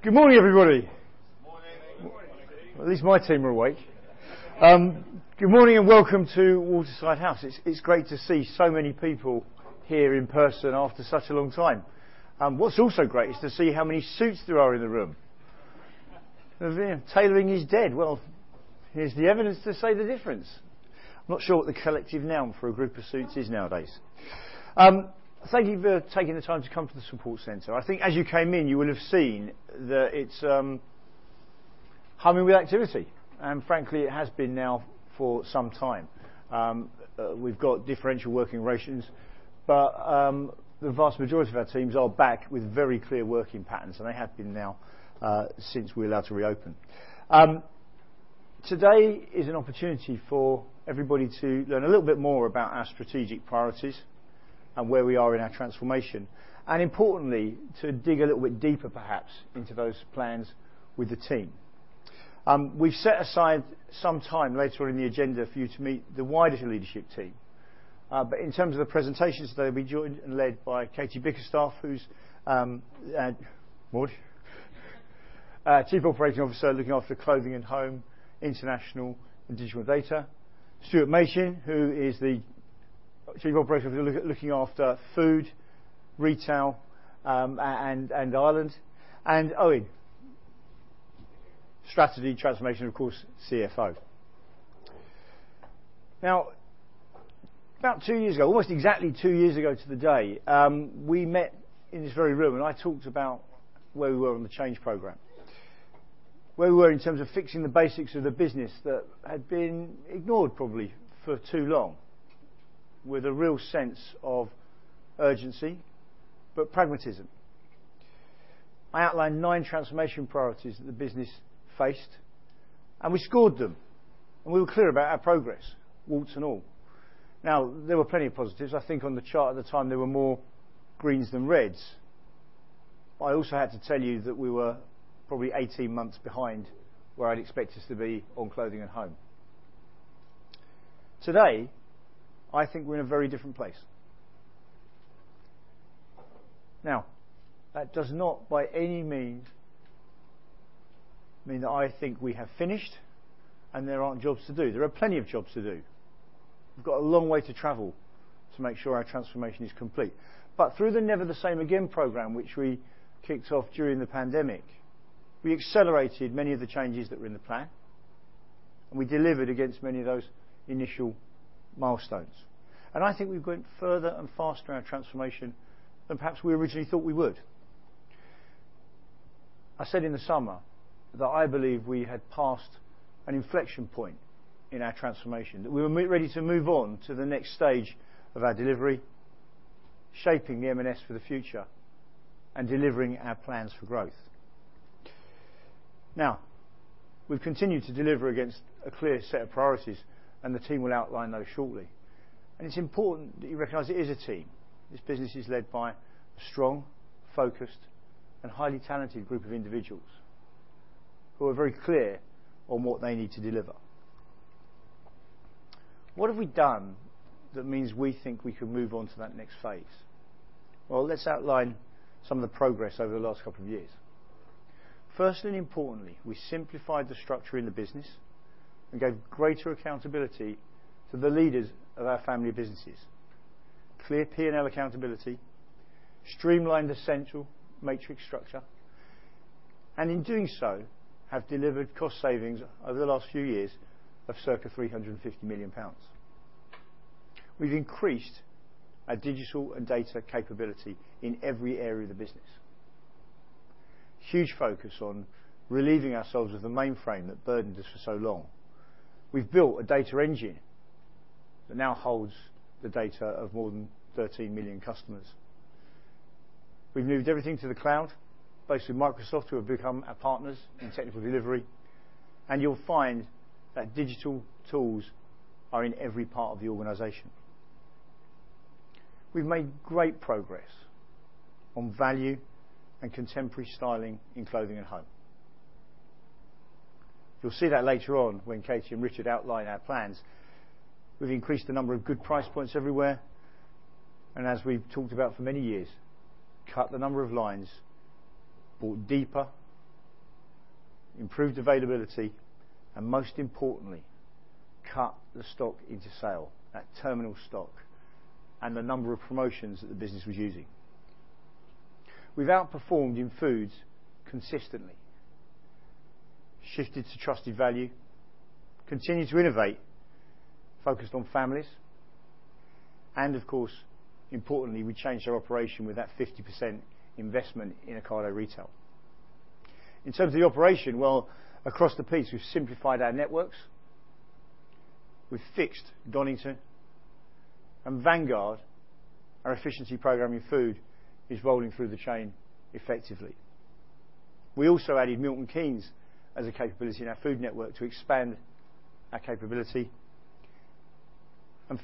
Good morning, everybody. At least my team are awake. Good morning and welcome to Waterside House. It's great to see so many people here in person after such a long time. What's also great is to see how many suits there are in the room. Tailoring is dead. Well, here's the evidence to say the difference. I'm not sure what the collective noun for a group of suits is nowadays. Thank you for taking the time to come to the support center. I think as you came in, you will have seen that it's humming with activity, and frankly, it has been now for some time. We've got differential working rotations, but the vast majority of our teams are back with very clear working patterns, and they have been now, since we're allowed to reopen. Today is an opportunity for everybody to learn a little bit more about our strategic priorities and where we are in our transformation, and importantly, to dig a little bit deeper, perhaps, into those plans with the team. We've set aside some time later in the agenda for you to meet the wider leadership team. In terms of the presentations, they'll be joined and led by Katie Bickerstaffe, who's Chief Operating Officer looking after Clothing & Home, International and Digital Data, Stuart Machin, who is the Chief Operating Officer looking after Food, Retail, and Ireland, and Eoin, Strategy and Transformation, and of course, CFO. Now, about two years ago, almost exactly two years ago to the day, we met in this very room, and I talked about where we were on the change program, where we were in terms of fixing the basics of the business that had been ignored probably for too long with a real sense of urgency, but pragmatism. I outlined nine transformation priorities that the business faced, and we scored them, and we were clear about our progress, warts and all. Now, there were plenty of positives. I think on the chart at the time, there were more greens than reds. I also had to tell you that we were probably 18 months behind where I'd expect us to be on Clothing & Home. Today, I think we're in a very different place. Now, that does not by any means mean that I think we have finished and there aren't jobs to do. There are plenty of jobs to do. We've got a long way to travel to make sure our transformation is complete. Through the Never The Same Again program, which we kicked off during the pandemic, we accelerated many of the changes that were in the plan, and we delivered against many of those initial milestones. I think we've gone further and faster in our transformation than perhaps we originally thought we would. I said in the summer that I believe we had passed an inflection point in our transformation, that we were ready to move on to the next stage of our delivery, shaping the M&S for the future, and delivering our plans for growth. Now, we have continued to deliver against a clear set of priorities, and the team will outline those shortly. It is important that you recognize it is a team. This business is led by a strong, focused, and highly talented group of individuals who are very clear on what they need to deliver. What have we done that means we think we can move on to that next phase? Well, let's outline some of the progress over the last couple of years. First and importantly, we simplified the structure in the business and gave greater accountability to the leaders of our family businesses. Clear P&L accountability, streamlined essential matrix structure, and in doing so, have delivered cost savings over the last few years of circa 350 million pounds. We have increased our digital and data capability in every area of the business. Huge focus on relieving ourselves of the mainframe that burdened us for so long. We've built a data engine that now holds the data of more than 13 million customers. We've moved everything to the cloud, based with Microsoft, who have become our partners in technical delivery, and you'll find that digital tools are in every part of the organization. We've made great progress on value and contemporary styling in Clothing & Home. You'll see that later on when Katie and Richard outline our plans. We've increased the number of good price points everywhere, and as we've talked about for many years, cut the number of lines, bought deeper, improved availability, and most importantly, cut the stock into sale, that terminal stock, and the number of promotions that the business was using. We've outperformed in Food consistently, shifted to trusted value, continued to innovate, focused on families, and of course, importantly, we changed our operation with that 50% investment in Ocado Retail. In terms of the operation, well, across the piece, we've simplified our networks, we've fixed Donington, and Vanguard, our efficiency program in Food, is rolling through the chain effectively. We also added Milton Keynes as a capability in our Food network to expand our capability.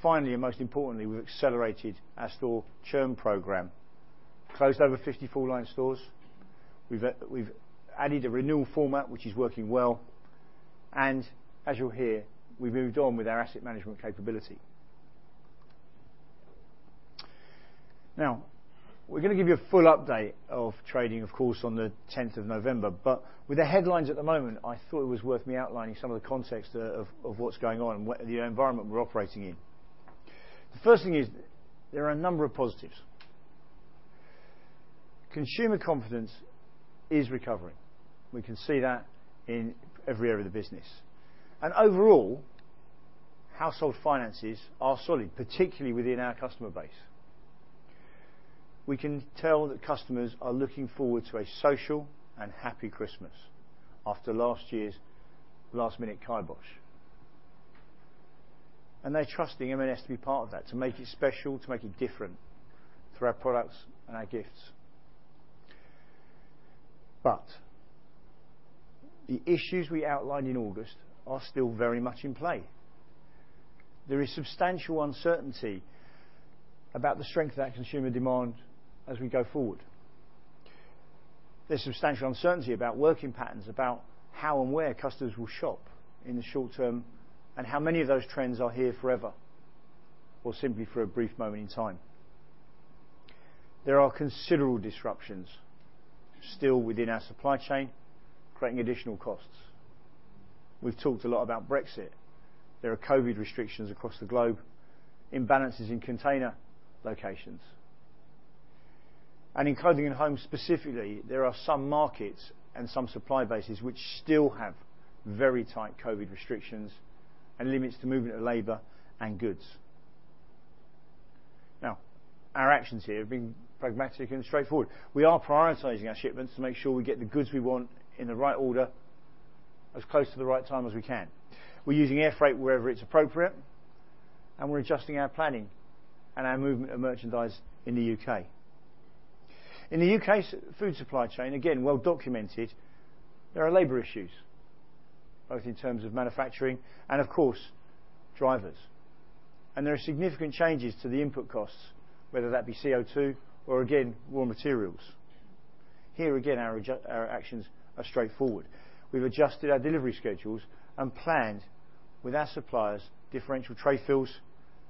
Finally, and most importantly, we've accelerated our store churn program. Closed over 50 full-line stores. We've added a renewal format, which is working well. As you'll hear, we've moved on with our asset management capability. Now, we're going to give you a full update of trading, of course, on the 10th of November. With the headlines at the moment, I thought it was worth me outlining some of the context of what's going on and the environment we're operating in. The first thing is there are a number of positives. Consumer confidence is recovering. We can see that in every area of the business. Overall, household finances are solid, particularly within our customer base. We can tell that customers are looking forward to a social and happy Christmas after last year's last-minute kibosh. They're trusting M&S to be part of that, to make it special, to make it different through our products and our gifts. The issues we outlined in August are still very much in play. There is substantial uncertainty about the strength of that consumer demand as we go forward. There's substantial uncertainty about working patterns, about how and where customers will shop in the short term, and how many of those trends are here forever, or simply for a brief moment in time. There are considerable disruptions still within our supply chain, creating additional costs. We've talked a lot about Brexit. There are COVID restrictions across the globe, imbalances in container locations. In Clothing & Home specifically, there are some markets and some supply bases which still have very tight COVID restrictions and limits to movement of labor and goods. Our actions here have been pragmatic and straightforward. We are prioritizing our shipments to make sure we get the goods we want in the right order as close to the right time as we can. We're using air freight wherever it's appropriate, and we're adjusting our planning and our movement of merchandise in the UK. In the UK food supply chain, again, well documented, there are labor issues, both in terms of manufacturing and, of course, drivers. There are significant changes to the input costs, whether that be CO2 or, again, raw materials. Here, again, our actions are straightforward. We've adjusted our delivery schedules and planned with our suppliers differential tray fills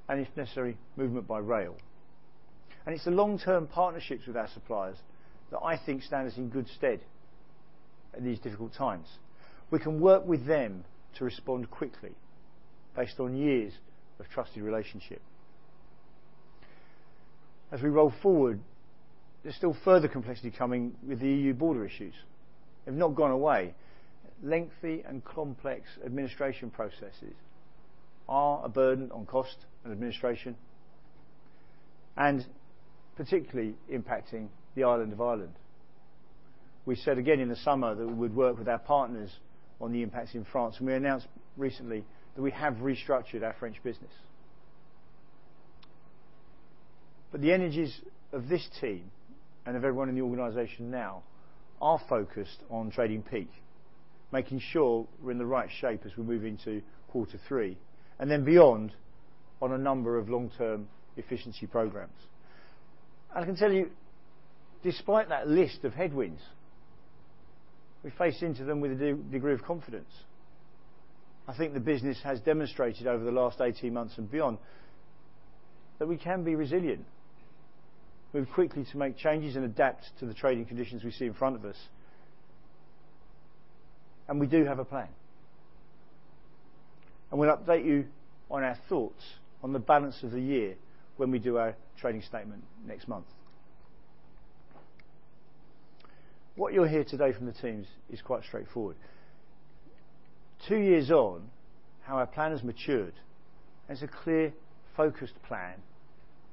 and, if necessary, movement by rail. It's the long-term partnerships with our suppliers that I think stand us in good stead in these difficult times. We can work with them to respond quickly based on years of trusted relationship. As we roll forward, there's still further complexity coming with the EU border issues. They've not gone away. Lengthy and complex administration processes are a burden on cost and administration, and particularly impacting the Island of Ireland. We said again in the summer that we would work with our partners on the impacts in France. We announced recently that we have restructured our French business. The energies of this team and of everyone in the organization now are focused on trading peak, making sure we're in the right shape as we move into quarter three, and then beyond on a number of long-term efficiency programs. I can tell you, despite that list of headwinds, we face into them with a degree of confidence. I think the business has demonstrated over the last 18 months and beyond that we can be resilient. We move quickly to make changes and adapt to the trading conditions we see in front of us, and we do have a plan. We'll update you on our thoughts on the balance of the year when we do our trading statement next month. What you'll hear today from the teams is quite straightforward. Two years on, how our plan has matured as a clear, focused plan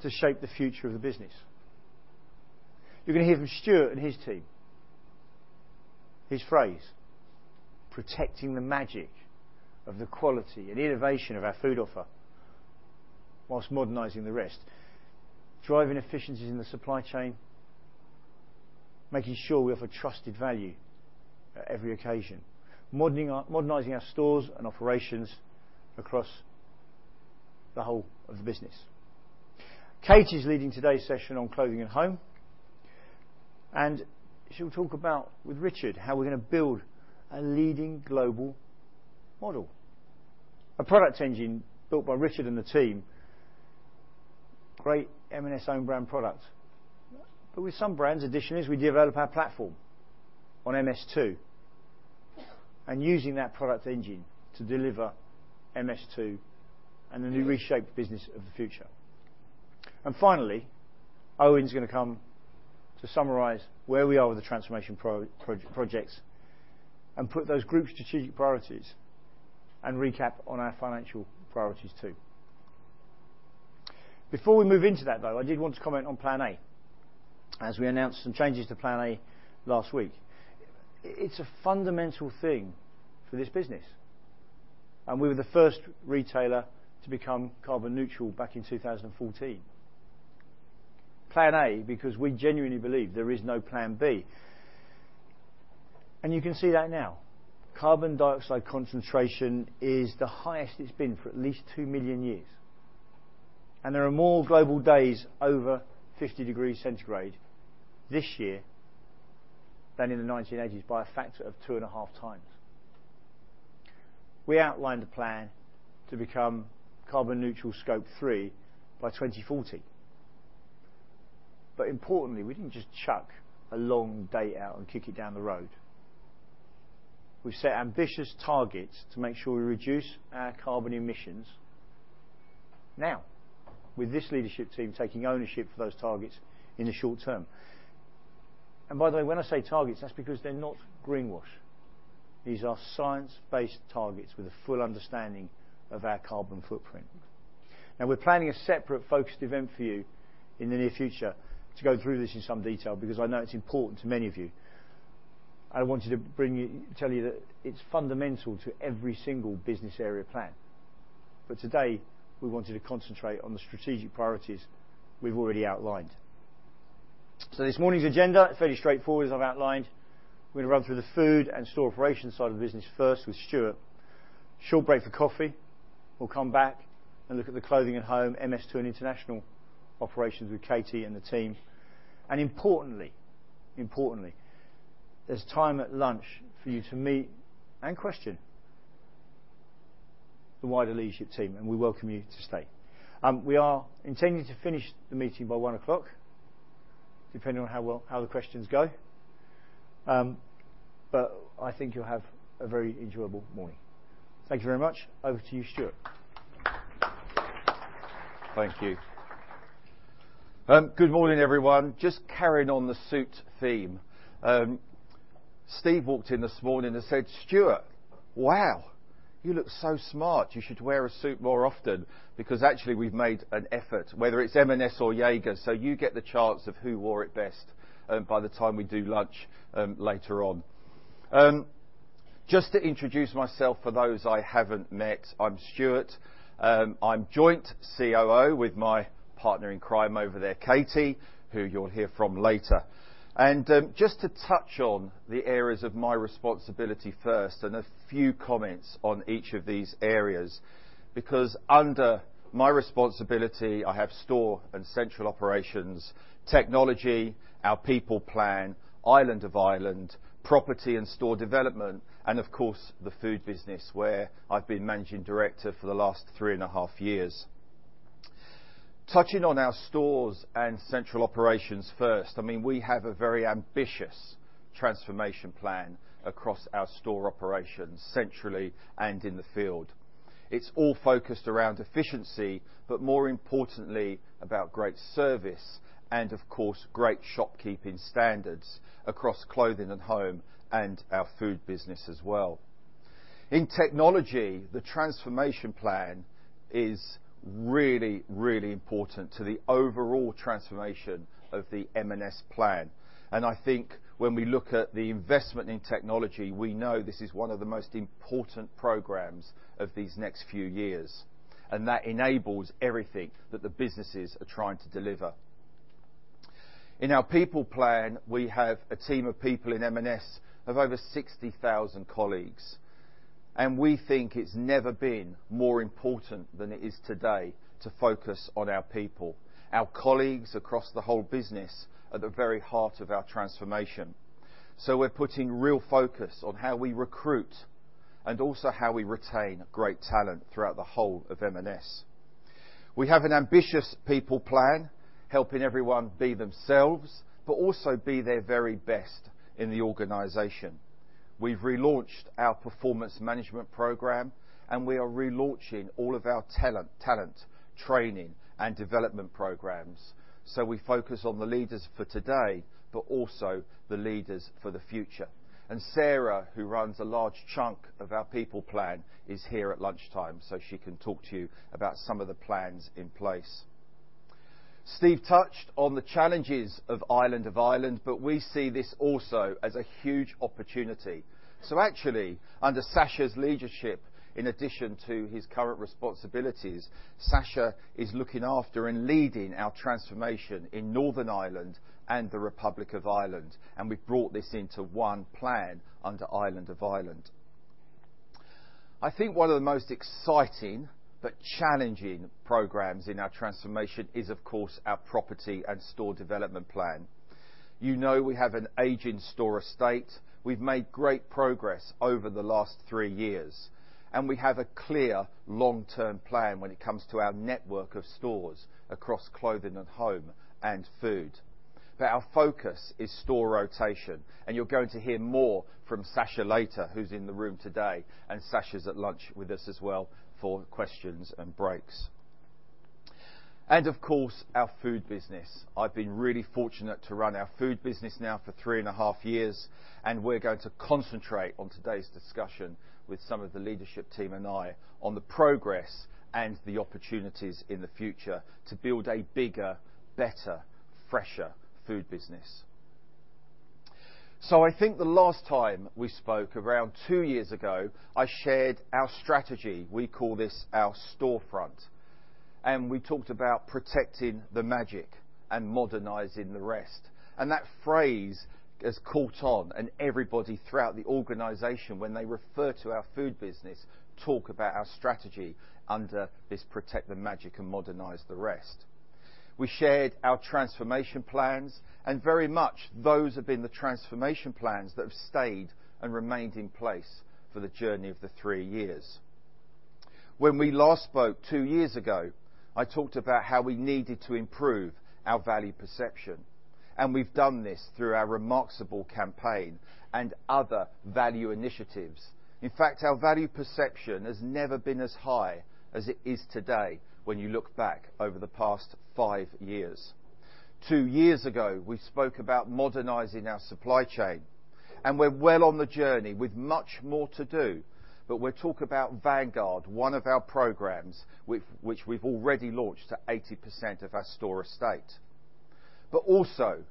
to shape the future of the business. You're going to hear from Stuart and his team. His phrase, protecting the magic of the quality and innovation of our Food offer while modernizing the rest, driving efficiencies in the supply chain, making sure we offer trusted value at every occasion, modernizing our stores and operations across the whole of the business. Katie is leading today's session on Clothing & Home, and she'll talk about with Richard how we're going to build a leading global model. A product engine built by Richard and the team, great M&S own brand products. With some brands, additionally, we develop our platform on MS2, and using that product engine to deliver MS2 and the new reshaped business of the future. Finally, Eoin's going to come to summarize where we are with the transformation projects and put those group strategic priorities and recap on our financial priorities, too. Before we move into that, though, I did want to comment on Plan A, as we announced some changes to Plan A last week. It's a fundamental thing for this business, and we were the first retailer to become carbon neutral back in 2014. Plan A because we genuinely believe there is no plan B, and you can see that now. Carbon dioxide concentration is the highest it is been for at least 2 million years. There are more global days over 50 degrees centigrade this year than in the 1980s by a factor of 2.5 times. We outlined a plan to become carbon neutral Scope 3 by 2040. Importantly, we did not just chuck a long date out and kick it down the road. We have set ambitious targets to make sure we reduce our carbon emissions now, with this leadership team taking ownership for those targets in the short term. By the way, when I say targets, that is because they are not greenwash. These are science-based targets with a full understanding of our carbon footprint. Now, we are planning a separate focused event for you in the near future to go through this in some detail, because I know it is important to many of you. I wanted to tell you that it's fundamental to every single business area plan. Today, we wanted to concentrate on the strategic priorities we've already outlined. This morning's agenda, fairly straightforward, as I've outlined. We're going to run through the Food and store operation side of the business first with Stuart. Short break for coffee. We'll come back and look at the Clothing & Home, MS2 and International operations with Katie and the team. Importantly, there's time at lunch for you to meet and question the wider leadership team, and we welcome you to stay. We are intending to finish the meeting by 1 o'clock, depending on how the questions go. I think you'll have a very enjoyable morning. Thank you very much. Over to you, Stuart. Thank you. Good morning, everyone. Just carrying on the suit theme. Steve walked in this morning and said, "Stuart, wow, you look so smart. You should wear a suit more often." Actually we've made an effort, whether it's M&S or Jaeger, so you get the chance of who wore it best by the time we do lunch later on. Just to introduce myself for those I haven't met, I'm Stuart. I'm joint COO with my partner in crime over there, Katie, who you'll hear from later. Just to touch on the areas of my responsibility first and a few comments on each of these areas, because under my responsibility, I have Store and Central Operations, Technology, our People Plan, Island of Ireland, Property and Store Development, and of course, the Food business, where I've been managing director for the last three and a half years. Touching on our Stores and Central Operations first, we have a very ambitious transformation plan across our store operations centrally and in the field. It's all focused around efficiency, more importantly about great service and of course, great shopkeeping standards across Clothing & Home and our Food business as well. In Technology, the transformation plan is really important to the overall transformation of the M&S plan. I think when we look at the investment in technology, we know this is one of the most important programs of these next few years, and that enables everything that the businesses are trying to deliver. In our People Plan, we have a team of people in M&S of over 60,000 colleagues, and we think it's never been more important than it is today to focus on our people, our colleagues across the whole business at the very heart of our transformation. We're putting real focus on how we recruit and also how we retain great talent throughout the whole of M&S. We have an ambitious People Plan, helping everyone be themselves, but also be their very best in the organization. We've relaunched our performance management program, and we are relaunching all of our talent, training, and development programs. We focus on the leaders for today, but also the leaders for the future. Sarah, who runs a large chunk of our People Plan, is here at lunchtime, so she can talk to you about some of the plans in place. Steve touched on the challenges Island of Ireland, but we see this also as a huge opportunity. Under Sacha's leadership, in addition to his current responsibilities, Sacha is looking after and leading our transformation in Northern Ireland and the Republic of Ireland, we've brought this into one plan under Island of Ireland. I think one of the most exciting but challenging programs in our transformation is, of course, our Property and Store Development Plan. We have an age in store estate. We've made great progress over the last three years, we have a clear long-term plan when it comes to our network of stores across Clothing & Home and Food. Our focus is store rotation, you're going to hear more from Sacha later, who's in the room today, Sacha's at lunch with us as well for questions and breaks. Of course, our Food business. I've been really fortunate to run our Food business now for three and a half years, and we're going to concentrate on today's discussion with some of the leadership team and I on the progress and the opportunities in the future to build a bigger, better, fresher Food business. I think the last time we spoke around two years ago, I shared our strategy. We call this our storefront. We talked about Protecting the Magic and Modernizing the Rest. That phrase has caught on, and everybody throughout the organization, when they refer to our Food business, talk about our strategy under this Protect the Magic and Modernize the Rest. We shared our transformation plans, and very much those have been the transformation plans that have stayed and remained in place for the journey of the three years. When we last spoke two years ago, I talked about how we needed to improve our value perception, and we've done this through our Remarksable campaign and other value initiatives. In fact, our value perception has never been as high as it is today when you look back over the past five years. Two years ago, we spoke about modernizing our supply chain, and we're well on the journey with much more to do. We'll talk about Vanguard, one of our programs, which we've already launched to 80% of our store estate. Also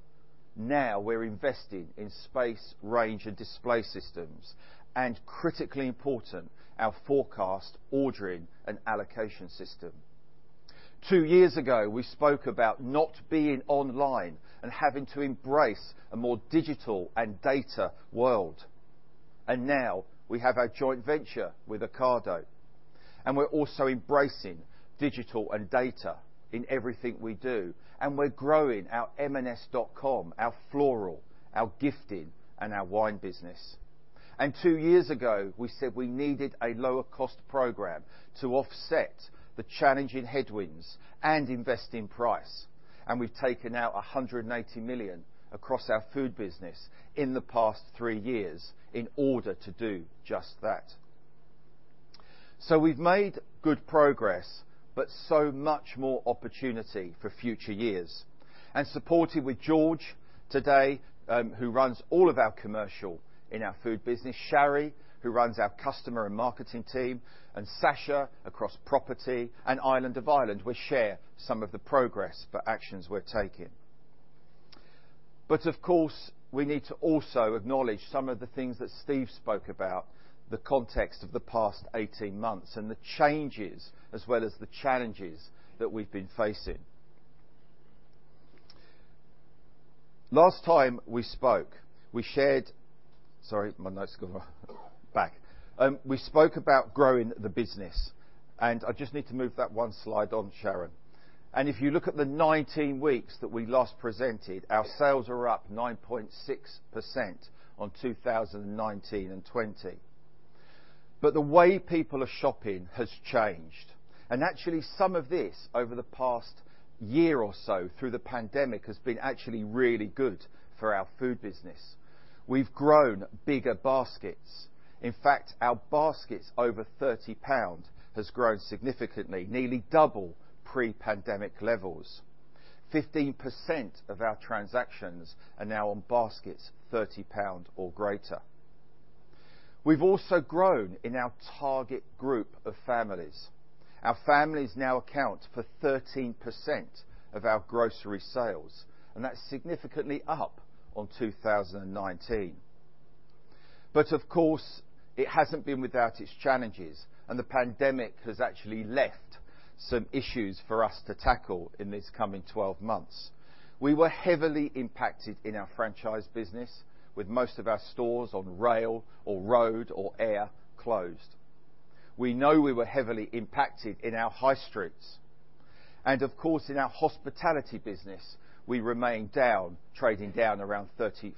now we're investing in Space, Range, and Display systems, and critically important, our forecast, ordering, and allocation system. Two years ago, we spoke about not being online and having to embrace a more digital and data world, and now we have our joint venture with Ocado. We're also embracing digital and data in everything we do, we're growing our M&S.com, our Floral, our Gifting, and our Wine business. Two years ago, we said we needed a lower cost program to offset the challenging headwinds and invest in price, we've taken out 180 million across our Food business in the past three years in order to do just that. We've made good progress, but so much more opportunity for future years. Supported with George today, who runs all of our commercial in our Food business, Sharry, who runs our customer and marketing team, Sacha across property and Island of Ireland, we'll share some of the progress for actions we're taking. Of course, we need to also acknowledge some of the things that Steve spoke about, the context of the past 18 months and the changes as well as the challenges that we've been facing. Last time we spoke, sorry, my notes have gone back. We spoke about growing the business, and I just need to move that one slide on, Sharon. If you look at the 19 weeks that we last presented, our sales are up 9.6% on 2019 and 2020. The way people are shopping has changed. Actually, some of this over the past year or so through the pandemic has been actually really good for our Food business. We've grown bigger baskets. In fact, our baskets over 30 pounds has grown significantly, nearly double pre-pandemic levels. 15% of our transactions are now on baskets 30 pound or greater. We've also grown in our target group of families. Our families now account for 13% of our grocery sales. That's significantly up on 2019. Of course, it hasn't been without its challenges. The pandemic has actually left some issues for us to tackle in this coming 12 months. We were heavily impacted in our franchise business with most of our stores on rail or road or air closed. We know we were heavily impacted in our high streets. Of course, in our Hospitality business, we remain down, trading down around 35%.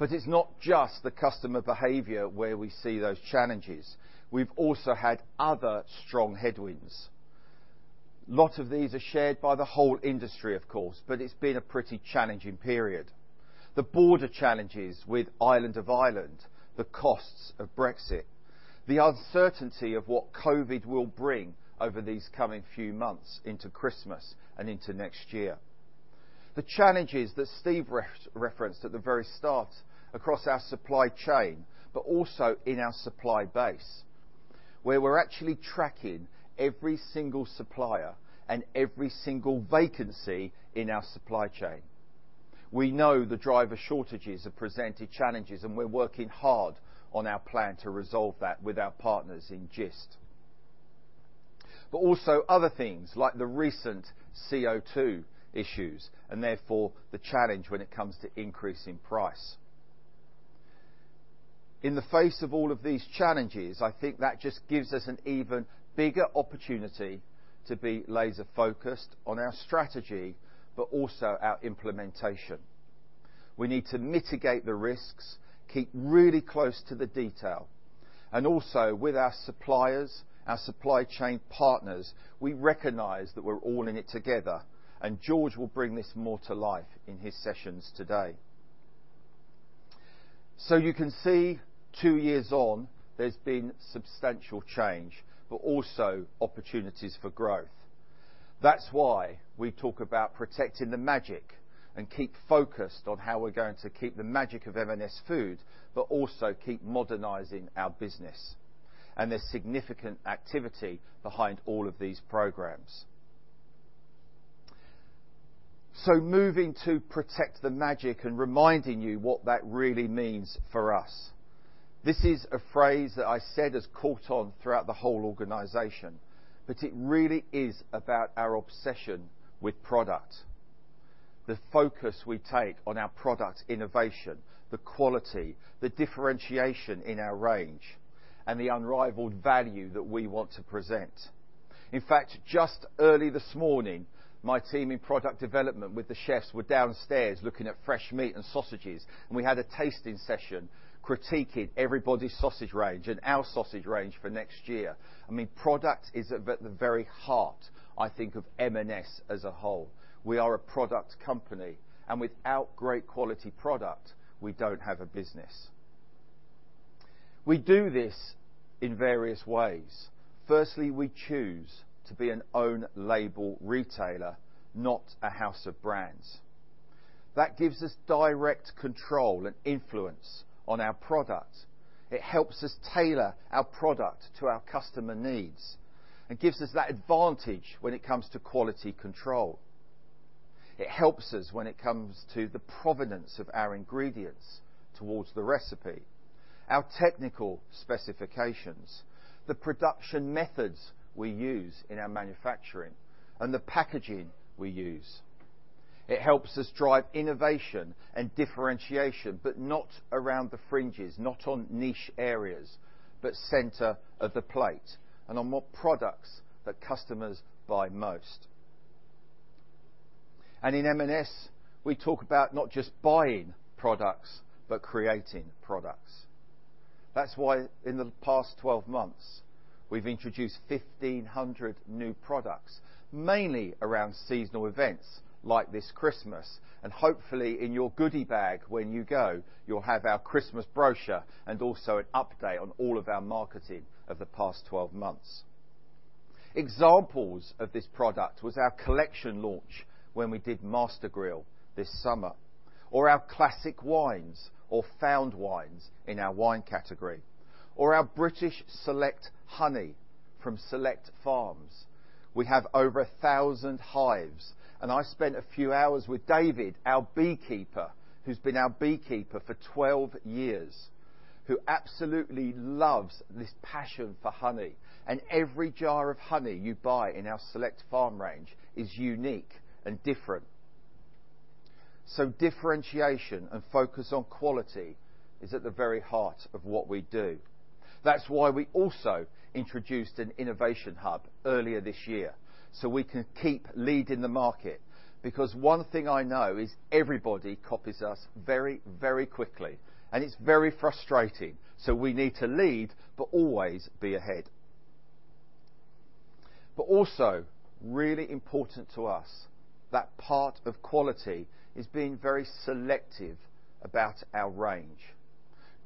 It's not just the customer behavior where we see those challenges. We've also had other strong headwinds. A lot of these are shared by the whole industry, of course. It's been a pretty challenging period. The border challenges with Island of Ireland, the costs of Brexit, the uncertainty of what COVID will bring over these coming few months into Christmas and into next year. The challenges that Steve referenced at the very start across our supply chain, but also in our supply base, where we're actually tracking every single supplier and every single vacancy in our supply chain. We know the driver shortages have presented challenges, and we're working hard on our plan to resolve that with our partners in Gist. Also other things like the recent CO2 issues, and therefore the challenge when it comes to increasing price. In the face of all of these challenges, I think that just gives us an even bigger opportunity to be laser focused on our strategy, but also our implementation. We need to mitigate the risks, keep really close to the detail, and also with our suppliers, our supply chain partners, we recognize that we're all in it together, and George will bring this more to life in his sessions today. You can see two years on, there's been substantial change, but also opportunities for growth. That's why we talk about protecting the magic and keep focused on how we're going to keep the magic of M&S Food, but also keep modernizing our business. There's significant activity behind all of these programs. Moving to Protect the Magic and reminding you what that really means for us. This is a phrase that I said has caught on throughout the whole organization, but it really is about our obsession with product, the focus we take on our product innovation, the quality, the differentiation in our range, and the unrivaled value that we want to present. In fact, just early this morning, my team in product development with the chefs were downstairs looking at fresh meat and sausages, and we had a tasting session critiquing everybody's sausage range and our sausage range for next year. Product is at the very heart, I think, of M&S as a whole. We are a product company, and without great quality product, we don't have a business. We do this in various ways. Firstly, we choose to be an own label retailer, not a house of brands. That gives us direct control and influence on our product. It helps us tailor our product to our customer needs and gives us that advantage when it comes to quality control. It helps us when it comes to the provenance of our ingredients towards the recipe, our technical specifications, the production methods we use in our manufacturing, and the packaging we use. It helps us drive innovation and differentiation, but not around the fringes, not on niche areas, but center of the plate and on what products that customers buy most. In M&S, we talk about not just buying products, but creating products. That's why in the past 12 months, we've introduced 1,500 new products, mainly around seasonal events like this Christmas, and hopefully in your goodie bag when you go, you'll have our Christmas brochure and also an update on all of our marketing of the past 12 months. Examples of this product was our collection launch when we did Master Grill this summer, or our Classics wines or Found wines in our Wine category, or our British Select Honey from Select Farms. We have over 1,000 hives, and I spent a few hours with David, our beekeeper, who's been our beekeeper for 12 years, who absolutely loves this passion for honey. Every jar of honey you buy in our Select Farm range is unique and different. Differentiation and focus on quality is at the very heart of what we do. That's why we also introduced an innovation hub earlier this year, so we can keep leading the market, because one thing I know is everybody copies us very quickly and it's very frustrating. We need to lead, but always be ahead. Also really important to us, that part of quality is being very selective about our range,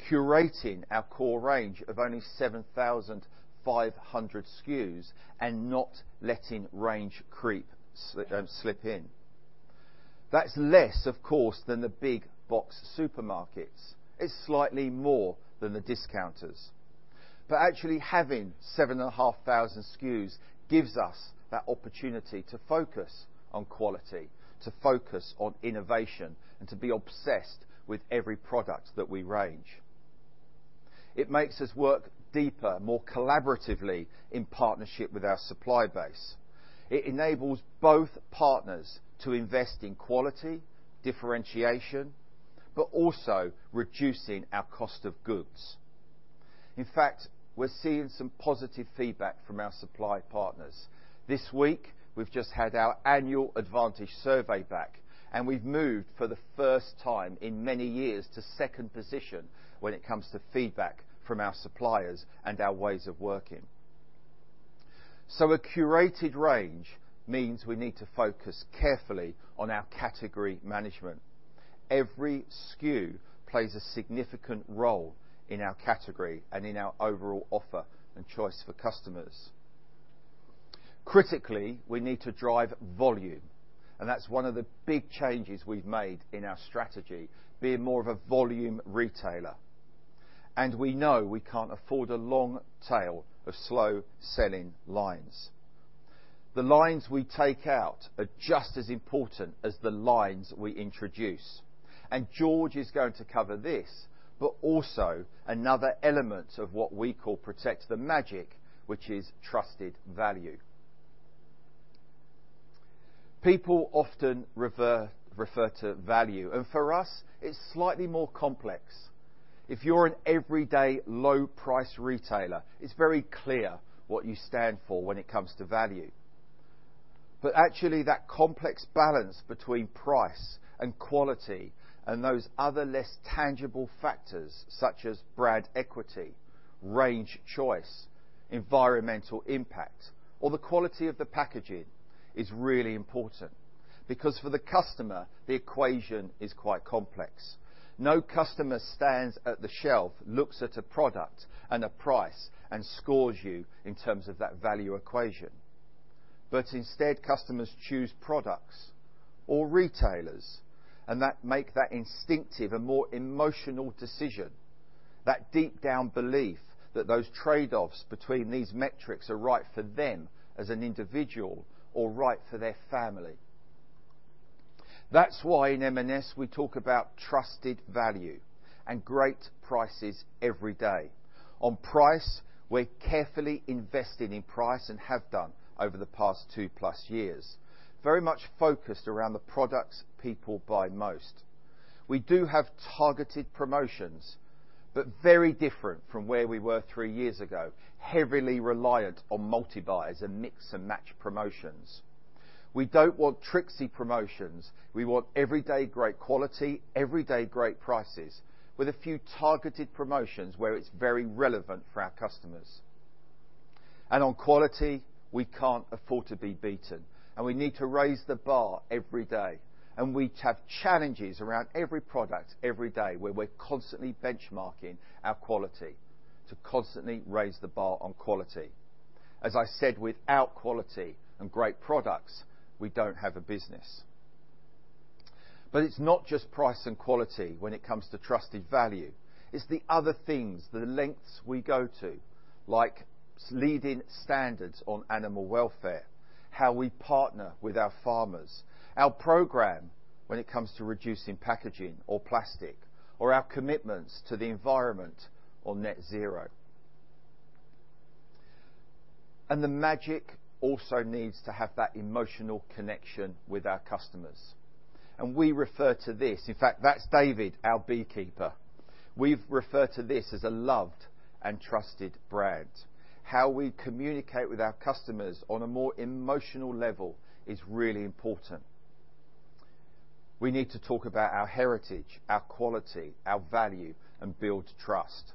curating our core range of only 7,500 SKUs and not letting range slip in. That's less, of course, than the big box supermarkets. It's slightly more than the discounters. Actually having 7,500 SKUs gives us that opportunity to focus on quality, to focus on innovation, and to be obsessed with every product that we range. It makes us work deeper, more collaboratively in partnership with our supply base. It enables both partners to invest in quality, differentiation, but also reducing our cost of goods. In fact, we're seeing some positive feedback from our supply partners. This week, we've just had our annual Advantage survey back, and we've moved for the first time in many years to second position when it comes to feedback from our suppliers and our ways of working. A curated range means we need to focus carefully on our category management. Every SKU plays a significant role in our category and in our overall offer and choice for customers. Critically, we need to drive volume, and that's one of the big changes we've made in our strategy, being more of a volume retailer. We know we can't afford a long tail of slow selling lines. The lines we take out are just as important as the lines we introduce, and George is going to cover this, but also another element of what we call Protect the Magic, which is trusted value. People often refer to value, and for us, it's slightly more complex. If you're an everyday low price retailer, it's very clear what you stand for when it comes to value. Actually that complex balance between price and quality and those other less tangible factors such as brand equity, range choice, environmental impact, or the quality of the packaging is really important because for the customer, the equation is quite complex. No customer stands at the shelf, looks at a product and a price, and scores you in terms of that value equation. Instead, customers choose products or retailers and make that instinctive and more emotional decision. That deep down belief that those trade-offs between these metrics are right for them as an individual or right for their family. That's why in M&S we talk about trusted value and great prices every day. On price, we're carefully investing in price and have done over the past 2+ years, very much focused around the products people buy most. We do have targeted promotions, very different from where we were three years ago, heavily reliant on multi-buys and mix-and-match promotions. We don't want tricksy promotions. We want everyday great quality, everyday great prices, with a few targeted promotions where it's very relevant for our customers. On quality, we can't afford to be beaten, and we need to raise the bar every day, and we have challenges around every product, every day, where we're constantly benchmarking our quality to constantly raise the bar on quality. As I said, without quality and great products, we don't have a business. It's not just price and quality when it comes to trusted value. It's the other things, the lengths we go to, like leading standards on animal welfare, how we partner with our farmers, our program when it comes to reducing packaging or plastic, or our commitments to the environment or net zero. The magic also needs to have that emotional connection with our customers. In fact, that's David, our beekeeper. We refer to this as a loved and trusted brand. How we communicate with our customers on a more emotional level is really important. We need to talk about our heritage, our quality, our value, and build trust.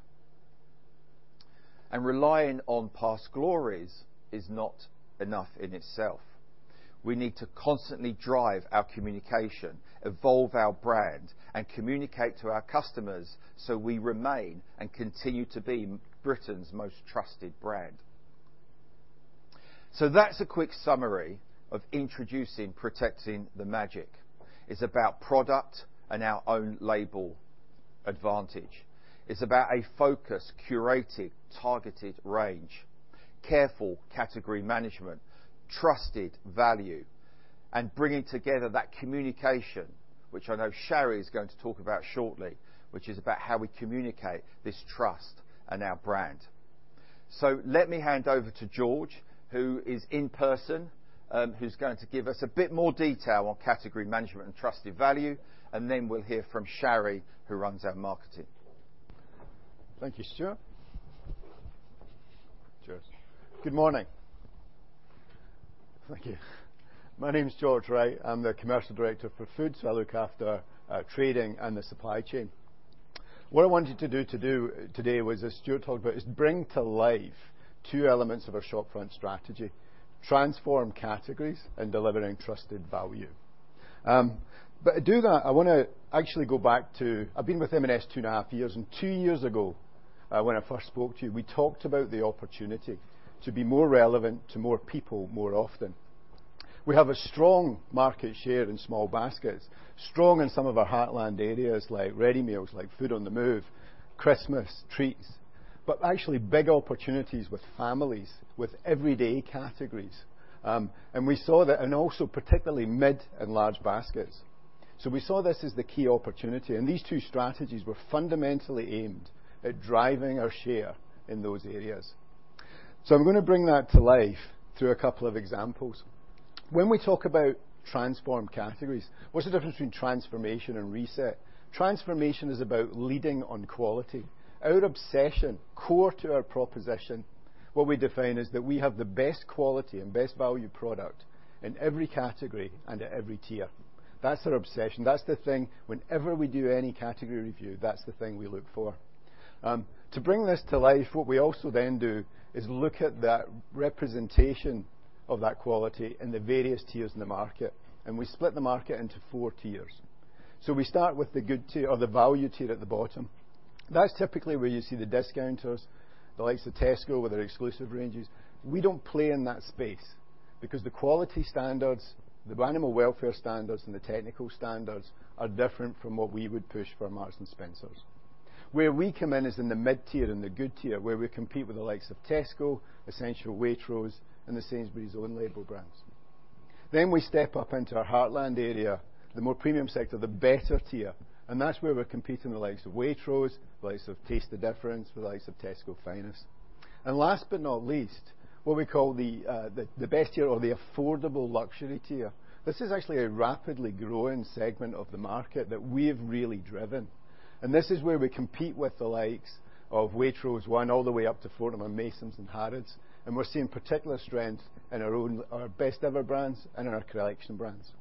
Relying on past glories is not enough in itself. We need to constantly drive our communication, evolve our brand, and communicate to our customers so we remain and continue to be Britain's most trusted brand. That's a quick summary of introducing Protecting the Magic. It's about product and our own label advantage. It's about a focused, curated, targeted range, careful category management, trusted value, and bringing together that communication, which I know Sharry is going to talk about shortly, which is about how we communicate this trust and our brand. Let me hand over to George, who is in person, who's going to give us a bit more detail on category management and trusted value, and then we'll hear from Sharry, who runs our marketing. Thank you, Stuart. Cheers. Good morning. Thank you. My name is George Wright. I am the commercial director for food, so I look after trading and the supply chain. What I wanted to do today was, as Stuart talked about, is bring to life two elements of our shop front strategy, transform categories and delivering trusted value. To do that, I've been with M&S two and a half years, and two years ago, when I first spoke to you, we talked about the opportunity to be more relevant to more people, more often. We have a strong market share in small baskets, strong in some of our heartland areas like ready meals, like food on the move, Christmas, treats, but actually big opportunities with families, with everyday categories. We saw that in also particularly mid and large baskets. We saw this as the key opportunity, and these two strategies were fundamentally aimed at driving our share in those areas. I'm going to bring that to life through a couple of examples. When we talk about transform categories, what's the difference between transformation and reset? Transformation is about leading on quality. Our obsession, core to our proposition, what we define as that we have the best quality and best value product in every category and at every tier. That's our obsession. That's the thing whenever we do any category review, that's the thing we look for. To bring this to life, what we also then do is look at that representation of that quality in the various tiers in the market, and we split the market into four tiers. We start with the good tier or the value tier at the bottom. That's typically where you see the discounters, the likes of Tesco with their exclusive ranges. We don't play in that space because the quality standards, the animal welfare standards, and the technical standards are different from what we would push for Marks & Spencer. Where we come in is in the mid tier and the good tier, where we compete with the likes of Tesco, Essential Waitrose, and the Sainsbury's own label brands. Then we step up into our heartland area, the more premium sector, the better tier, and that's where we're competing the likes of Waitrose, the likes of Taste the Difference, with the likes of Tesco Finest. Last but not least, what we call the best tier or the affordable luxury tier. This is actually a rapidly growing segment of the market that we have really driven. This is where we compete with the likes of Waitrose No.1 all the way up to Fortnum & Mason and Harrods, and we are seeing particular strength in our best ever brands and in our collection brands.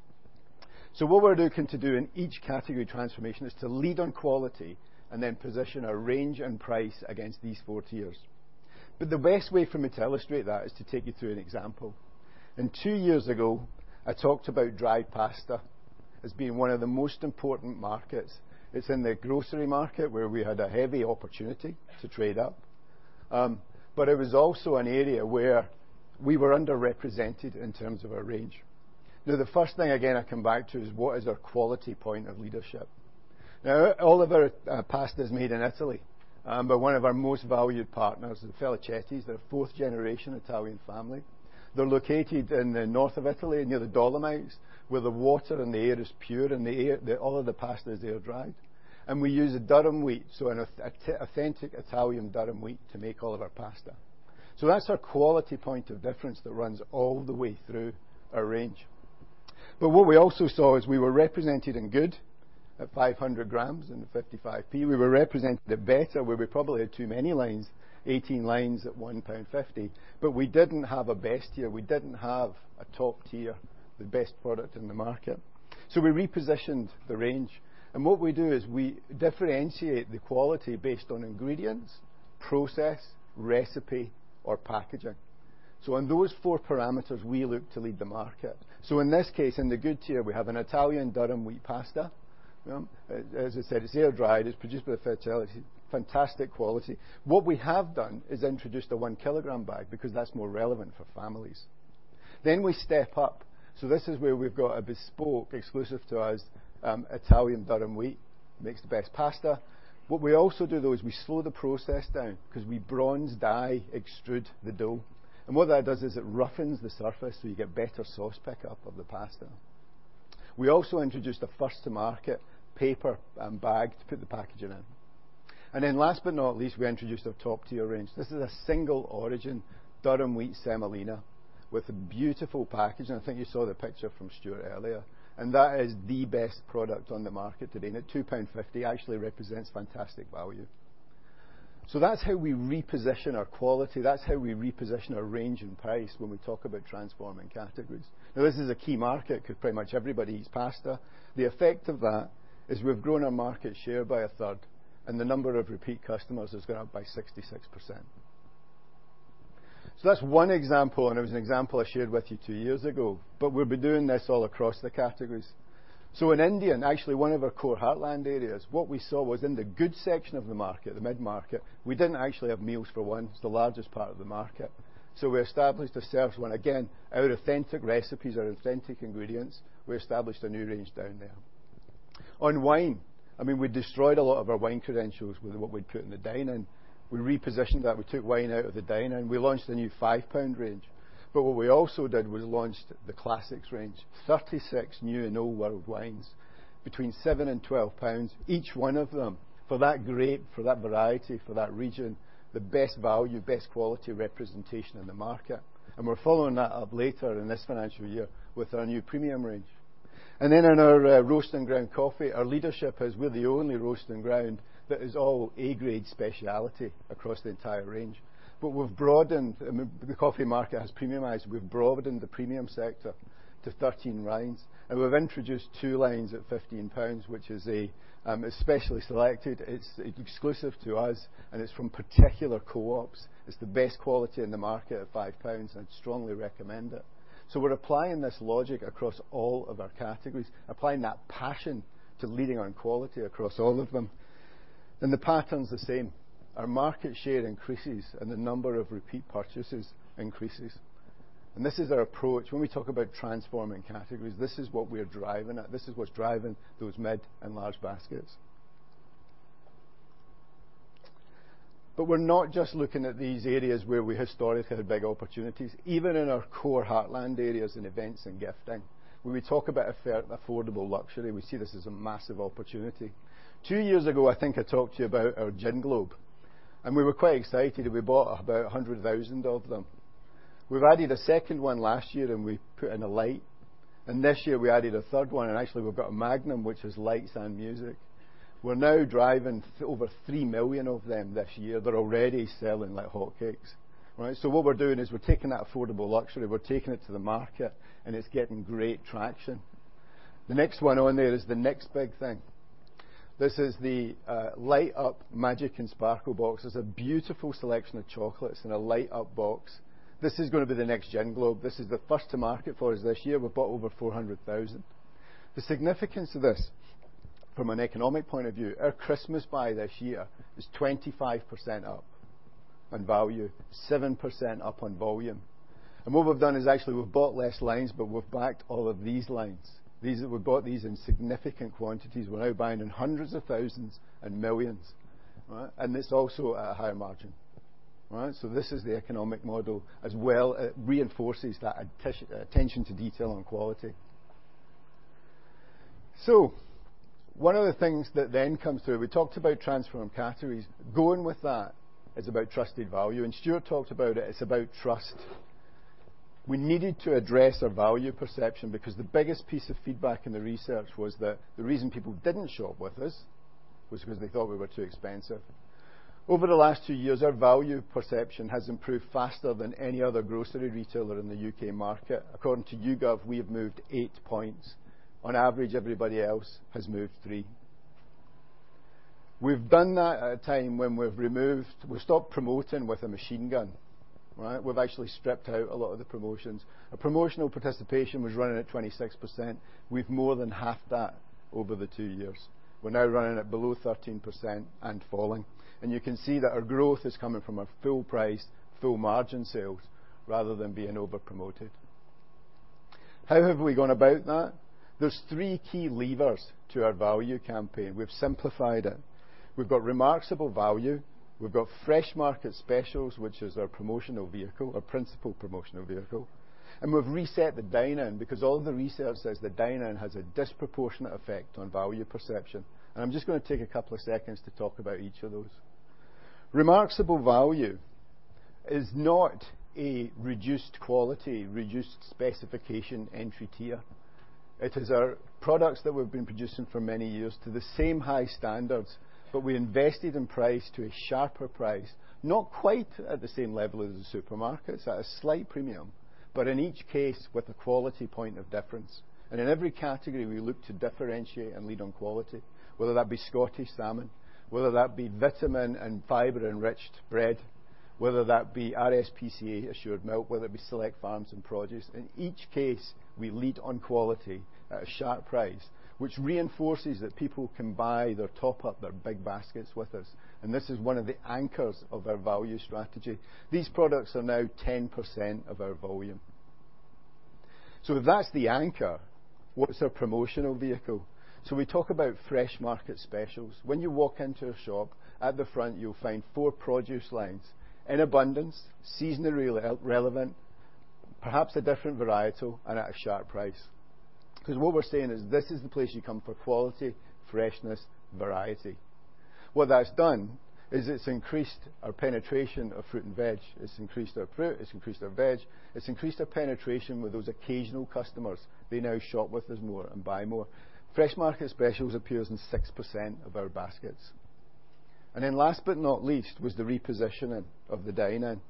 What we are looking to do in each category transformation is to lead on quality and then position our range and price against these four tiers. The best way for me to illustrate that is to take you through an example. Two years ago, I talked about dried pasta as being one of the most important markets. It is in the grocery market where we had a heavy opportunity to trade up. It was also an area where we were underrepresented in terms of our range. Now, the first thing, again, I come back to is what is our quality point of leadership? All of our pasta is made in Italy by one of our most valued partners, the Felicetti, they're a fourth generation Italian family. They're located in the north of Italy, near the Dolomites, where the water and the air is pure, all of the pasta is air-dried. We use a durum wheat, an authentic Italian durum wheat to make all of our pasta. That's our quality point of difference that runs all the way through our range. What we also saw is we were represented in good at 500 g and at 0.55, we were represented at better, where we probably had too many lines, 18 lines at 1.50 pound, but we didn't have a best tier. We didn't have a top tier, the best product in the market. We repositioned the range, and what we do is we differentiate the quality based on ingredients, process, recipe, or packaging. On those four parameters, we look to lead the market. In this case, in the good tier, we have an Italian durum wheat pasta. As I said, it's air-dried, it's produced by the Felicetti, fantastic quality. What we have done is introduced a 1 kg bag because that's more relevant for families. We step up. This is where we've got a bespoke exclusive to us, Italian durum wheat, makes the best pasta. What we also do, though, is we slow the process down because we bronze-die extrude the dough. What that does is it roughens the surface, so you get better sauce pickup of the pasta. We also introduced a first to market paper and bag to put the packaging in. Last but not least, we introduced our top tier range. This is a single origin durum wheat semolina with a beautiful package. I think you saw the picture from Stuart earlier. That is the best product on the market today and at 2.50 pound, actually represents fantastic value. That's how we reposition our quality. That's how we reposition our range and price when we talk about transforming categories. This is a key market because pretty much everybody eats pasta. The effect of that is we've grown our market share by 1/3 and the number of repeat customers has gone up by 66%. That's one example, and it was an example I shared with you two years ago, but we've been doing this all across the categories. In India, and actually one of our core heartland areas, what we saw was in the good section of the market, the mid-market, we didn't actually have meals for one. It's the largest part of the market. We established a serves-one. Again, our authentic recipes, our authentic ingredients, we established a new range down there. On Wine, we destroyed a lot of our wine credentials with what we'd put in the Dine In. We repositioned that. We took wine out of the Dine In. We launched a new £5 range. What we also did was launched the Classics range, 36 new and old world wines between £7 and £12. Each one of them for that grape, for that variety, for that region, the best value, best quality representation in the market. We're following that up later in this financial year with our new premium range. In our roast and ground coffee, our leadership is we're the only roast and ground that is all A-grade specialty across the entire range. We've broadened, the coffee market has premiumized. We've broadened the premium sector to 13 lines, and we've introduced two lines at 15 pounds, which is a specially selected, it's exclusive to us, and it's from particular co-ops. It's the best quality in the market at 5 pounds, and I'd strongly recommend it. We're applying this logic across all of our categories, applying that passion to leading on quality across all of them. The pattern's the same. Our market share increases and the number of repeat purchases increases. This is our approach. When we talk about transforming categories, this is what we're driving at. This is what's driving those mid and large baskets. We're not just looking at these areas where we historically had big opportunities. Even in our core heartland areas in events and gifting, when we talk about affordable luxury, we see this as a massive opportunity. Two years ago, I think I talked to you about our gin globe, and we were quite excited, and we bought about 100,000 of them. We've added a second one last year, and we put in a light. This year, we added a third one, and actually, we've got a magnum, which is lights and music. We're now driving over 3 million of them this year. They're already selling like hotcakes. All right? What we're doing is we're taking that affordable luxury, we're taking it to the market, and it's getting great traction. The next one on there is the next big thing. This is the Light Up Magic & Sparkle box. It's a beautiful selection of chocolates in a light up box. This is going to be the next-gen globe. This is the first to market for us this year. We've bought over 400,000. The significance of this from an economic point of view, our Christmas buy this year is 25% up on value, 7% up on volume. What we've done is actually we've bought less lines, but we've backed all of these lines. We bought these in significant quantities. We're now buying in hundreds of thousands and millions. It's also at a higher margin. Right? This is the economic model as well. It reinforces that attention to detail and quality. One of the things that then comes through, we talked about transforming categories. Going with that is about trusted value, and Stuart talked about it. It's about trust. We needed to address our value perception because the biggest piece of feedback in the research was that the reason people didn't shop with us was because they thought we were too expensive. Over the last two years, our value perception has improved faster than any other grocery retailer in the UK market. According to YouGov, we have moved eight points. On average, everybody else has moved three. We stopped promoting with a machine gun. Right? We've actually stripped out a lot of the promotions. Our promotional participation was running at 26%. We've more than halved that over the two years. We're now running at below 13% and falling, and you can see that our growth is coming from our full price, full margin sales, rather than being over-promoted. How have we gone about that? There's three key levers to our value campaign. We've simplified it. We've got Remarksable Value, we've got Fresh Market Specials, which is our promotional vehicle, our principal promotional vehicle, and we've reset the Dine In because all the research says that Dine In has a disproportionate effect on value perception. I'm just going to take a couple of seconds to talk about each of those. Remarksable Value is not a reduced quality, reduced specification entry tier. It is our products that we've been producing for many years to the same high standards, but we invested in price to a sharper price, not quite at the same level as the supermarkets, at a slight premium, but in each case, with a quality point of difference. In every category, we look to differentiate and lead on quality, whether that be Scottish salmon, whether that be vitamin and fiber-enriched bread, whether that be RSPCA Assured milk, whether it be Select Farms and produce. In each case, we lead on quality at a sharp price, which reinforces that people can buy their top-up, their big baskets with us, and this is one of the anchors of our value strategy. These products are now 10% of our volume. If that's the anchor, what's our promotional vehicle? We talk about Fresh Market Specials. When you walk into a shop, at the front, you'll find four produce lines, in abundance, seasonally relevant, perhaps a different varietal, and at a sharp price. What we're saying is this is the place you come for quality, freshness, variety. What that's done is it's increased our penetration of fruit and veg. It's increased our fruit, it's increased our veg. It's increased our penetration with those occasional customers. They now shop with us more and buy more. Fresh Market Specials appears in 6% of our baskets. Last but not least, was the repositioning of the Dine In.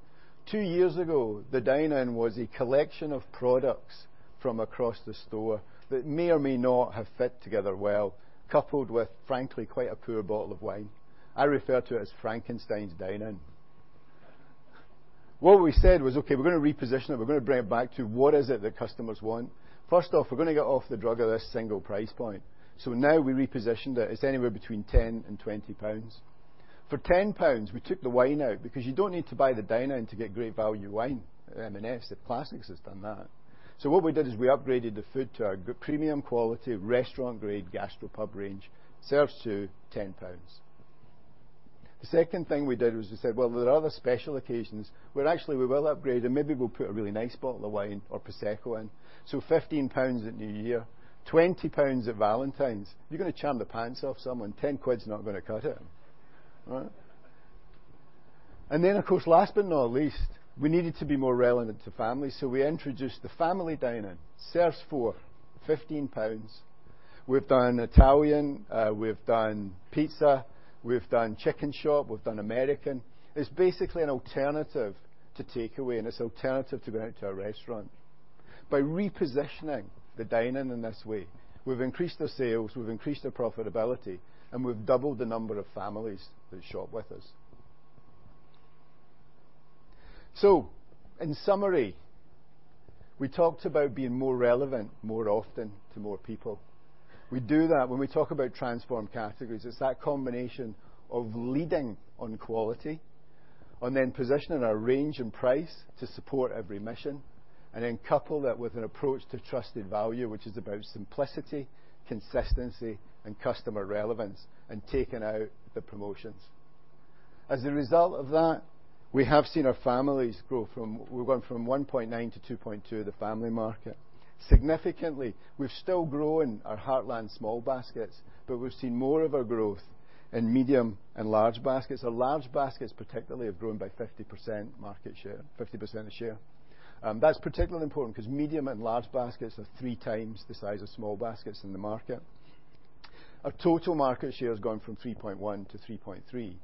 Two years ago, the Dine In was a collection of products from across the store that may or may not have fit together well, coupled with, frankly, quite a poor bottle of wine. I refer to it as Frankenstein's Dine In. What we said was, "Okay, we're going to reposition it. We're going to bring it back to what is it that customers want." First off, we're going to get off the drug of this single price point. Now we repositioned it. It's anywhere between 10 and 20 pounds. For 10 pounds, we took the wine out because you don't need to buy the Dine In to get great value wine at M&S, the Classics has done that. What we did is we upgraded the food to our premium quality, restaurant-grade, Gastropub range, serves two, 10 pounds. The second thing we did was we said, well, there are other special occasions where actually we will upgrade, and maybe we'll put a really nice bottle of wine or prosecco in. 15 pounds at New Year, 20 pounds at Valentine's. You're going to charm the pants off someone, GBP 10's not going to cut it. Right? Of course, last but not least, we needed to be more relevant to families, we introduced the Family Dine In, serves four, 15 pounds. We've done Italian, we've done Pizza, we've done Chicken Shop, we've done American. It's basically an alternative to takeaway, and it's alternative to going out to a restaurant. By repositioning the Dine In in this way, we've increased the sales, we've increased the profitability, and we've doubled the number of families that shop with us. In summary, we talked about being more relevant more often to more people. We do that when we talk about transformed categories. It's that combination of leading on quality and then positioning our range and price to support every mission, and then couple that with an approach to trusted value, which is about simplicity, consistency, and customer relevance and taking out the promotions. As a result of that, we have seen our families grow from 1.9 to 2.2 of the family market. Significantly, we've still grown our Heartland small baskets, but we've seen more of our growth in medium and large baskets. Our large baskets particularly have grown by 50% market share, 50% share. That's particularly important because medium and large baskets are three times the size of small baskets in the market. Our total market share has gone from 3.1 to 3.3.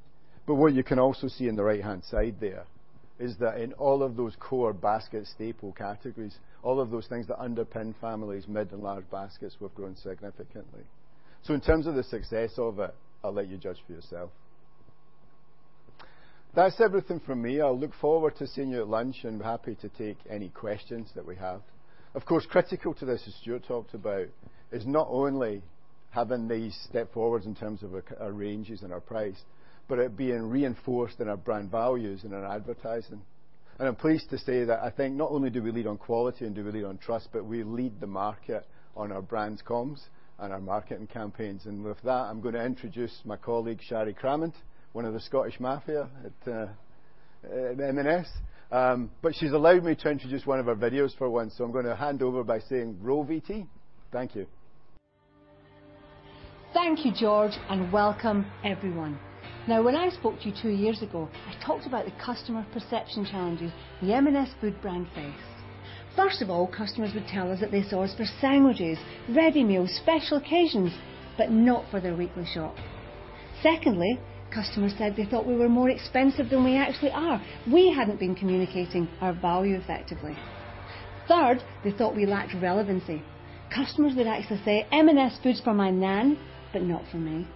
What you can also see in the right-hand side there is that in all of those core basket staple categories, all of those things that underpin families' mid and large baskets, we've grown significantly. In terms of the success of it, I'll let you judge for yourself. That's everything from me. I'll look forward to seeing you at lunch, and happy to take any questions that we have. Of course, critical to this, as Stuart talked about, is not only having these step forwards in terms of our ranges and our price, but it being reinforced in our brand values and our advertising. I'm pleased to say that I think not only do we lead on quality and do we lead on trust, but we lead the market on our brand's comms and our marketing campaigns. With that, I'm going to introduce my colleague, Sharry Cramond, one of the Scottish mafia at M&S. She's allowed me to introduce one of our videos for once, so I'm going to hand over by saying roll VT. Thank you. Thank you, George, and welcome everyone. Now, when I spoke to you two years ago, I talked about the customer perception challenges the M&S Food brand faced. First of all, customers would tell us that they saw us for sandwiches, ready meals, special occasions, but not for their weekly shop. Secondly, customers said they thought we were more expensive than we actually are. We hadn't been communicating our value effectively. Third, they thought we lacked relevancy. Customers would actually say, "M&S Food's for my nan, but not for me."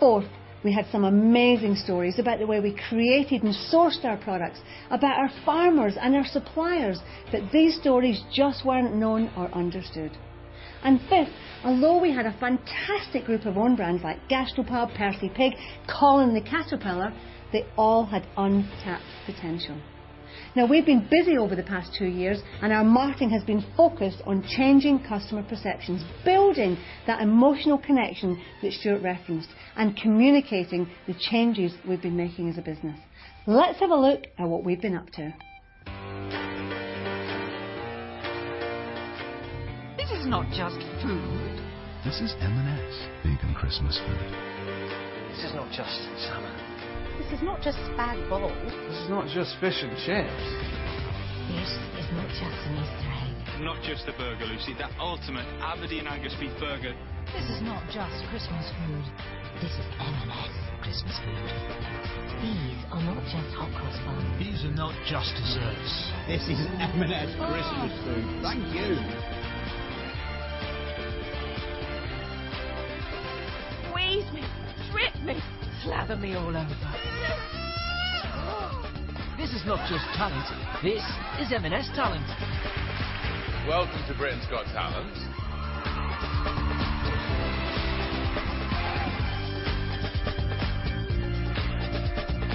Fourth, we had some amazing stories about the way we created and sourced our products, about our farmers and our suppliers, but these stories just weren't known or understood. Fifth, although we had a fantastic group of own brands like Gastropub, Percy Pig, Colin the Caterpillar, they all had untapped potential. We've been busy over the past two years, and our marketing has been focused on changing customer perceptions, building that emotional connection that Stuart referenced, and communicating the changes we've been making as a business. Let's have a look at what we've been up to. This is not just food. This is M&S vegan Christmas food. This is not just salmon. This is not just spag bol. This is not just fish and chips. This is not just an Easter egg. Not just a burger. This is the ultimate Aberdeen Angus Beef Burger. This is not just Christmas food. This is M&S Christmas Food. These are not just hot cross buns. These are not just desserts. This is M&S Christmas Food. Thank you. Squeeze me, strip me, slather me all over. This is not just talent. This is M&S talent. Welcome to Britain's Got Talent.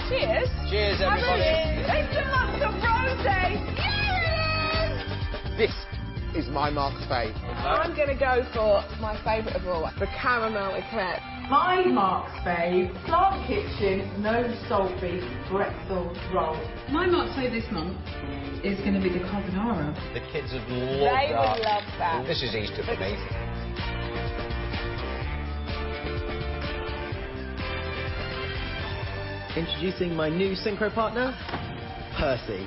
Cheers. Cheers, everybody. It's the Month of Rosé. Yes. Feast is my Marks fave. I'm going to go for my favorite of all, the Caramel Eclair. My Marks fave, Plant Kitchen No Salt Beef Pretzel Roll. My Marks fave this month is going to be the Carbonara. The kids would love that. They would love that. This is Easter for me. Introducing my new synchro partner, Percy.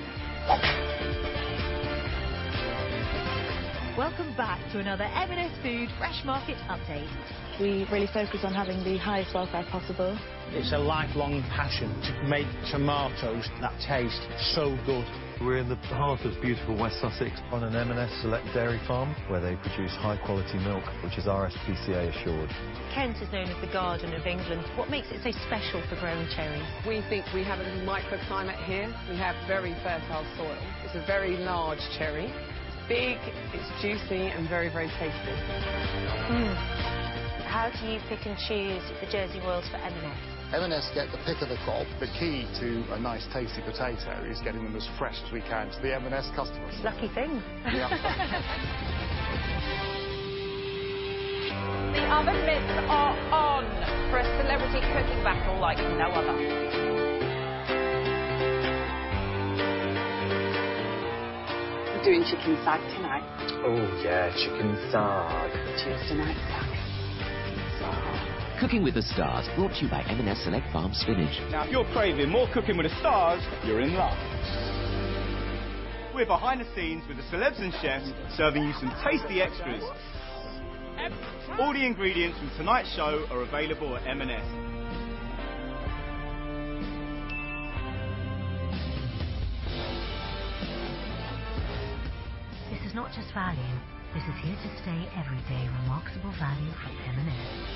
Welcome back to another M&S Food Fresh Market Update. We really focus on having the highest welfare possible. It's a lifelong passion to make tomatoes that taste so good. We're in the heart of beautiful West Sussex on an M&S Select dairy farm where they produce high-quality milk, which is RSPCA Assured. Kent is known as the Garden of England. What makes it so special for growing cherries? We think we have a microclimate here. We have very fertile soil. It's a very large cherry. It's big, it's juicy, and very, very tasty. How do you pick and choose the Jersey Royals for M&S? M&S get the pick of the crop. The key to a nice tasty potato is getting them as fresh as we can to the M&S customers. It's a lucky thing. Yeah. The oven mitts are on for a celebrity cooking battle like no other. We're doing Chicken Saag tonight. Oh, yeah, Chicken Saag. Cheers to nightlife. Saag. Cooking With the Stars, brought to you by M&S Select Farms spinach. If you're craving more Cooking with the Stars, you're in luck. We're behind the scenes with the celebs and chefs serving you some tasty extras. All the ingredients from tonight's show are available at M&S. This is not just value. This is here to stay everyday Remarksable value from M&S.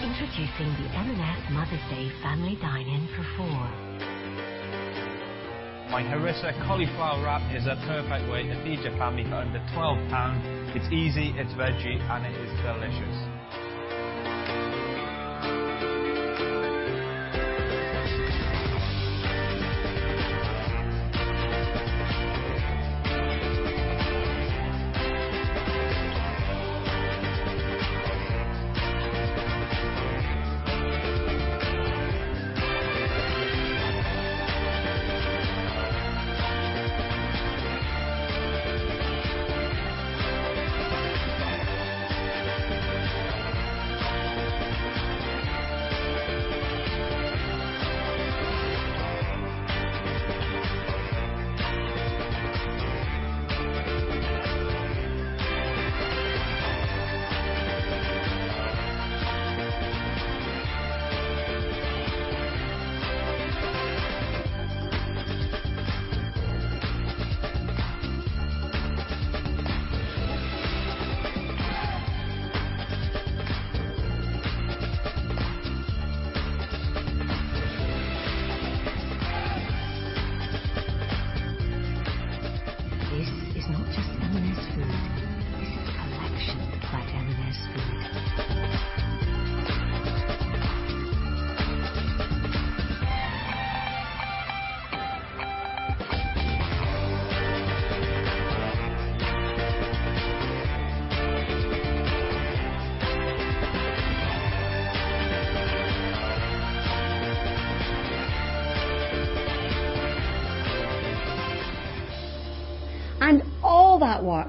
Introducing the M&S Mother's Day Family Dine In for four. My Harissa Cauliflower Wrap is a perfect way to feed your family for under GBP 12. It's easy, it's veggie, and it is delicious.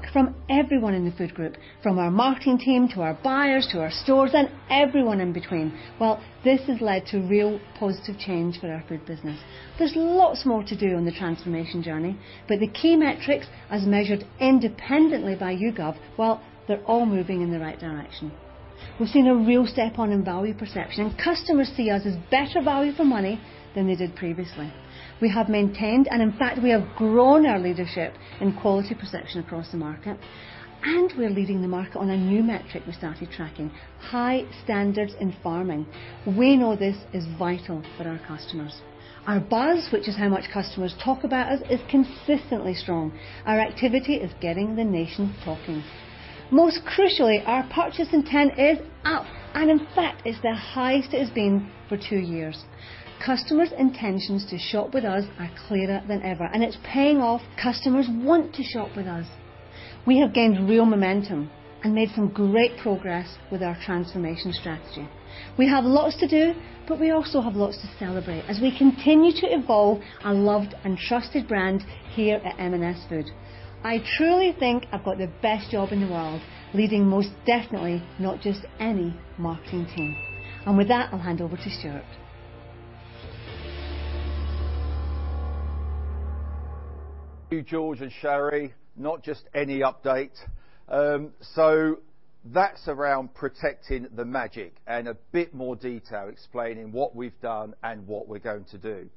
This is not just M&S Food. This is Collection by M&S Food. All that work from everyone in the Food group, from our marketing team to our buyers to our stores and everyone in between, well, this has led to real positive change for our Food business. There's lots more to do on the transformation journey, the key metrics as measured independently by YouGov, well, they're all moving in the right direction. We've seen a real step on in value perception, customers see us as better value for money than they did previously. We have maintained, and in fact, we have grown our leadership in quality perception across the market. We're leading the market on a new metric we started tracking, high standards in farming. We know this is vital for our customers. Our buzz, which is how much customers talk about us, is consistently strong. Our activity is getting the nation talking. Most crucially, our purchase intent is up. In fact, it's the highest it has been for two years. Customers' intentions to shop with us are clearer than ever. It's paying off. Customers want to shop with us. We have gained real momentum and made some great progress with our transformation strategy. We have lots to do. We also have lots to celebrate as we continue to evolve our loved and trusted brand here at M&S Food. I truly think I've got the best job in the world, leading most definitely not just any marketing team. With that, I'll hand over to Stuart. Thank you, George and Sharry. Not just any update. That's around protecting the magic and a bit more detail explaining what we've done and what we're going to do.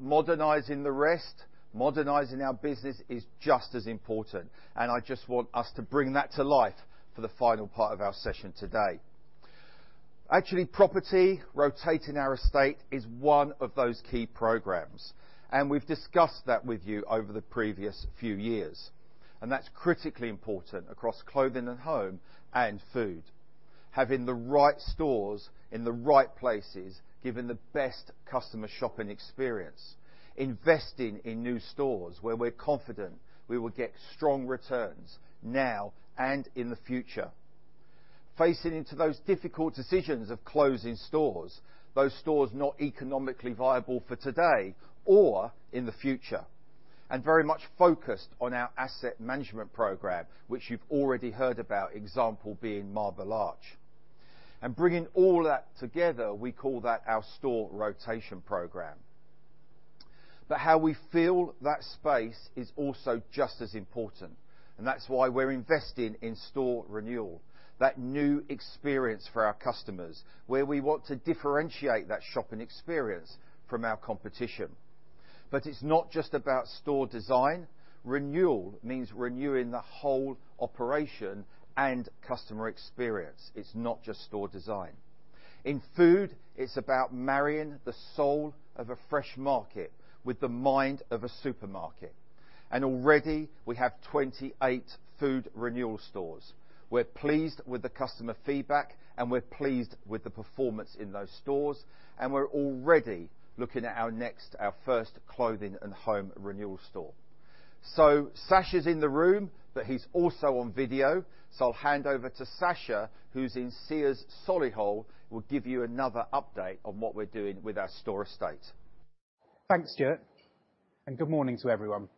Modernizing the rest, modernizing our business is just as important, and I just want us to bring that to life for the final part of our session today. Property, rotating our estate is one of those key programs, and we've discussed that with you over the previous few years. That's critically important across Clothing & Home and Food. Having the right stores in the right places, giving the best customer shopping experience, investing in new stores where we're confident we will get strong returns now and in the future. Facing into those difficult decisions of closing stores, those stores not economically viable for today or in the future, and very much focused on our Asset Management Program, which you've already heard about, example being Marble Arch. Bringing all that together, we call that our Store Rotation Programme. How we fill that space is also just as important, and that's why we're investing in Store Renewal, that new experience for our customers, where we want to differentiate that shopping experience from our competition. It's not just about store design. Renewal means renewing the whole operation and customer experience. It's not just store design. In food, it's about marrying the soul of a fresh market with the mind of a supermarket. Already we have 28 Food Renewal stores. We're pleased with the customer feedback, and we're pleased with the performance in those stores, and we're already looking at our next, our first Clothing & Home renewal store. Sacha's in the room, but he's also on video. I'll hand over to Sacha, who's in Sears Solihull, will give you another update on what we're doing with our store estate. Thanks, Stuart. Good morning to everyone.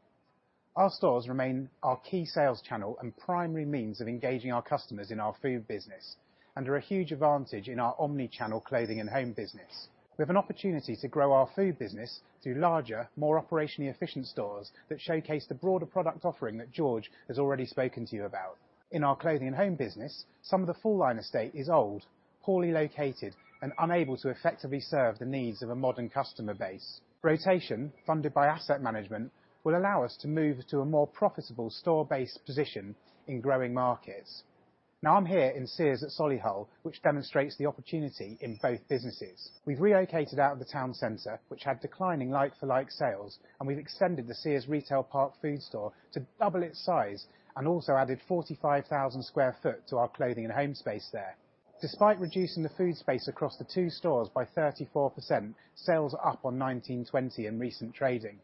Our stores remain our key sales channel and primary means of engaging our customers in our Food business and are a huge advantage in our omni-channel clothing & Home business. We have an opportunity to grow our Food business through larger, more operationally efficient stores that showcase the broader product offering that George has already spoken to you about. In our clothing & Home business, some of the full-line estate is old, poorly located, and unable to effectively serve the needs of a modern customer base. Rotation, funded by asset management, will allow us to move to a more profitable store-based position in growing markets. I'm here in Sears at Solihull, which demonstrates the opportunity in both businesses. We've relocated out of the town center, which had declining like-for-like sales, and we've extended the Sears Retail Park food store to double its size and also added 45,000 sq ft to our Clothing & Home space there. Despite reducing the Food space across the two stores by 34%, sales are up on 2019/2020 in recent trading.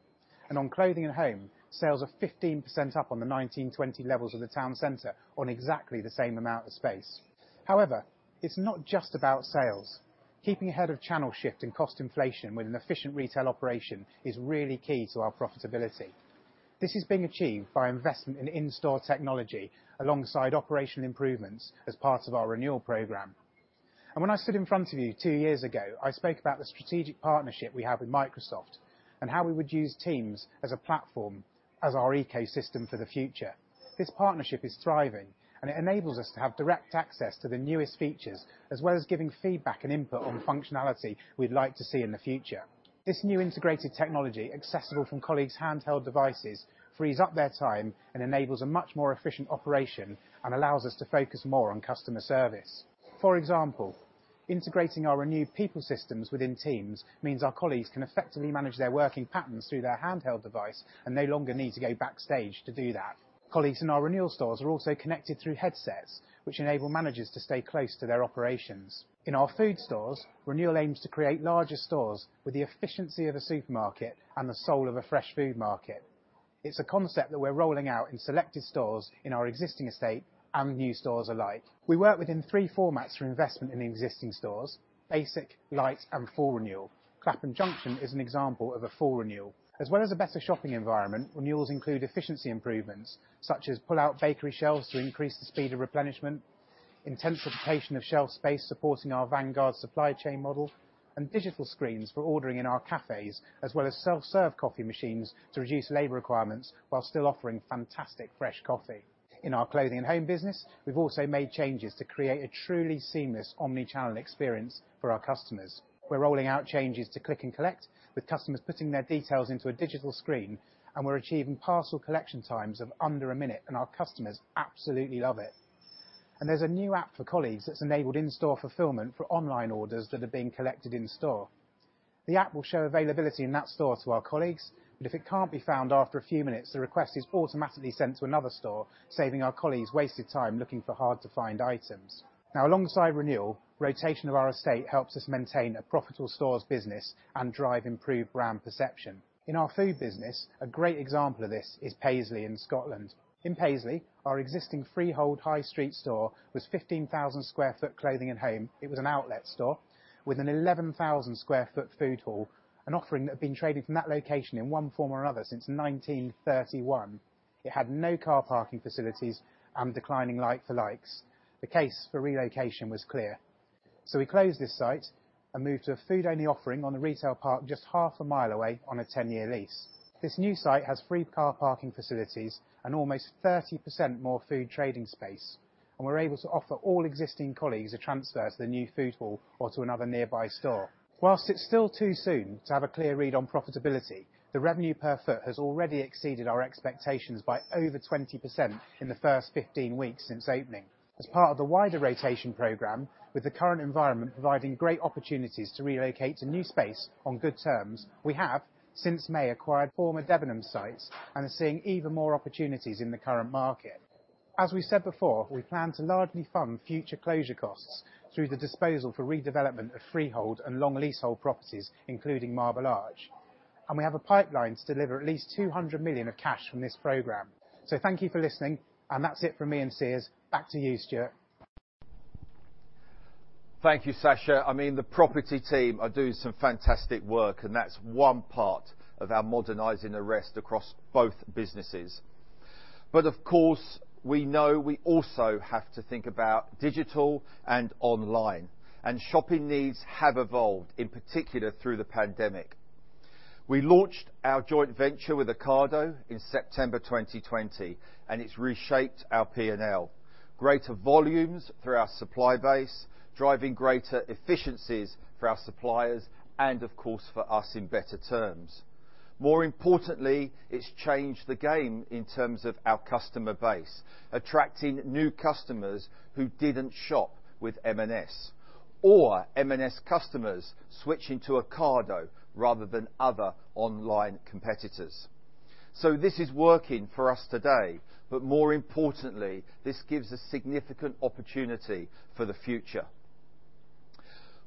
On Clothing & Home, sales are 15% up on the 2019/2020 levels of the town center on exactly the same amount of space. However, it's not just about sales. Keeping ahead of channel shift and cost inflation with an efficient retail operation is really key to our profitability. This is being achieved by investment in in-store technology alongside operational improvements as part of our renewal program. When I stood in front of you two years ago, I spoke about the strategic partnership we have with Microsoft and how we would use Teams as a platform, as our ecosystem for the future. This partnership is thriving, and it enables us to have direct access to the newest features as well as giving feedback and input on functionality we'd like to see in the future. This new integrated technology, accessible from colleagues' handheld devices, frees up their time and enables a much more efficient operation and allows us to focus more on customer service. For example, integrating our renewed people systems within Teams means our colleagues can effectively manage their working patterns through their handheld device and no longer need to go backstage to do that. Colleagues in our renewal stores are also connected through headsets, which enable managers to stay close to their operations. In our food stores, renewal aims to create larger stores with the efficiency of a supermarket and the soul of a fresh food market. It's a concept that we're rolling out in selected stores in our existing estate and new stores alike. We work within three formats for investment in existing stores, basic, light, and full renewal. Clapham Junction is an example of a full renewal. As well as a better shopping environment, renewals include efficiency improvements such as pull-out bakery shelves to increase the speed of replenishment, intensification of shelf space supporting our Vanguard supply chain model, and digital screens for ordering in our cafes, as well as self-serve coffee machines to reduce labor requirements while still offering fantastic fresh coffee. In our Clothing & Home business, we've also made changes to create a truly seamless omni-channel experience for our customers. We're rolling out changes to Click & Collect, with customers putting their details into a digital screen. We're achieving parcel collection times of under a minute. Our customers absolutely love it. There's a new app for colleagues that's enabled in-store fulfillment for online orders that are being collected in store. The app will show availability in that store to our colleagues, but if it can't be found after a few minutes, the request is automatically sent to another store, saving our colleagues wasted time looking for hard-to-find items. Now, alongside renewal, rotation of our estate helps us maintain a profitable stores business and drive improved brand perception. In our Food business, a great example of this is Paisley in Scotland. In Paisley, our existing freehold high street store was 15,000 sq ft Clothing & Home. It was an outlet store with an 11,000 sq ft Foodhall, an offering that had been trading from that location in one form or another since 1931. It had no car parking facilities and declining like for likes. The case for relocation was clear. We closed this site and moved to a food-only offering on a retail park just half a mile away on a 10-year lease. This new site has free car parking facilities and almost 30% more food trading space, and we're able to offer all existing colleagues a transfer to the new Foodhall or to another nearby store. Whilst it's still too soon to have a clear read on profitability, the revenue per foot has already exceeded our expectations by over 20% in the first 15 weeks since opening. As part of the wider rotation program with the current environment providing great opportunities to relocate to new space on good terms, we have, since May, acquired former Debenhams sites and are seeing even more opportunities in the current market. As we said before, we plan to largely fund future closure costs through the disposal for redevelopment of freehold and long leasehold properties, including Marble Arch. We have a pipeline to deliver at least 200 million of cash from this program. Thank you for listening, and that's it from me and Sears. Back to you, Stuart. Thank you, Sacha. I mean, the property team are doing some fantastic work, and that's one part of our modernizing the rest across both businesses. Of course, we know we also have to think about digital and online, and shopping needs have evolved, in particular through the pandemic. We launched our joint venture with Ocado in September 2020, and it's reshaped our P&L. Greater volumes through our supply base, driving greater efficiencies for our suppliers and, of course, for us in better terms. More importantly, it's changed the game in terms of our customer base, attracting new customers who didn't shop with M&S, or M&S customers switching to Ocado rather than other online competitors. This is working for us today, but more importantly, this gives a significant opportunity for the future.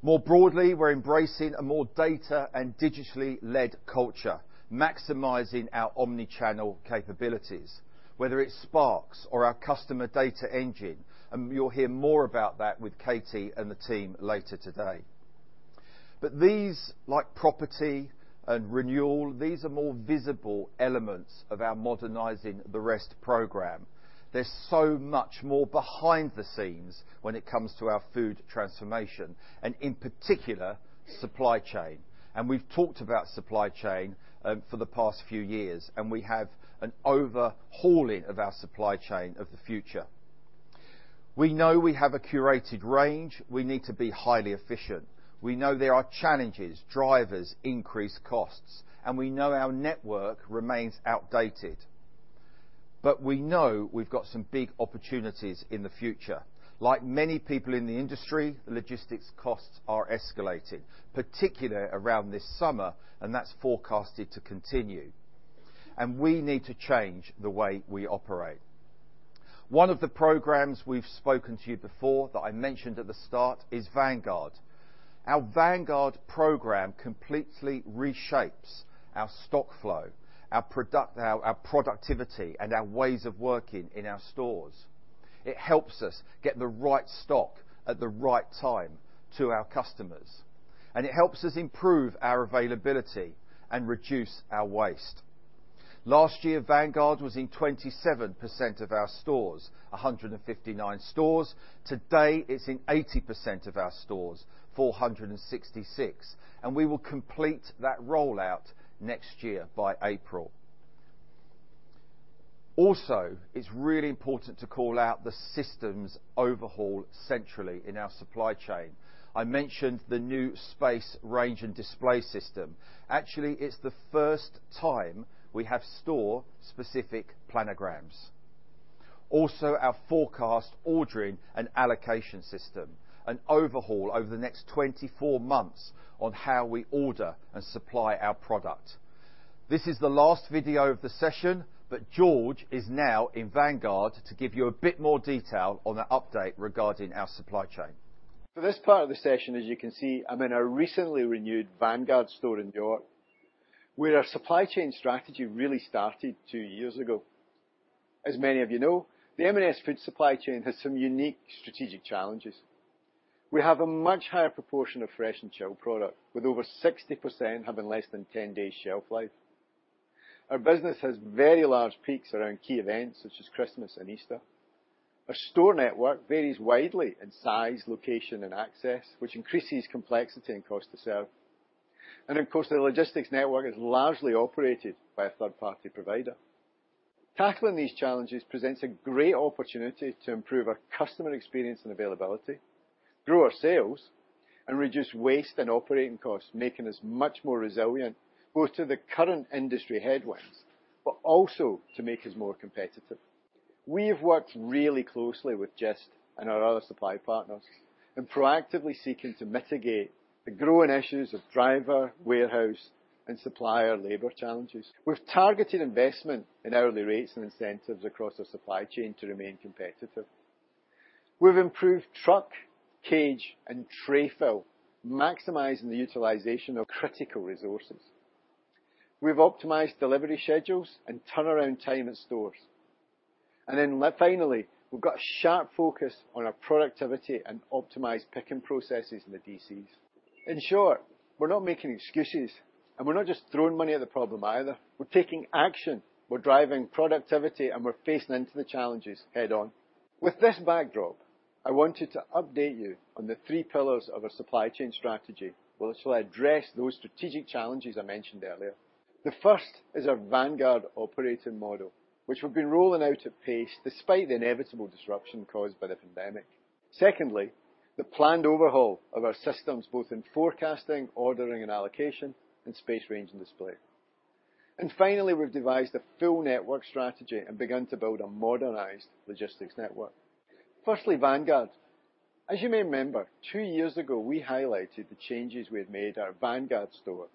More broadly, we're embracing a more data and digitally-led culture, maximizing our omni-channel capabilities, whether it's Sparks or our customer data engine. You'll hear more about that with Katie and the team later today. These, like Property and Renewal, these are more visible elements of our Modernizing the Rest program. There's so much more behind the scenes when it comes to our food transformation and, in particular, supply chain. We've talked about supply chain for the past few years, and we have an overhauling of our supply chain of the future. We know we have a curated range. We need to be highly efficient. We know there are challenges, drivers, increased costs, and we know our network remains outdated. We know we've got some big opportunities in the future. Like many people in the industry, logistics costs are escalating, particularly around this summer, that's forecasted to continue. We need to change the way we operate. One of the programs we've spoken to you before that I mentioned at the start is Vanguard. Our Vanguard program completely reshapes our stock flow, our productivity, and our ways of working in our stores. It helps us get the right stock at the right time to our customers, it helps us improve our availability and reduce our waste. Last year, Vanguard was in 27% of our stores, 159 stores. Today, it's in 80% of our stores, 466. We will complete that rollout next year by April. It's really important to call out the systems overhaul centrally in our supply chain. I mentioned the new space range and display system. Actually, it's the first time we have store-specific planograms. Our forecast, ordering, and allocation system, an overhaul over the next 24 months on how we order and supply our product. This is the last video of the session. George is now in Vanguard to give you a bit more detail on an update regarding our supply chain. For this part of the session, as you can see, I'm in a recently renewed Vanguard store in York, where our supply chain strategy really started two years ago. As many of you know, the M&S Food supply chain has some unique strategic challenges. We have a much higher proportion of fresh and chilled product, with over 60% having less than 10 days shelf life. Our business has very large peaks around key events such as Christmas and Easter. Our store network varies widely in size, location, and access, which increases complexity and cost to serve. Of course, the logistics network is largely operated by a third-party provider. Tackling these challenges presents a great opportunity to improve our customer experience and availability, grow our sales, and reduce waste and operating costs, making us much more resilient, both to the current industry headwinds, but also to make us more competitive. We have worked really closely with Gist and our other supply partners in proactively seeking to mitigate the growing issues of driver, warehouse, and supplier labor challenges with targeted investment in hourly rates and incentives across our supply chain to remain competitive. We've improved truck, cage, and tray fill, maximizing the utilization of critical resources. We've optimized delivery schedules and turnaround time at stores. Finally, we've got a sharp focus on our productivity and optimized picking processes in the DCs. In short, we're not making excuses, and we're not just throwing money at the problem either. We're taking action. We're driving productivity, and we're facing into the challenges head-on. With this backdrop, I wanted to update you on the three pillars of our supply chain strategy, which will address those strategic challenges I mentioned earlier. The first is our Vanguard operating model, which we've been rolling out at pace despite the inevitable disruption caused by the pandemic. Secondly, the planned overhaul of our systems, both in forecasting, ordering, and allocation, and Space, Range, and Display. Finally, we've devised a full network strategy and begun to build a modernized logistics network. Firstly, Vanguard. As you may remember, two years ago, we highlighted the changes we had made at our Vanguard store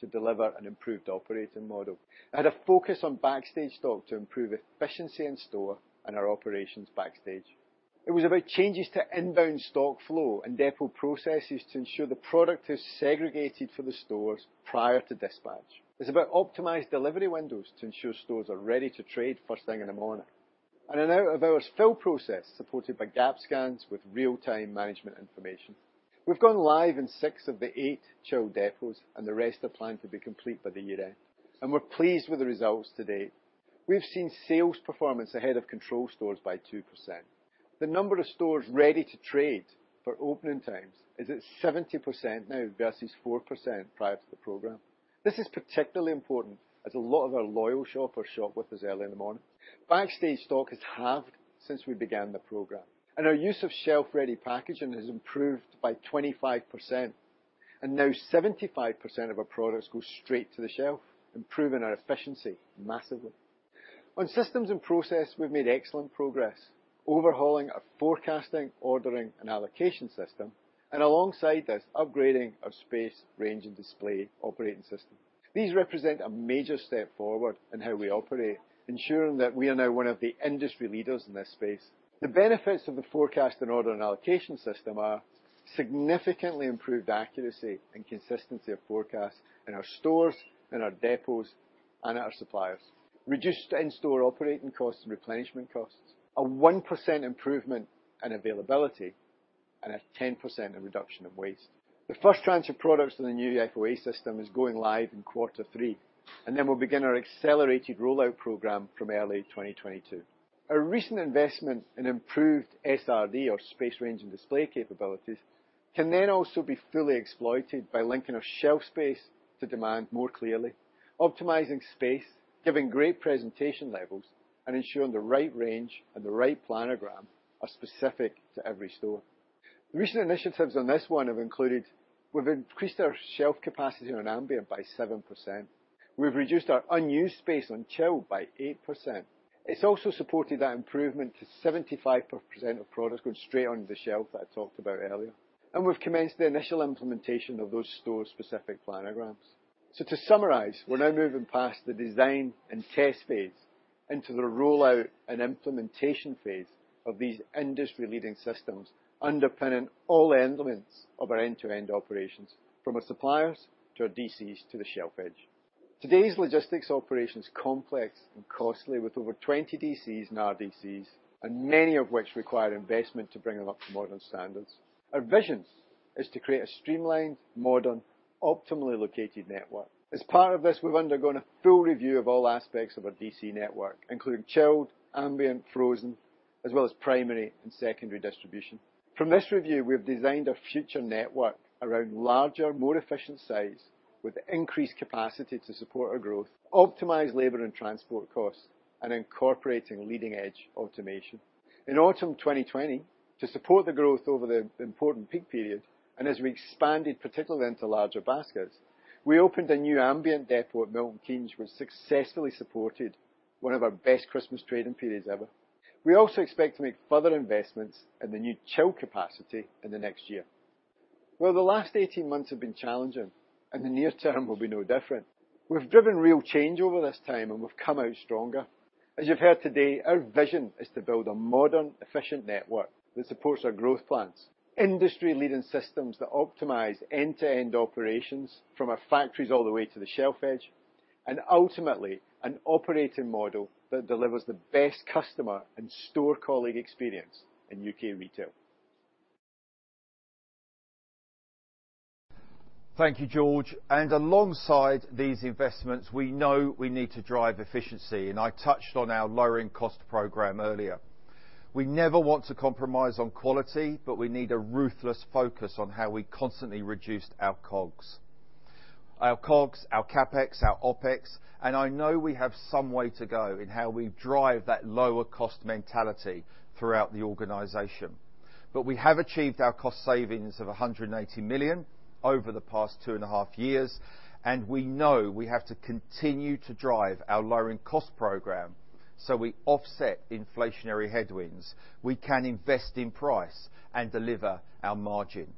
to deliver an improved operating model. It had a focus on backstage stock to improve efficiency in store and our operations backstage. It was about changes to inbound stock flow and depot processes to ensure the product is segregated for the stores prior to dispatch. It's about optimized delivery windows to ensure stores are ready to trade first thing in the morning, and an out of hours fill process supported by gap scans with real-time management information. We've gone live in six of the eight chilled depots. The rest are planned to be complete by the year end. We're pleased with the results to date. We've seen sales performance ahead of control stores by 2%. The number of stores ready to trade for opening times is at 70% now versus 4% prior to the program. This is particularly important as a lot of our loyal shoppers shop with us early in the morning. Backstage stock has halved since we began the program. Our use of shelf-ready packaging has improved by 25%. Now 75% of our products go straight to the shelf, improving our efficiency massively. On systems and process, we've made excellent progress overhauling our forecasting, ordering, and allocation system, and alongside this, upgrading our Space, Range, and Display operating system. These represent a major step forward in how we operate, ensuring that we are now one of the industry leaders in this space. The benefits of the forecasting, ordering, and allocation system are significantly improved accuracy and consistency of forecasts in our stores, in our depots, and in our suppliers. Reduced in-store operating costs and replenishment costs, a 1% improvement in availability, and a 10% reduction of waste. The first tranche of products in the new FOA system is going live in quarter three, and then we'll begin our accelerated rollout program from early 2022. Our recent investment in improved SRD or Space, Range, and Display capabilities can then also be fully exploited by linking our shelf space to demand more clearly, optimizing space, giving great presentation levels, and ensuring the right range and the right planogram are specific to every store. The recent initiatives on this one have included, we've increased our shelf capacity on ambient by 7%. We've reduced our unused space on chill by 8%. It's also supported that improvement to 75% of products going straight onto the shelf that I talked about earlier. We've commenced the initial implementation of those store-specific planograms. To summarize, we're now moving past the design and test phase into the rollout and implementation phase of these industry-leading systems underpinning all elements of our end-to-end operations, from our suppliers to our DCs to the shelf edge. Today's logistics operation is complex and costly with over 20 DCs and RDCs, and many of which require investment to bring them up to modern standards. Our vision is to create a streamlined, modern, optimally located network. As part of this, we've undergone a full review of all aspects of our DC network, including chilled, ambient, frozen, as well as primary and secondary distribution. From this review, we've designed our future network around larger, more efficient sites with increased capacity to support our growth, optimize labor and transport costs, and incorporating leading-edge automation. In autumn 2020, to support the growth over the important peak period, and as we expanded particularly into larger baskets, we opened a new ambient depot at Milton Keynes, which successfully supported one of our best Christmas trading periods ever. We also expect to make further investments in the new chill capacity in the next year. Well, the last 18 months have been challenging, and the near term will be no different. We've driven real change over this time, and we've come out stronger. As you've heard today, our vision is to build a modern, efficient network that supports our growth plans, industry-leading systems that optimize end-to-end operations from our factories all the way to the shelf edge, and ultimately, an operating model that delivers the best customer and store colleague experience in UK retail. Thank you, George. Alongside these investments, we know we need to drive efficiency, and I touched on our lowering cost program earlier. We never want to compromise on quality, but we need a ruthless focus on how we constantly reduced our COGS. Our COGS, our CapEx, our OpEx, and I know we have some way to go in how we drive that lower cost mentality throughout the organization. We have achieved our cost savings of 180 million over the past two and a half years, and we know we have to continue to drive our lowering cost program so we offset inflationary headwinds, we can invest in price, and deliver our margin.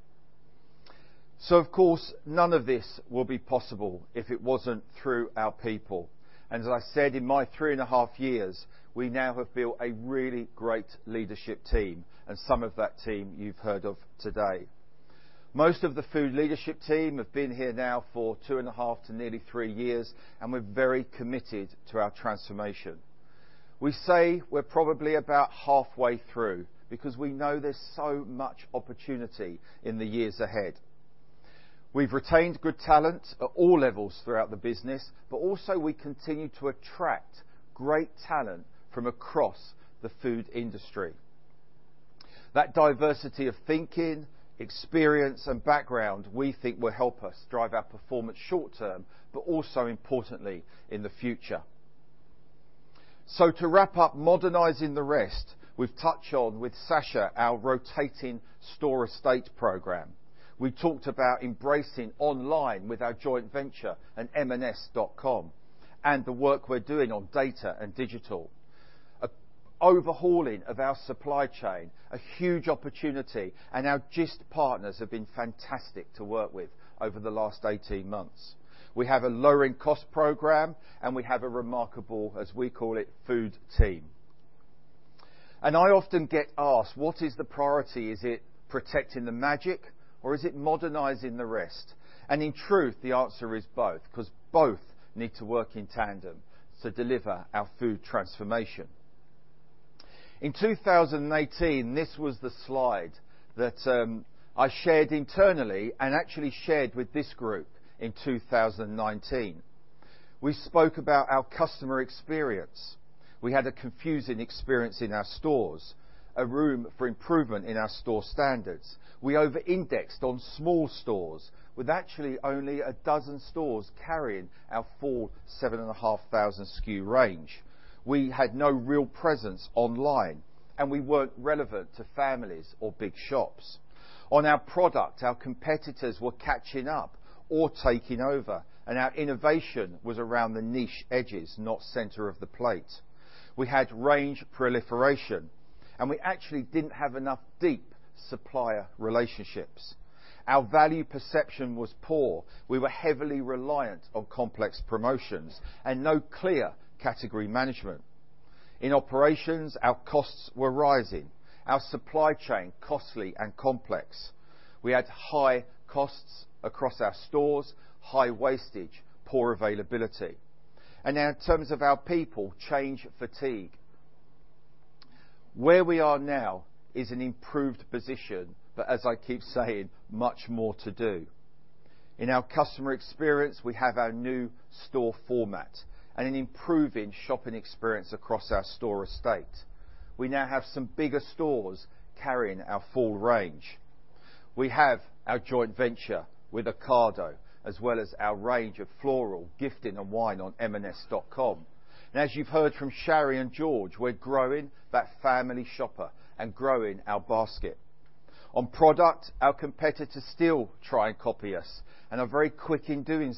Of course, none of this will be possible if it wasn't through our people. As I said in my three and a half years, we now have built a really great leadership team, and some of that team you've heard of today. Most of the Food leadership team have been here now for two and a half to nearly three years, and we're very committed to our transformation. We say we're probably about halfway through, because we know there's so much opportunity in the years ahead. We've retained good talent at all levels throughout the business, but also we continue to attract great talent from across the food industry. That diversity of thinking, experience, and background we think will help us drive our performance short term, but also importantly in the future. To wrap up Modernizing the Rest, we've touched on with Sacha our rotating store estate program. We talked about embracing online with our joint venture and M&S.com, and the work we're doing on Data and Digital. An overhauling of our supply chain, a huge opportunity, and our Gist partners have been fantastic to work with over the last 18 months. We have a lowering cost program, and we have a Remarksable, as we call it, Food team. I often get asked, What is the priority? Is it Protecting the Magic or is it Modernizing the Rest? In truth, the answer is both, because both need to work in tandem to deliver our food transformation. In 2018, this was the slide that I shared internally and actually shared with this group in 2019. We spoke about our customer experience. We had a confusing experience in our stores, a room for improvement in our store standards. We over-indexed on small stores with actually only a dozen stores carrying our full 7,500 SKU range. We had no real presence online, and we weren't relevant to families or big shops. On our product, our competitors were catching up or taking over, and our innovation was around the niche edges, not center of the plate. We had range proliferation, and we actually didn't have enough deep supplier relationships. Our value perception was poor. We were heavily reliant on complex promotions and no clear category management. In operations, our costs were rising, our supply chain costly and complex. We had high costs across our stores, high wastage, poor availability. In terms of our people, change fatigue. Where we are now is an improved position, but as I keep saying, much more to do. In our customer experience, we have our new store format and an improving shopping experience across our store estate. We now have some bigger stores carrying our full range. We have our joint venture with Ocado, as well as our range of Floral, Gifting, and Wine on M&S.com. As you've heard from Sharry and George, we're growing that family shopper and growing our basket. On product, our competitors still try and copy us and are very quick in doing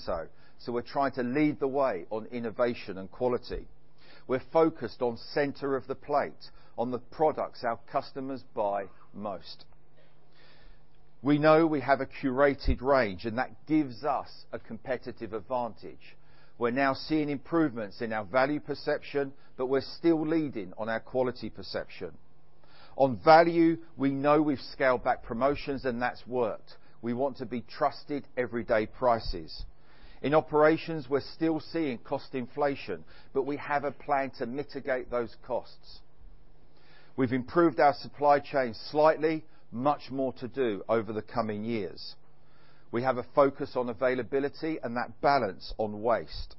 so we're trying to lead the way on innovation and quality. We're focused on center of the plate, on the products our customers buy most. We know we have a curated range and that gives us a competitive advantage. We're now seeing improvements in our value perception, but we're still leading on our quality perception. On value, we know we've scaled back promotions and that's worked. We want to be trusted everyday prices. In operations, we're still seeing cost inflation, but we have a plan to mitigate those costs. We've improved our supply chain slightly, much more to do over the coming years. We have a focus on availability and that balance on waste.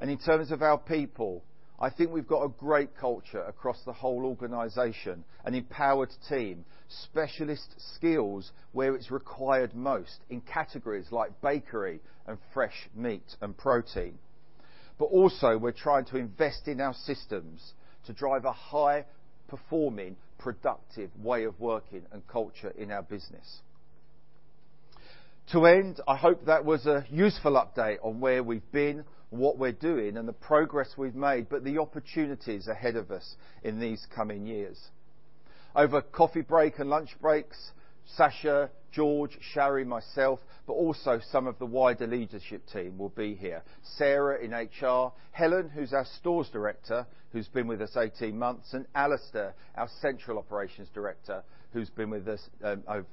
In terms of our people, I think we've got a great culture across the whole organization, an empowered team, specialist skills where it's required most in categories like bakery and fresh meat and protein. Also we're trying to invest in our systems to drive a high-performing, productive way of working and culture in our business. To end, I hope that was a useful update on where we've been, what we're doing, and the progress we've made, but the opportunities ahead of us in these coming years. Over coffee break and lunch breaks, Sacha, George, Sharry, myself, but also some of the wider leadership team will be here. Sarah in HR, Helen who's our stores director who's been with us 18 months, and Alistair, our central operations director who's been with us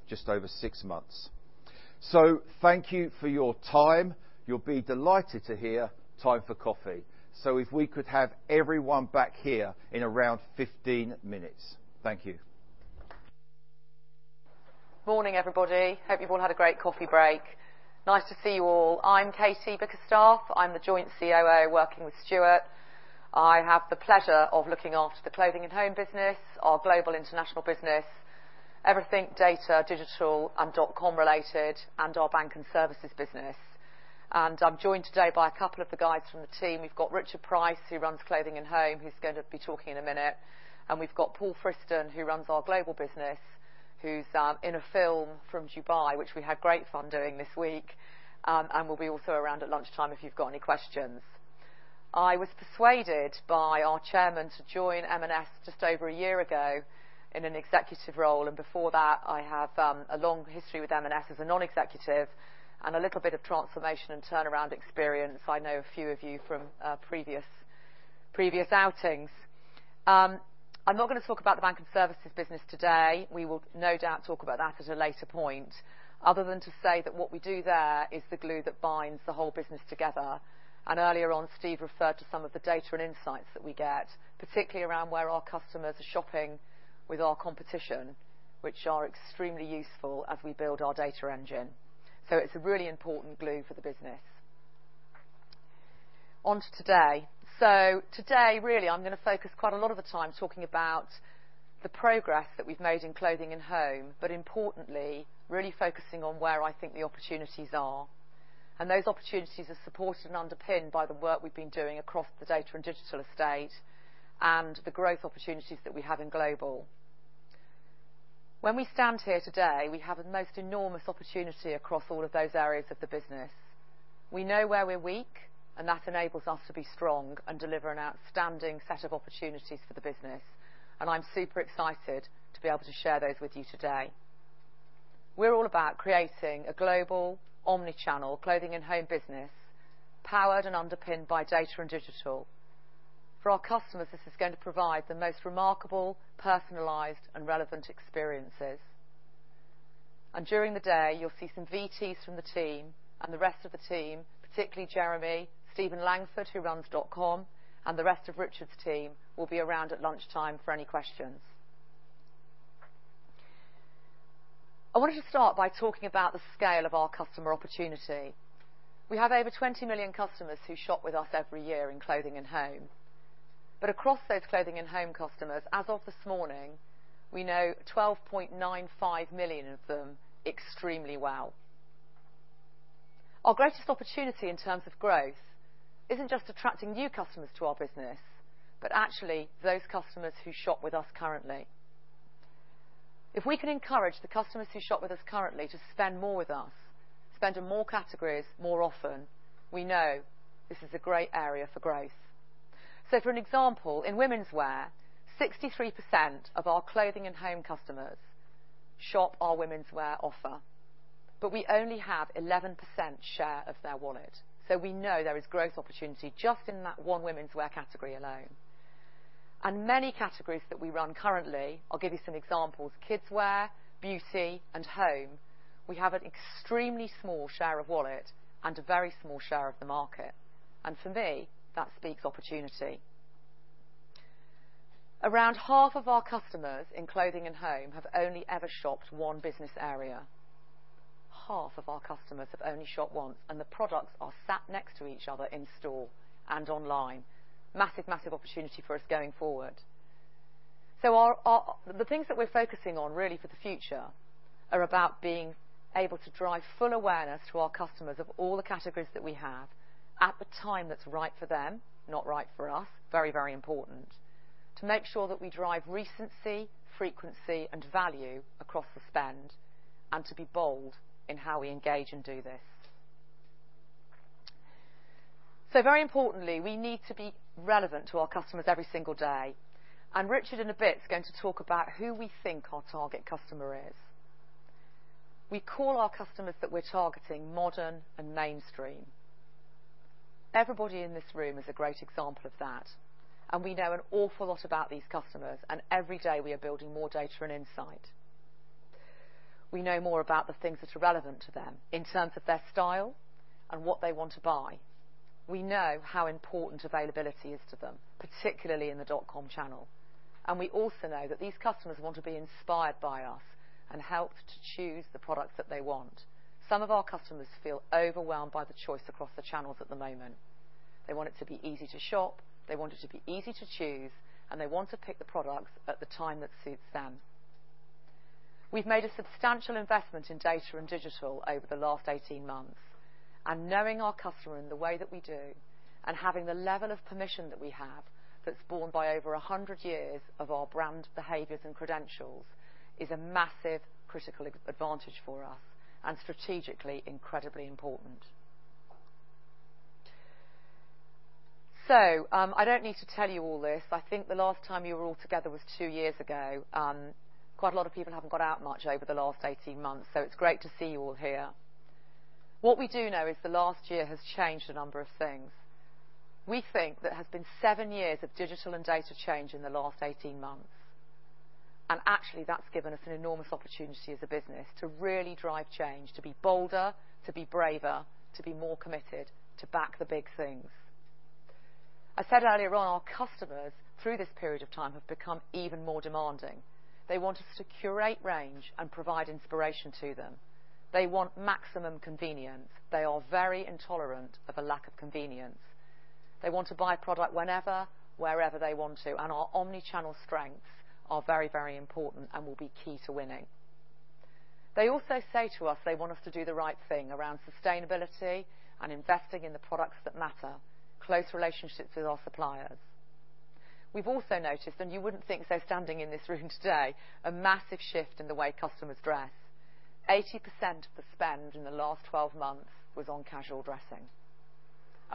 just over six months. Thank you for your time. You'll be delighted to hear time for coffee. If we could have everyone back here in around 15 minutes. Thank you Morning, everybody. Hope you've all had a great coffee break. Nice to see you all. I'm Katie Bickerstaffe. I'm the joint COO working with Stuart. I have the pleasure of looking after the Clothing & Home business, our Global International business, everything data, digital, and dotcom related, and our Bank & Services business. I'm joined today by a couple of the guys from the team. We've got Richard Price, who runs Clothing & Home, who's going to be talking in a minute. We've got Paul Friston, who runs our Global business, who's in a film from Dubai, which we had great fun doing this week, and will be also around at lunchtime if you've got any questions. I was persuaded by our Chairman to join M&S just over a year ago in an executive role. Before that, I have a long history with M&S as a non-executive and a little bit of transformation and turnaround experience. I know a few of you from previous outings. I'm not going to talk about the Bank & Services business today. We will no doubt talk about that at a later point, other than to say that what we do there is the glue that binds the whole business together. Earlier on, Steve referred to some of the data and insights that we get, particularly around where our customers are shopping with our competition, which are extremely useful as we build our data engine. It's a really important glue for the business. On to today. Today, really, I'm going to focus quite a lot of the time talking about the progress that we've made in Clothing & Home, but importantly, really focusing on where I think the opportunities are. Those opportunities are supported and underpinned by the work we've been doing across the Data and Digital estate and the growth opportunities that we have in Global. When we stand here today, we have the most enormous opportunity across all of those areas of the business. We know where we're weak, and that enables us to be strong and deliver an outstanding set of opportunities for the business. I'm super excited to be able to share those with you today. We're all about creating a global omni-channel Clothing & Home business, powered and underpinned by Data and Digital. For our customers, this is going to provide the most remarkable, personalized, and relevant experiences. During the day, you'll see some VTs from the team and the rest of the team, particularly Jeremy, Stephen Langford, who runs dotcom, and the rest of Richard's team will be around at lunchtime for any questions. I wanted to start by talking about the scale of our customer opportunity. We have over 20 million customers who shop with us every year in Clothing & Home. Across those Clothing & Home customers, as of this morning, we know 12.95 million of them extremely well. Our greatest opportunity in terms of growth isn't just attracting new customers to our business, but actually those customers who shop with us currently. If we can encourage the customers who shop with us currently to spend more with us, spend in more categories more often, we know this is a great area for growth. For an example, in womenswear, 63% of our Clothing & Home customers shop our womenswear offer, but we only have 11% share of their wallet. We know there is growth opportunity just in that one womenswear category alone. Many categories that we run currently, I'll give you some examples, kidswear, beauty, and home, we have an extremely small share of wallet and a very small share of the market. For me, that speaks opportunity. Around half of our customers in Clothing & Home have only ever shopped one business area. Half of our customers have only shopped once, and the products are sat next to each other in store and online. Massive, massive opportunity for us going forward. The things that we're focusing on really for the future are about being able to drive full awareness to our customers of all the categories that we have at the time that's right for them, not right for us, very, very important, to make sure that we drive recency, frequency, and value across the spend, and to be bold in how we engage and do this. Very importantly, we need to be relevant to our customers every single day. Richard in a bit is going to talk about who we think our target customer is. We call our customers that we're targeting modern and mainstream. Everybody in this room is a great example of that. We know an awful lot about these customers, and every day we are building more data and insight. We know more about the things that are relevant to them in terms of their style and what they want to buy. We know how important availability is to them, particularly in the dotcom channel. We also know that these customers want to be inspired by us and helped to choose the products that they want. Some of our customers feel overwhelmed by the choice across the channels at the moment. They want it to be easy to shop, they want it to be easy to choose, and they want to pick the products at the time that suits them. We've made a substantial investment in Data and Digital over the last 18 months, knowing our customer in the way that we do and having the level of permission that we have that's borne by over 100 years of our brand behaviors and credentials is a massive critical advantage for us and strategically incredibly important. I don't need to tell you all this. I think the last time you were all together was two years ago. Quite a lot of people haven't got out much over the last 18 months, it's great to see you all here. What we do know is the last year has changed a number of things. We think there has been seven years of digital and data change in the last 18 months, and actually that's given us an enormous opportunity as a business to really drive change, to be bolder, to be braver, to be more committed, to back the big things. I said earlier on our customers through this period of time have become even more demanding. They want us to curate range and provide inspiration to them. They want maximum convenience. They are very intolerant of a lack of convenience. They want to buy product whenever, wherever they want to, and our omni-channel strengths are very, very important and will be key to winning. They also say to us they want us to do the right thing around sustainability and investing in the products that matter, close relationships with our suppliers. We've also noticed, and you wouldn't think so standing in this room today, a massive shift in the way customers dress. 80% of the spend in the last 12 months was on casual dressing.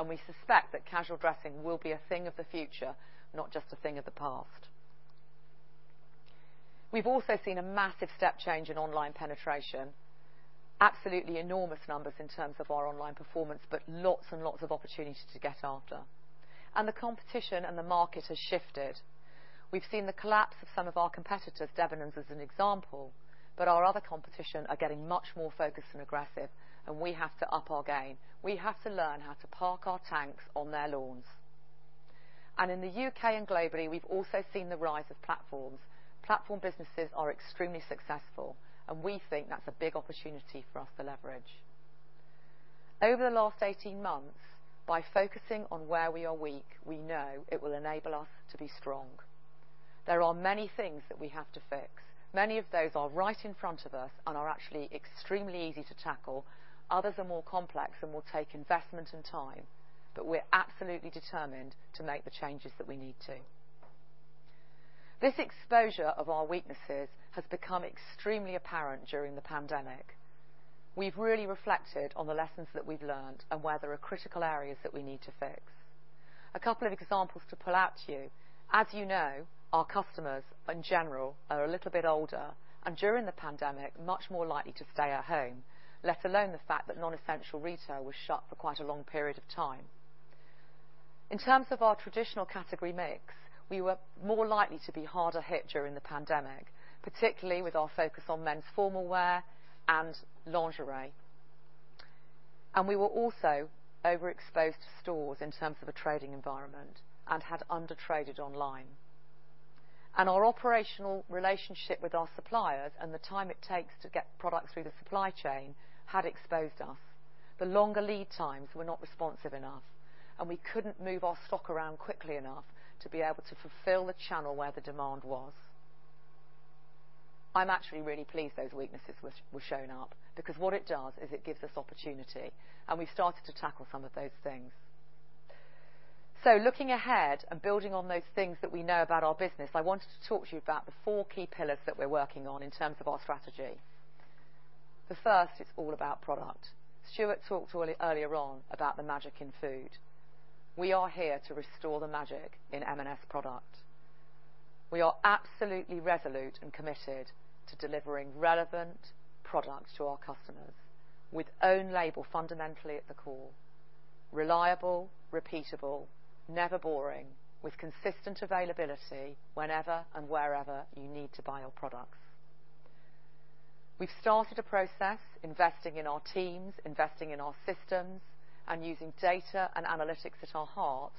We suspect that casual dressing will be a thing of the future, not just a thing of the past. We've also seen a massive step change in online penetration, absolutely enormous numbers in terms of our online performance, but lots and lots of opportunities to get after. The competition and the market has shifted. We've seen the collapse of some of our competitors, Debenhams as an example, but our other competition are getting much more focused and aggressive, and we have to up our game. We have to learn how to park our tanks on their lawns. In the UK and globally, we've also seen the rise of platforms. Platform businesses are extremely successful, and we think that's a big opportunity for us to leverage. Over the last 18 months by focusing on where we are weak, we know it will enable us to be strong. There are many things that we have to fix. Many of those are right in front of us and are actually extremely easy to tackle. Others are more complex and will take investment and time. We're absolutely determined to make the changes that we need to. This exposure of our weaknesses has become extremely apparent during the pandemic. We've really reflected on the lessons that we've learned and where there are critical areas that we need to fix. A couple of examples to pull out to you. As you know, our customers, in general, are a little bit older, and during the pandemic, much more likely to stay at home, let alone the fact that non-essential retail was shut for quite a long period of time. In terms of our traditional category mix, we were more likely to be harder hit during the pandemic, particularly with our focus on men's formal wear and lingerie. We were also overexposed to stores in terms of a trading environment and had undertraded online. Our operational relationship with our suppliers and the time it takes to get product through the supply chain had exposed us. The longer lead times were not responsive enough, and we couldn't move our stock around quickly enough to be able to fulfill the channel where the demand was. I'm actually really pleased those weaknesses were showing up, because what it does is it gives us opportunity, and we've started to tackle some of those things. Looking ahead and building on those things that we know about our business, I wanted to talk to you about the four key pillars that we're working on in terms of our strategy. The first, it's all about product. Stuart talked earlier on about the magic in Food. We are here to restore the magic in M&S product. We are absolutely resolute and committed to delivering relevant products to our customers with own label fundamentally at the core. Reliable, repeatable, never boring, with consistent availability whenever and wherever you need to buy your products. We've started a process, investing in our teams, investing in our systems, and using data and analytics at our heart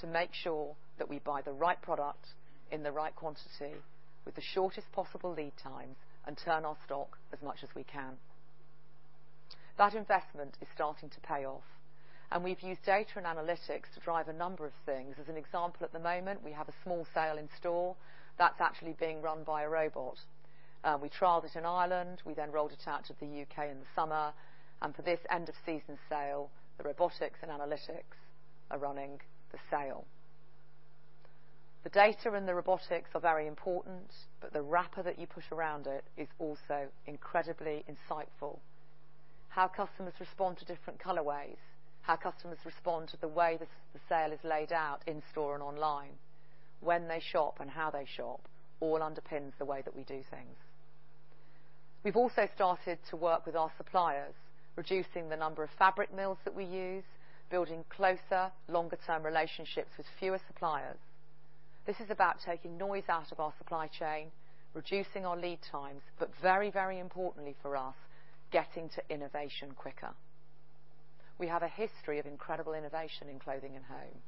to make sure that we buy the right product in the right quantity with the shortest possible lead times and turn our stock as much as we can. That investment is starting to pay off. We've used data and analytics to drive a number of things. As an example at the moment, we have a small sale in store that's actually being run by a robot. We trialed it in Ireland, we then rolled it out to the UK in the summer. For this end-of-season sale, the robotics and analytics are running the sale. The data and the robotics are very important. The wrapper that you put around it is also incredibly insightful. How customers respond to different colorways, how customers respond to the way the sale is laid out in store and online, when they shop and how they shop all underpins the way that we do things. We've also started to work with our suppliers, reducing the number of fabric mills that we use, building closer, longer-term relationships with fewer suppliers. This is about taking noise out of our supply chain, reducing our lead times, but very, very importantly for us, getting to innovation quicker. We have a history of incredible innovation in Clothing & Home.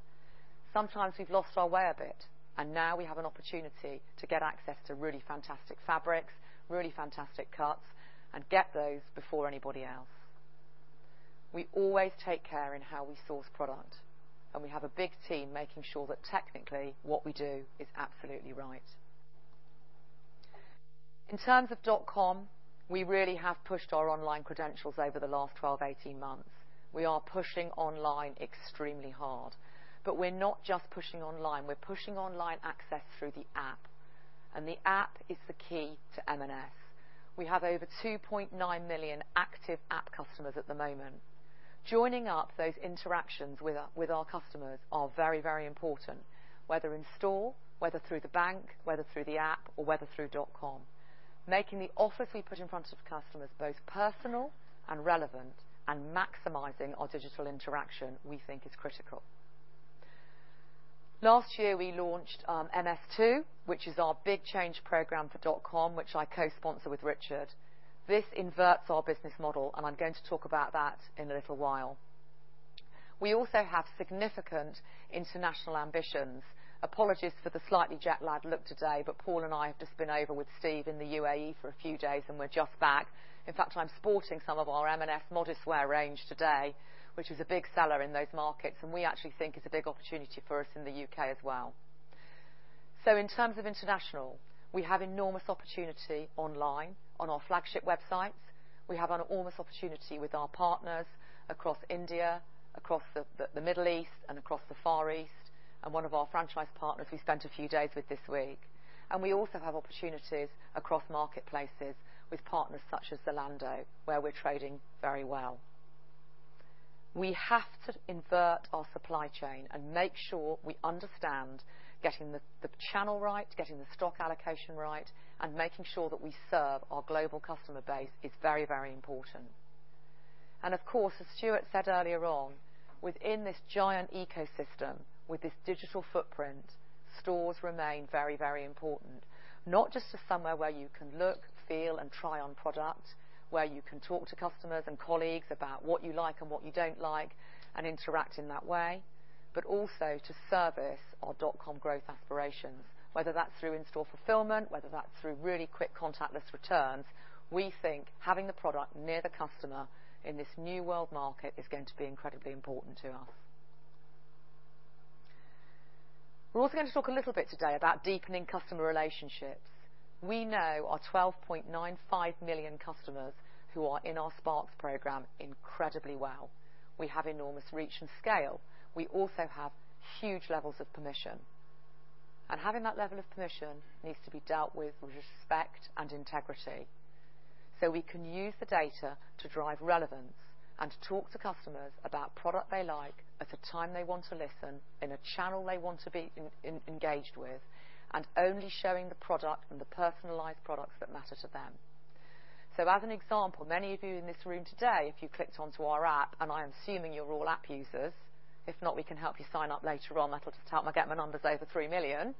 Sometimes we've lost our way a bit, and now we have an opportunity to get access to really fantastic fabrics, really fantastic cuts, and get those before anybody else. We always take care in how we source product, and we have a big team making sure that technically what we do is absolutely right. In terms of dotcom, we really have pushed our online credentials over the last 12, 18 months. We are pushing online extremely hard. We're not just pushing online, we're pushing online access through the app, and the app is the key to M&S. We have over 2.9 million active app customers at the moment. Joining up those interactions with our customers are very, very important, whether in store, whether through the bank, whether through the app, or whether through dotcom. Making the offers we put in front of customers both personal and relevant and maximizing our digital interaction we think is critical. Last year, we launched MS2, which is our big change program for dotcom, which I co-sponsor with Richard. This inverts our business model. I'm going to talk about that in a little while. We also have significant international ambitions. Apologies for the slightly jet-lagged look today, Paul and I have just been over with Steve in the UAE for a few days, and we're just back. In fact, I'm sporting some of our M&S modest wear range today, which is a big seller in those markets, and we actually think it's a big opportunity for us in the UK as well. In terms of international, we have enormous opportunity online, on our flagship websites. We have enormous opportunity with our partners across India, across the Middle East, and across the Far East, and one of our franchise partners we spent a few days with this week. We also have opportunities across marketplaces with partners such as Zalando, where we're trading very well. We have to invert our supply chain and make sure we understand getting the channel right, getting the stock allocation right, and making sure that we serve our global customer base is very important. Of course, as Stuart said earlier on, within this giant ecosystem, with this digital footprint, stores remain very important. Not just as somewhere where you can look, feel, and try on product, where you can talk to customers and colleagues about what you like and what you don't like and interact in that way, but also to service our dotcom growth aspirations. Whether that's through in-store fulfillment, whether that's through really quick contactless returns, we think having the product near the customer in this new world market is going to be incredibly important to us. We're also going to talk a little bit today about deepening customer relationships. We know our 12.95 million customers who are in our Sparks program incredibly well. We have enormous reach and scale. We also have huge levels of permission. Having that level of permission needs to be dealt with respect and integrity so we can use the data to drive relevance and to talk to customers about product they like at a time they want to listen, in a channel they want to be engaged with, and only showing the product and the personalized products that matter to them. As an example, many of you in this room today, if you clicked onto our app, and I am assuming you're all app users, if not, we can help you sign up later on. That'll help me get my numbers over 3 million.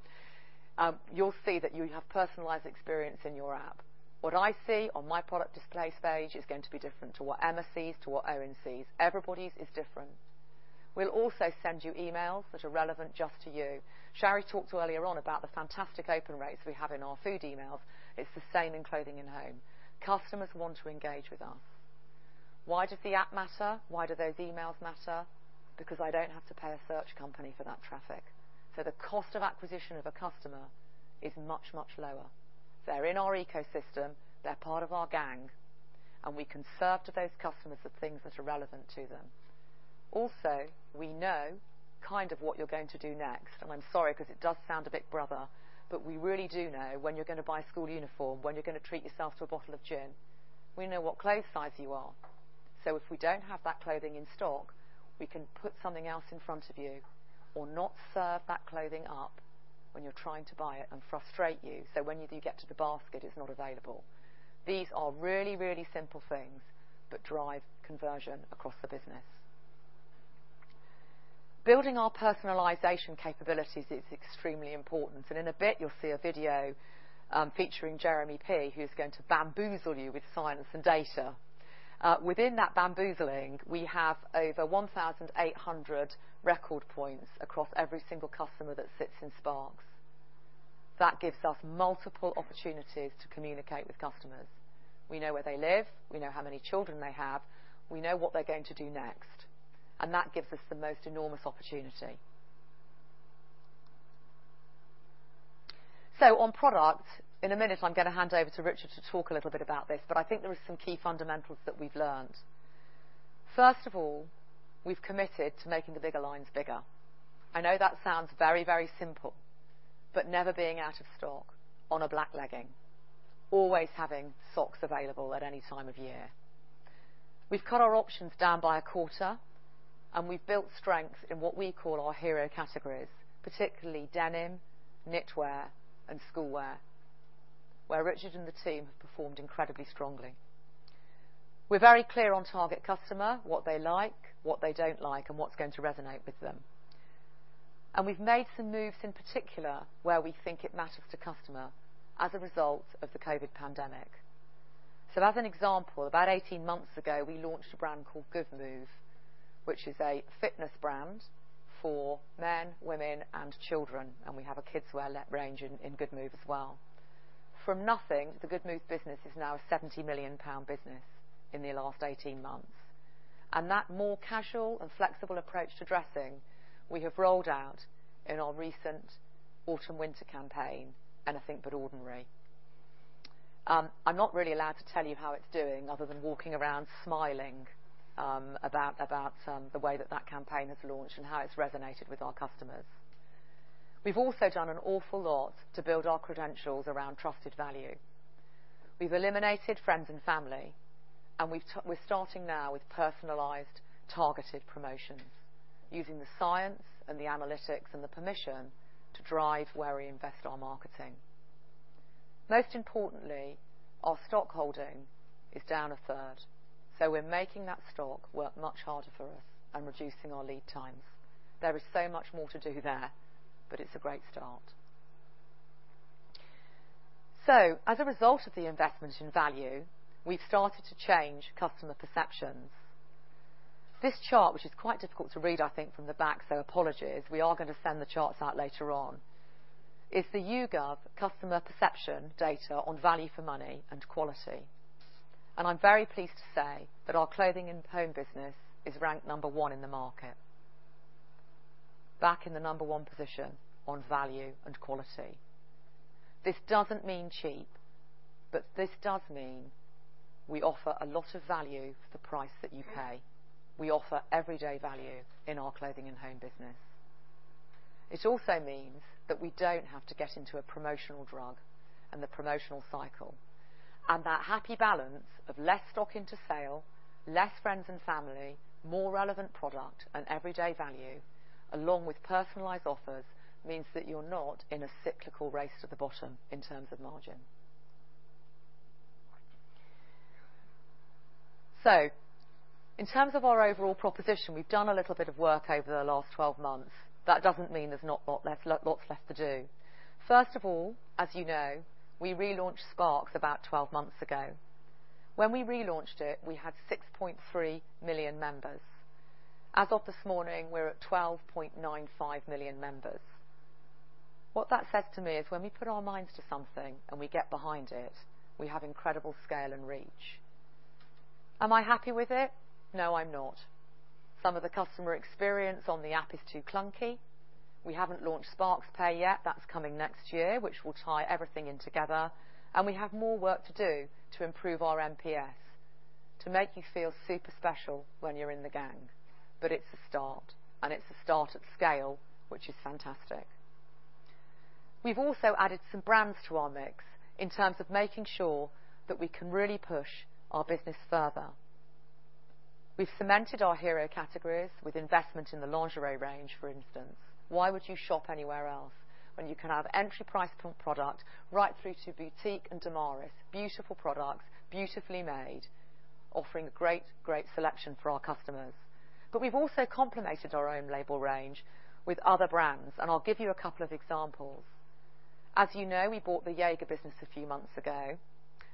You'll see that you have personalized experience in your app. What I see on my product displays page is going to be different to what Emma sees, to what Eoin sees. Everybody's is different. We'll also send you emails that are relevant just to you. Sharry talked earlier on about the fantastic open rates we have in our food emails. It's the same in Clothing & Home. Customers want to engage with us. Why does the app matter? Why do those emails matter? Because I don't have to pay a search company for that traffic. The cost of acquisition of a customer is much, much lower. They're in our ecosystem, they're part of our gang, and we can serve to those customers the things that are relevant to them. We know kind of what you're going to do next, and I'm sorry because it does sound a bit brother, but we really do know when you're going to buy school uniform, when you're going to treat yourself to a bottle of gin. We know what clothes size you are, so if we don't have that clothing in stock, we can put something else in front of you or not serve that clothing up when you're trying to buy it and frustrate you, so when you do get to the basket, it's not available. These are really simple things but drive conversion across the business. Building our personalization capabilities is extremely important, and in a bit, you'll see a video featuring Jeremy Pee, who's going to bamboozle you with science and data. Within that bamboozling, we have over 1,800 record points across every single customer that sits in Sparks. That gives us multiple opportunities to communicate with customers. We know where they live. We know how many children they have. We know what they're going to do next. That gives us the most enormous opportunity. On Product, in a minute, I'm going to hand over to Richard to talk a little bit about this. I think there are some key fundamentals that we've learned. First of all, we've committed to making the bigger lines bigger. I know that sounds very simple. Never being out of stock on a black legging, always having socks available at any time of year. We've cut our options down by a quarter. We've built strength in what we call our hero categories, particularly denim, knitwear, and school wear, where Richard and the team have performed incredibly strongly. We're very clear on target customer, what they like, what they don't like, and what's going to resonate with them. We've made some moves in particular where we think it matters to customer as a result of the COVID pandemic. As an example, about 18 months ago, we launched a brand called Goodmove, which is a fitness brand for men, women, and children, and we have a kid's wear range in Goodmove as well. From nothing, the Goodmove business is now a 70 million pound business in the last 18 months. That more casual and flexible approach to dressing, we have rolled out in our recent Autumn/Winter campaign, Anything But Ordinary. I'm not really allowed to tell you how it's doing other than walking around smiling about the way that that campaign has launched and how it's resonated with our customers. We've also done an awful lot to build our credentials around trusted value. We've eliminated friends and family. We're starting now with personalized, targeted promotions using the science and the analytics and the permission to drive where we invest our marketing. Most importantly, our stock-holding is down a third. We're making that stock work much harder for us and reducing our lead times. There is so much more to do there. It's a great start. As a result of the investment in value, we've started to change customer perceptions. This chart, which is quite difficult to read, I think, from the back, so apologies. We are going to send the charts out later on. It's the YouGov customer perception data on value for money and quality. I'm very pleased to say that our clothing & Home business is ranked number one in the market. Back in the number one position on value and quality. This doesn't mean cheap, but this does mean we offer a lot of value for the price that you pay. We offer everyday value in our clothing & Home business. It also means that we don't have to get into a promotional drug and the promotional cycle. That happy balance of less stock into sale, less friends and family, more relevant product and everyday value, along with personalized offers, means that you're not in a cyclical race to the bottom in terms of margin. In terms of our overall proposition, we've done a little bit of work over the last 12 months. That doesn't mean there's not lots left to do. First of all, as you know, we relaunched Sparks about 12 months ago. When we relaunched it, we had 6.3 million members. As of this morning, we're at 12.95 million members. What that says to me is when we put our minds to something and we get behind it, we have incredible scale and reach. Am I happy with it? No, I'm not. Some of the customer experience on the app is too clunky. We haven't launched Sparks Pay yet, that's coming next year, which will tie everything in together. We have more work to do to improve our NPS, to make you feel super special when you're in the gang. It's a start, and it's a start at scale, which is fantastic. We've also added some brands to our mix in terms of making sure that we can really push our business further. We've cemented our hero categories with investment in the lingerie range, for instance. Why would you shop anywhere else when you can have entry price point product right through to Boutique x Damaris? Beautiful products, beautifully made, offering a great selection for our customers. We've also complemented our own label range with other brands, and I'll give you a couple of examples. As you know, we bought the Jaeger business a few months ago,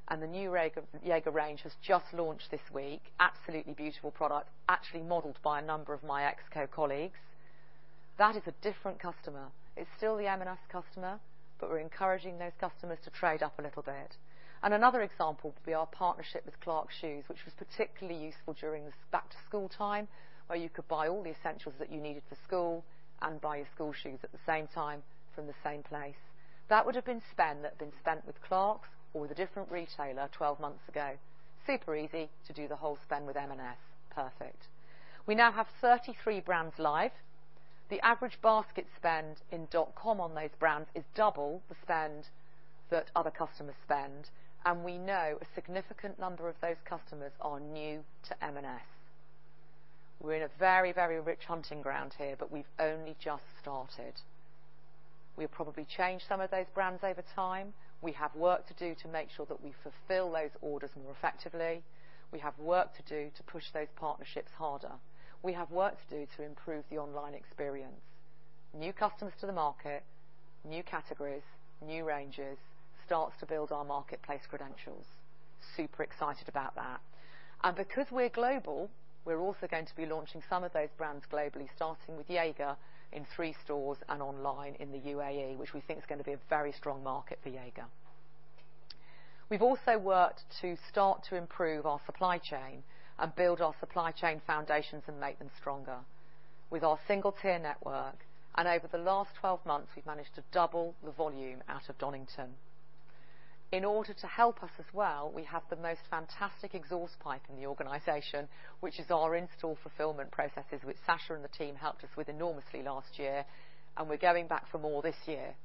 and the new Jaeger range has just launched this week. Absolutely beautiful product, actually modeled by a number of my ex-co-colleagues. That is a different customer. It's still the M&S customer, but we're encouraging those customers to trade up a little bit. Another example would be our partnership with Clarks Shoes, which was particularly useful during the back to school time, where you could buy all the essentials that you needed for school and buy your school shoes at the same time from the same place. That would have been spend that had been spent with Clarks or with a different retailer 12 months ago. Super easy to do the whole spend with M&S. Perfect. We now have 33 brands live. The average basket spend in dotcom on those brands is double the spend that other customers spend, and we know a significant number of those customers are new to M&S. We're in a very rich hunting ground here. We've only just started. We'll probably change some of those brands over time. We have work to do to make sure that we fulfill those orders more effectively. We have work to do to push those partnerships harder. We have work to do to improve the online experience. New customers to the market, new categories, new ranges, starts to build our marketplace credentials. Super excited about that. Because we're global, we're also going to be launching some of those brands globally, starting with Jaeger in three stores and online in the UAE, which we think is going to be a very strong market for Jaeger. We've also worked to start to improve our supply chain and build our supply chain foundations and make them stronger with our single-tier network. Over the last 12 months, we've managed to double the volume out of Donington. In order to help us as well, we have the most fantastic exhaust pipe in the organization, which is our in-store fulfillment processes, which Sacha and the team helped us with enormously last year, and we're going back for more this year.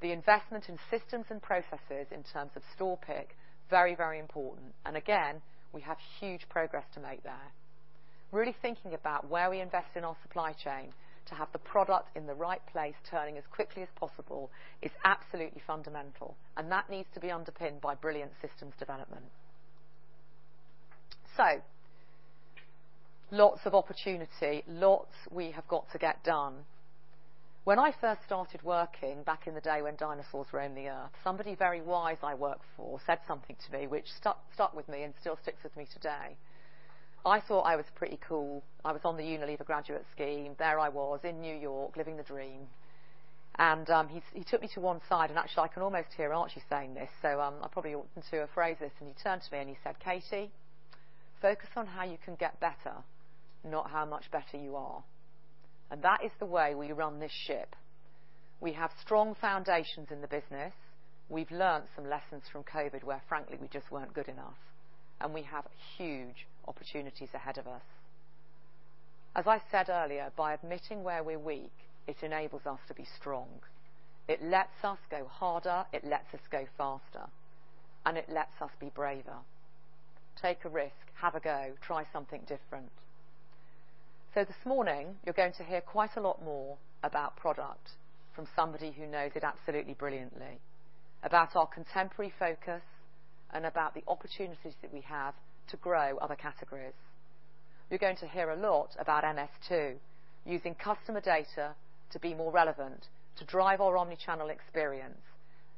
The investment in systems and processes in terms of store pick, very, very important. Again, we have huge progress to make there. Really thinking about where we invest in our supply chain to have the product in the right place turning as quickly as possible is absolutely fundamental, and that needs to be underpinned by brilliant systems development. Lots of opportunity, lots we have got to get done. When I first started working back in the day when dinosaurs roamed the earth, somebody very wise I worked for said something to me which stuck with me and still sticks with me today. I thought I was pretty cool. I was on the Unilever graduate scheme. There I was in New York, living the dream. He took me to one side, and actually, I can almost hear Archie saying this, so I probably oughtn't to paraphrase this. He turned to me and he said, "Katie, focus on how you can get better, not how much better you are." That is the way we run this ship. We have strong foundations in the business. We've learned some lessons from COVID where frankly, we just weren't good enough, and we have huge opportunities ahead of us. As I said earlier, by admitting where we're weak, it enables us to be strong. It lets us go harder, it lets us go faster, and it lets us be braver. Take a risk, have a go, try something different. This morning, you're going to hear quite a lot more about product from somebody who knows it absolutely brilliantly, about our contemporary focus, and about the opportunities that we have to grow other categories. You're going to hear a lot about MS2, using customer data to be more relevant, to drive our omni-channel experience,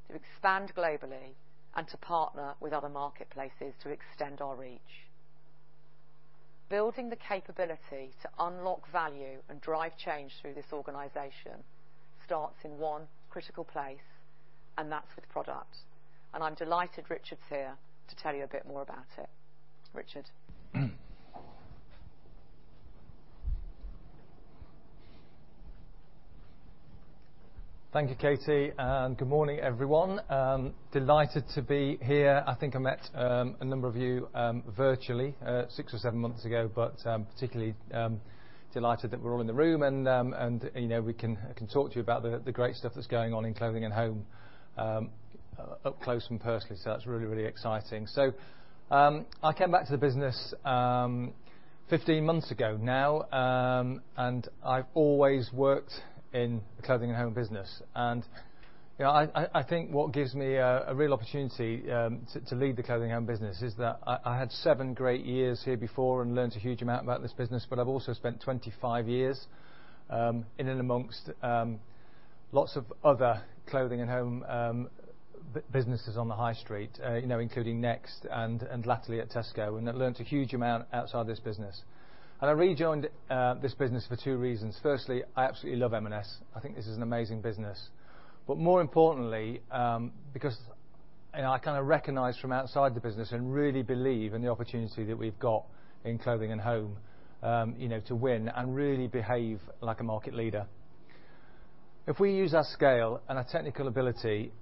to expand globally, and to partner with other marketplaces to extend our reach. Building the capability to unlock value and drive change through this organization starts in one critical place, and that's with Product. I'm delighted Richard's here to tell you a bit more about it. Richard. Thank you, Katie. Good morning, everyone. Delighted to be here. I think I met a number of you virtually six or seven months ago, but particularly delighted that we are all in the room and I can talk to you about the great stuff that is going on in Clothing & Home up close and personally. That is really exciting. I came back to the business 15 months ago now, and I have always worked in the clothing & Home business. I think what gives me a real opportunity to lead the clothing & Home business is that I had seven great years here before and learned a huge amount about this business, but I have also spent 25 years in and amongst lots of other clothing & Home businesses on the high street, including Next and latterly at Tesco, and I learned a huge amount outside this business. I rejoined this business for two reasons. Firstly, I absolutely love M&S. I think this is an amazing business. More importantly, because I kind of recognize from outside the business and really believe in the opportunity that we've got in Clothing & Home to win and really behave like a market leader. If we use our scale and our technical ability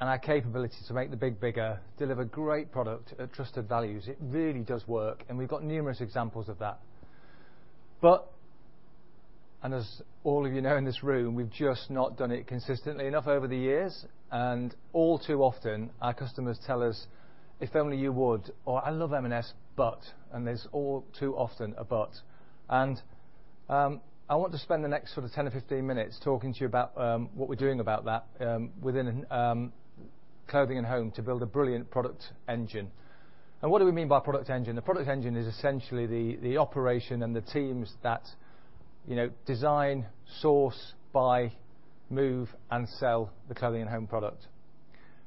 and our capability to make the big bigger, deliver great product at trusted values, it really does work, and we've got numerous examples of that. As all of you know in this room, we've just not done it consistently enough over the years, and all too often, our customers tell us, "If only you would," or, "I love M&S, but." There's all too often a but. I want to spend the next sort of 10 or 15 minutes talking to you about what we're doing about that within Clothing & Home to build a brilliant product engine. What do we mean by product engine? The product engine is essentially the operation and the teams that design, source, buy, move, and sell the Clothing & Home product.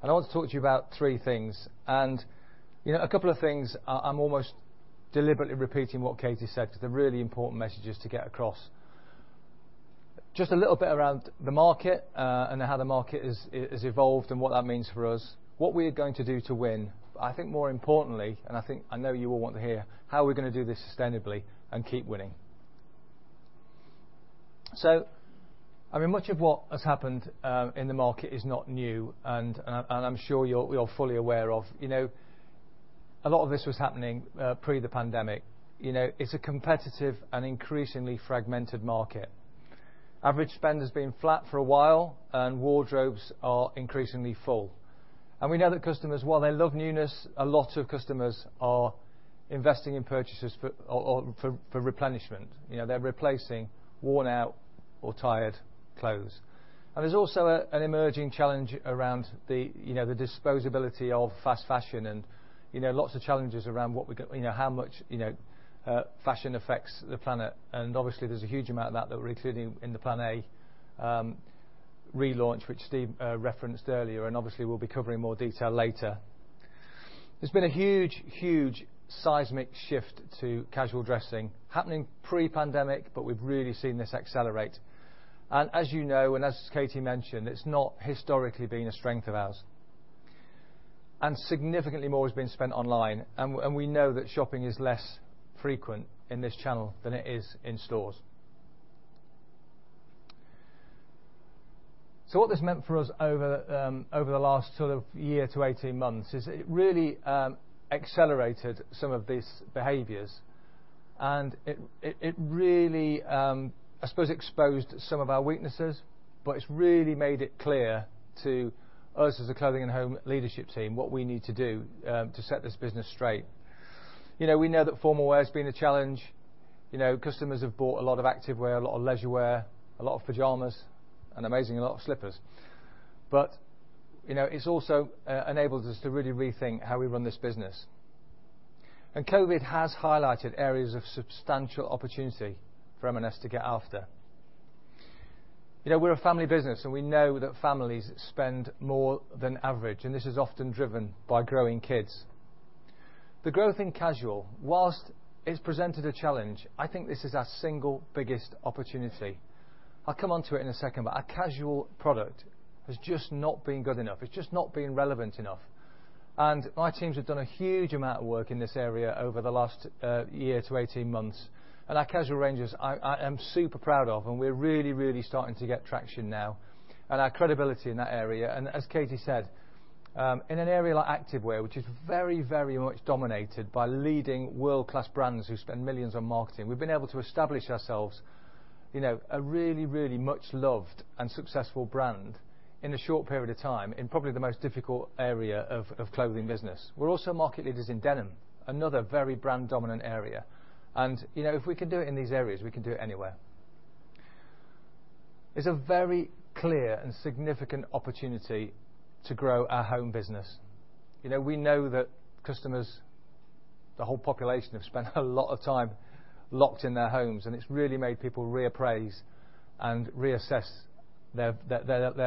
I want to talk to you about three things. A couple of things, I'm almost deliberately repeating what Katie said because they're really important messages to get across. Just a little bit around the market, and how the market has evolved and what that means for us, what we are going to do to win, but I think more importantly, and I know you all want to hear, how are we going to do this sustainably and keep winning? Much of what has happened in the market is not new, and I'm sure you're fully aware of, a lot of this was happening pre the pandemic. It's a competitive and increasingly fragmented market. Average spend has been flat for a while, and wardrobes are increasingly full. We know that customers, while they love newness, a lot of customers are investing in purchases for replenishment. They're replacing worn out or tired clothes. There's also an emerging challenge around the disposability of fast fashion, and lots of challenges around how much fashion affects the planet, and obviously, there's a huge amount of that that we're including in the Plan A relaunch, which Steve referenced earlier, and obviously, we'll be covering in more detail later. There's been a huge seismic shift to casual dressing happening pre-pandemic, but we've really seen this accelerate. As you know, as Katie mentioned, it's not historically been a strength of ours. Significantly more is being spent online, and we know that shopping is less frequent in this channel than it is in stores. What this meant for us over the last sort of year to 18 months is it really accelerated some of these behaviors, and it really, I suppose, exposed some of our weaknesses, but it's really made it clear to us as a Clothing & Home leadership team what we need to do to set this business straight. We know that formal wear has been a challenge. Customers have bought a lot of active wear, a lot of leisure wear, a lot of pajamas, and amazingly, a lot of slippers. It's also enabled us to really rethink how we run this business. COVID has highlighted areas of substantial opportunity for M&S to get after. We're a family business, and we know that families spend more than average. This is often driven by growing kids. The growth in casual, whilst it's presented a challenge, I think this is our single biggest opportunity. I'll come onto it in a second. Our casual product has just not been good enough. It's just not been relevant enough. My teams have done a huge amount of work in this area over the last year to 18 months. Our casual ranges, I am super proud of, and we're really starting to get traction now and our credibility in that area. As Katie said, in an area like active wear, which is very much dominated by leading world-class brands who spend millions on marketing, we've been able to establish ourselves a really much loved and successful brand in a short period of time, in probably the most difficult area of clothing business. We're also market leaders in denim, another very brand dominant area. If we can do it in these areas, we can do it anywhere. It's a very clear and significant opportunity to grow our Home business. We know that customers, the whole population, have spent a lot of time locked in their homes, and it's really made people reappraise and reassess their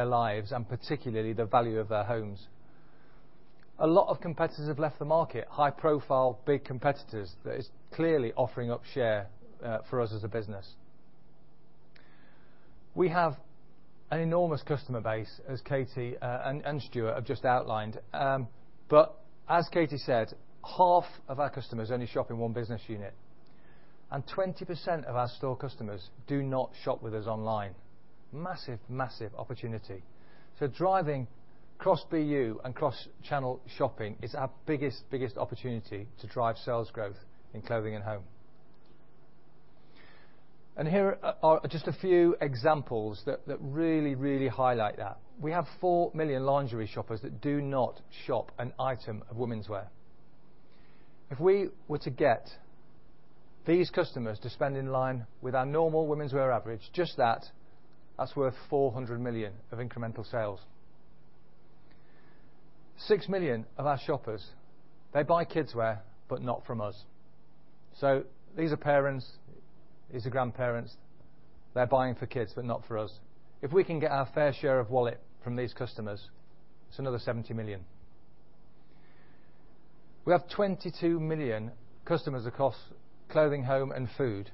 lives and particularly the value of their homes. A lot of competitors have left the market, high profile, big competitors, that is clearly offering up share for us as a business. We have an enormous customer base, as Katie and Stuart have just outlined. As Katie said, half of our customers only shop in one business unit, and 20% of our store customers do not shop with us online. Massive, massive opportunity. Driving cross BU and cross-channel shopping is our biggest opportunity to drive sales growth in Clothing & Home. Here are just a few examples that really highlight that. We have 4 million lingerie shoppers that do not shop an item of womenswear. If we were to get these customers to spend in line with our normal womenswear average, just that is worth 400 million of incremental sales. 6 million of our shoppers, they buy kidswear, but not from us. These are parents, these are grandparents, they are buying for kids, but not for us. If we can get our fair share of wallet from these customers, it's another 70 million. We have 22 million customers across Clothing, Home, and Food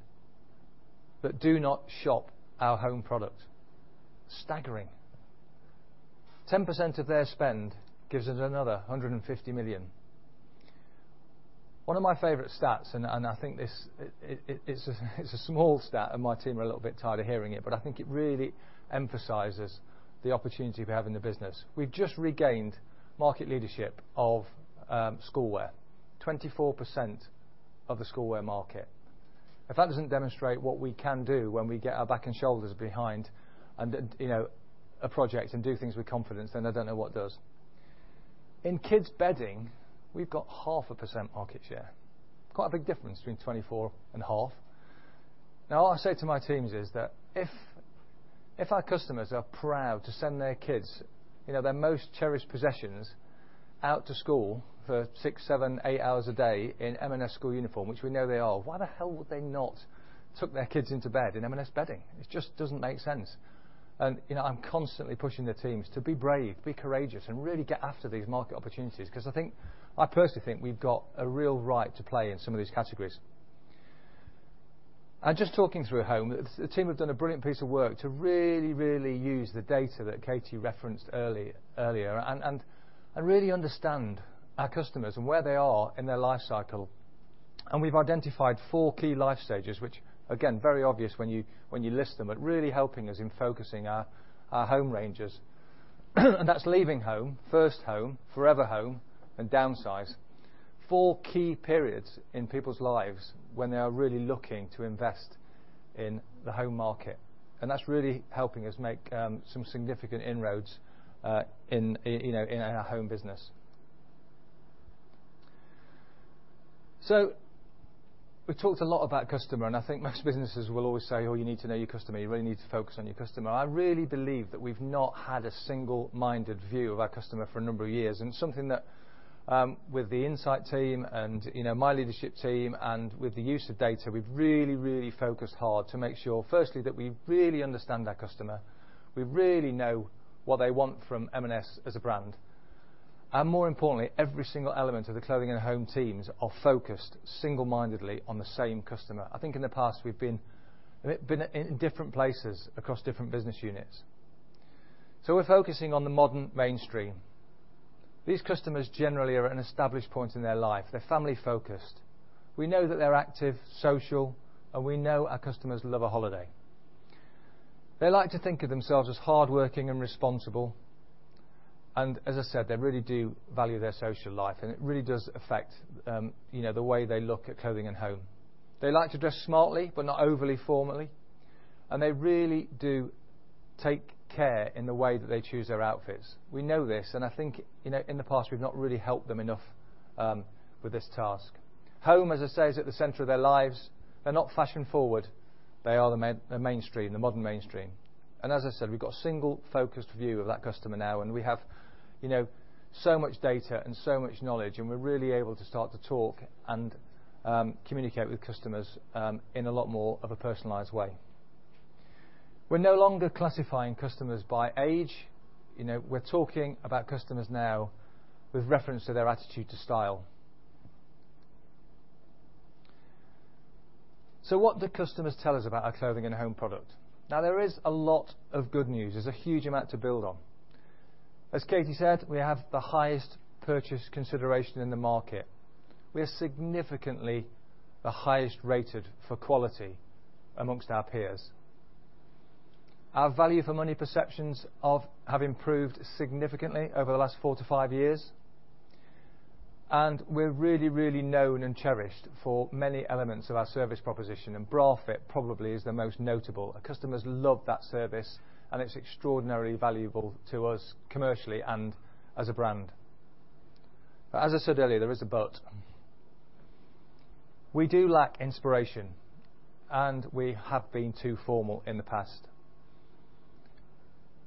that do not shop our home product. Staggering. 10% of their spend gives us another 150 million. One of my favorite stats, and I think it's a small stat, and my team are a little bit tired of hearing it, but I think it really emphasizes the opportunity we have in the business. We've just regained market leadership of school wear, 24% of the school wear market. If that doesn't demonstrate what we can do when we get our back and shoulders behind a project and do things with confidence, then I don't know what does. In kids bedding, we've got 0.5% market share. Quite a big difference between 24% and 0.5%. All I say to my teams is that if our customers are proud to send their kids, their most cherished possessions, out to school for six, seven, eight hours a day in M&S school uniform, which we know they are, why the hell would they not tuck their kids into bed in M&S bedding? It just doesn't make sense. I'm constantly pushing the teams to be brave, be courageous, and really get after these market opportunities, because I personally think we've got a real right to play in some of these categories. Just talking through home, the team have done a brilliant piece of work to really use the data that Katie referenced earlier and really understand our customers and where they are in their life cycle. We've identified four key life stages, which again, very obvious when you list them, but really helping us in focusing our home ranges. That's Leaving Home, First Home, Forever Home, and Downsize. Four key periods in people's lives when they are really looking to invest in the home market. That's really helping us make some significant inroads in our Home business. We've talked a lot about customer and I think most businesses will always say, "Oh, you need to know your customer, you really need to focus on your customer." I really believe that we've not had a single-minded view of our customer for a number of years. It's something that with the insight team and my leadership team and with the use of data, we've really, really focused hard to make sure firstly that we really understand our customer, we really know what they want from M&S as a brand, and more importantly, every single element of the Clothing & Home teams are focused single-mindedly on the same customer. I think in the past we've been in different places across different business units. We're focusing on the modern mainstream. These customers generally are at an established point in their life. They're family focused. We know that they're active, social, and we know our customers love a holiday. They like to think of themselves as hardworking and responsible. As I said, they really do value their social life, and it really does affect the way they look at Clothing & Home. They like to dress smartly, but not overly formally. They really do take care in the way that they choose their outfits. We know this, and I think in the past we've not really helped them enough with this task. Home, as I say, is at the center of their lives. They're not fashion forward. They are the modern mainstream. As I said, we've got a single focused view of that customer now, and we have so much data and so much knowledge, and we're really able to start to talk and communicate with customers in a lot more of a personalized way. We're no longer classifying customers by age. We're talking about customers now with reference to their attitude to style. What do customers tell us about our Clothing & Home product? Now there is a lot of good news. There's a huge amount to build on. As Katie said, we have the highest purchase consideration in the market. We are significantly the highest rated for quality amongst our peers. Our value for money perceptions have improved significantly over the last four to five years. We're really, really known and cherished for many elements of our service proposition, and bra fit probably is the most notable. Our customers love that service, and it's extraordinarily valuable to us commercially and as a brand. As I said earlier, there is a but. We do lack inspiration, and we have been too formal in the past.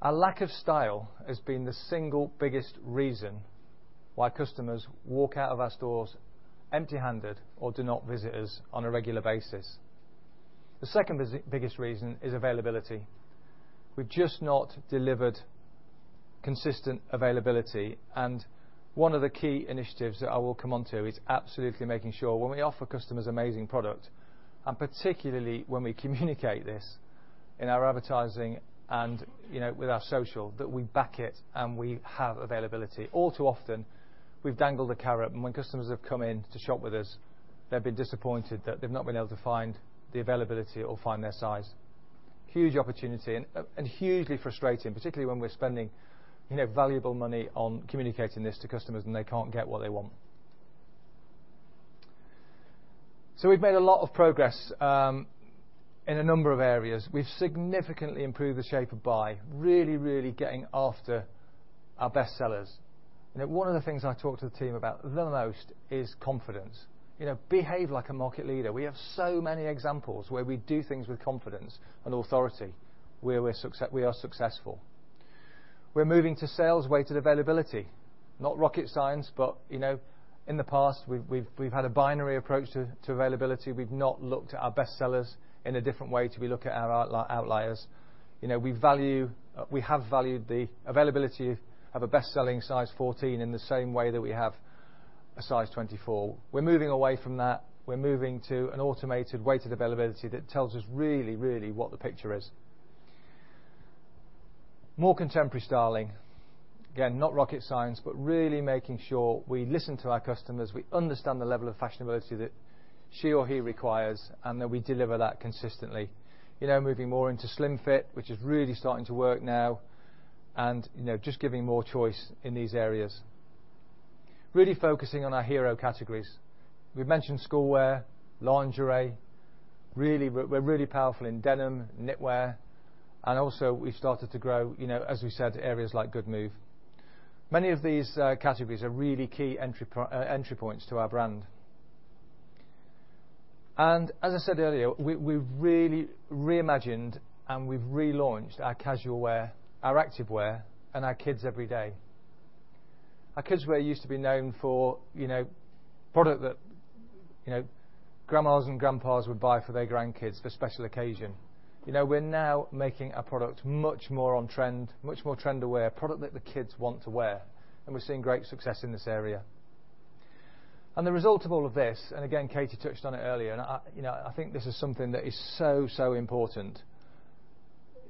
A lack of style has been the single biggest reason why customers walk out of our stores empty-handed or do not visit us on a regular basis. The second biggest reason is availability. We've just not delivered consistent availability. One of the key initiatives that I will come onto is absolutely making sure when we offer customers amazing product, and particularly when we communicate this in our advertising and with our social, that we back it, and we have availability. All too often, we've dangled a carrot, and when customers have come in to shop with us, they've been disappointed that they've not been able to find the availability or find their size. Huge opportunity and hugely frustrating, particularly when we're spending valuable money on communicating this to customers and they can't get what they want. We've made a lot of progress in a number of areas. We've significantly improved the shape of buy, really, really getting after our best sellers. One of the things I talk to the team about the most is confidence. Behave like a market leader. We have so many examples where we do things with confidence and authority, where we are successful. We're moving to sales-weighted availability. Not rocket science, but in the past, we've had a binary approach to availability. We've not looked at our best sellers in a different way to we look at our outliers. We have valued the availability of a best-selling size 14 in the same way that we have a size 24. We're moving away from that. We're moving to an automated weighted availability that tells us really, really what the picture is. More contemporary styling. Again, not rocket science, but really making sure we listen to our customers, we understand the level of fashionability that she or he requires, and that we deliver that consistently. Moving more into slim fit, which is really starting to work now, and just giving more choice in these areas. Really focusing on our hero categories. We've mentioned school wear, lingerie. We're really powerful in denim, knitwear, also we've started to grow, as we said, areas like Goodmove. Many of these categories are really key entry points to our brand. As I said earlier, we've really reimagined and we've relaunched our casual wear, our active wear, and our kids everyday. Our kids wear used to be known for product that grandmas and grandpas would buy for their grandkids for special occasion. We're now making a product much more on trend, much more trend aware, product that the kids want to wear, and we're seeing great success in this area. The result of all of this, again, Katie touched on it earlier, I think this is something that is so, so important.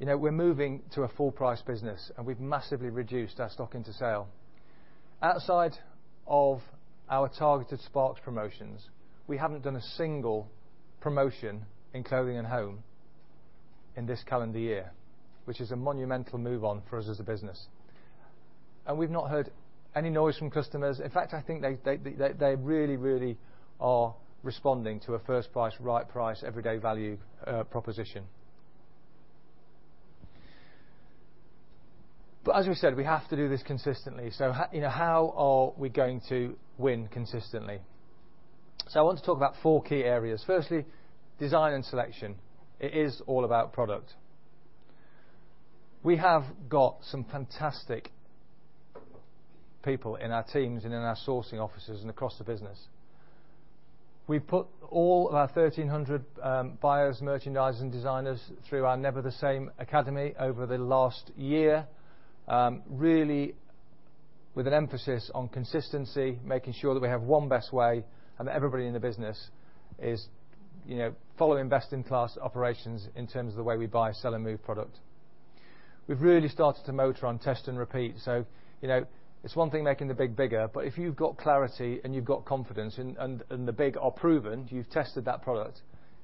We're moving to a full price business, and we've massively reduced our stock into sale. Outside of our targeted Sparks promotions, we haven't done a single promotion in Clothing & Home in this calendar year, which is a monumental move on for us as a business. We've not heard any noise from customers. In fact, I think they really, really are responding to a first price, right price, everyday value proposition. As we said, we have to do this consistently. How are we going to win consistently? I want to talk about four key areas. Firstly, design and selection. It is all about product. We have got some fantastic people in our teams and in our sourcing offices and across the business. We put all of our 1,300 buyers, merchandisers, and designers through our Never The Same academy over the last year, really with an emphasis on consistency, making sure that we have one best way and that everybody in the business is following best in class operations in terms of the way we buy, sell, and move product. We've really started to motor on test and repeat. It's one thing making the big bigger, but if you've got clarity and you've got confidence and the big are proven, you've tested that product,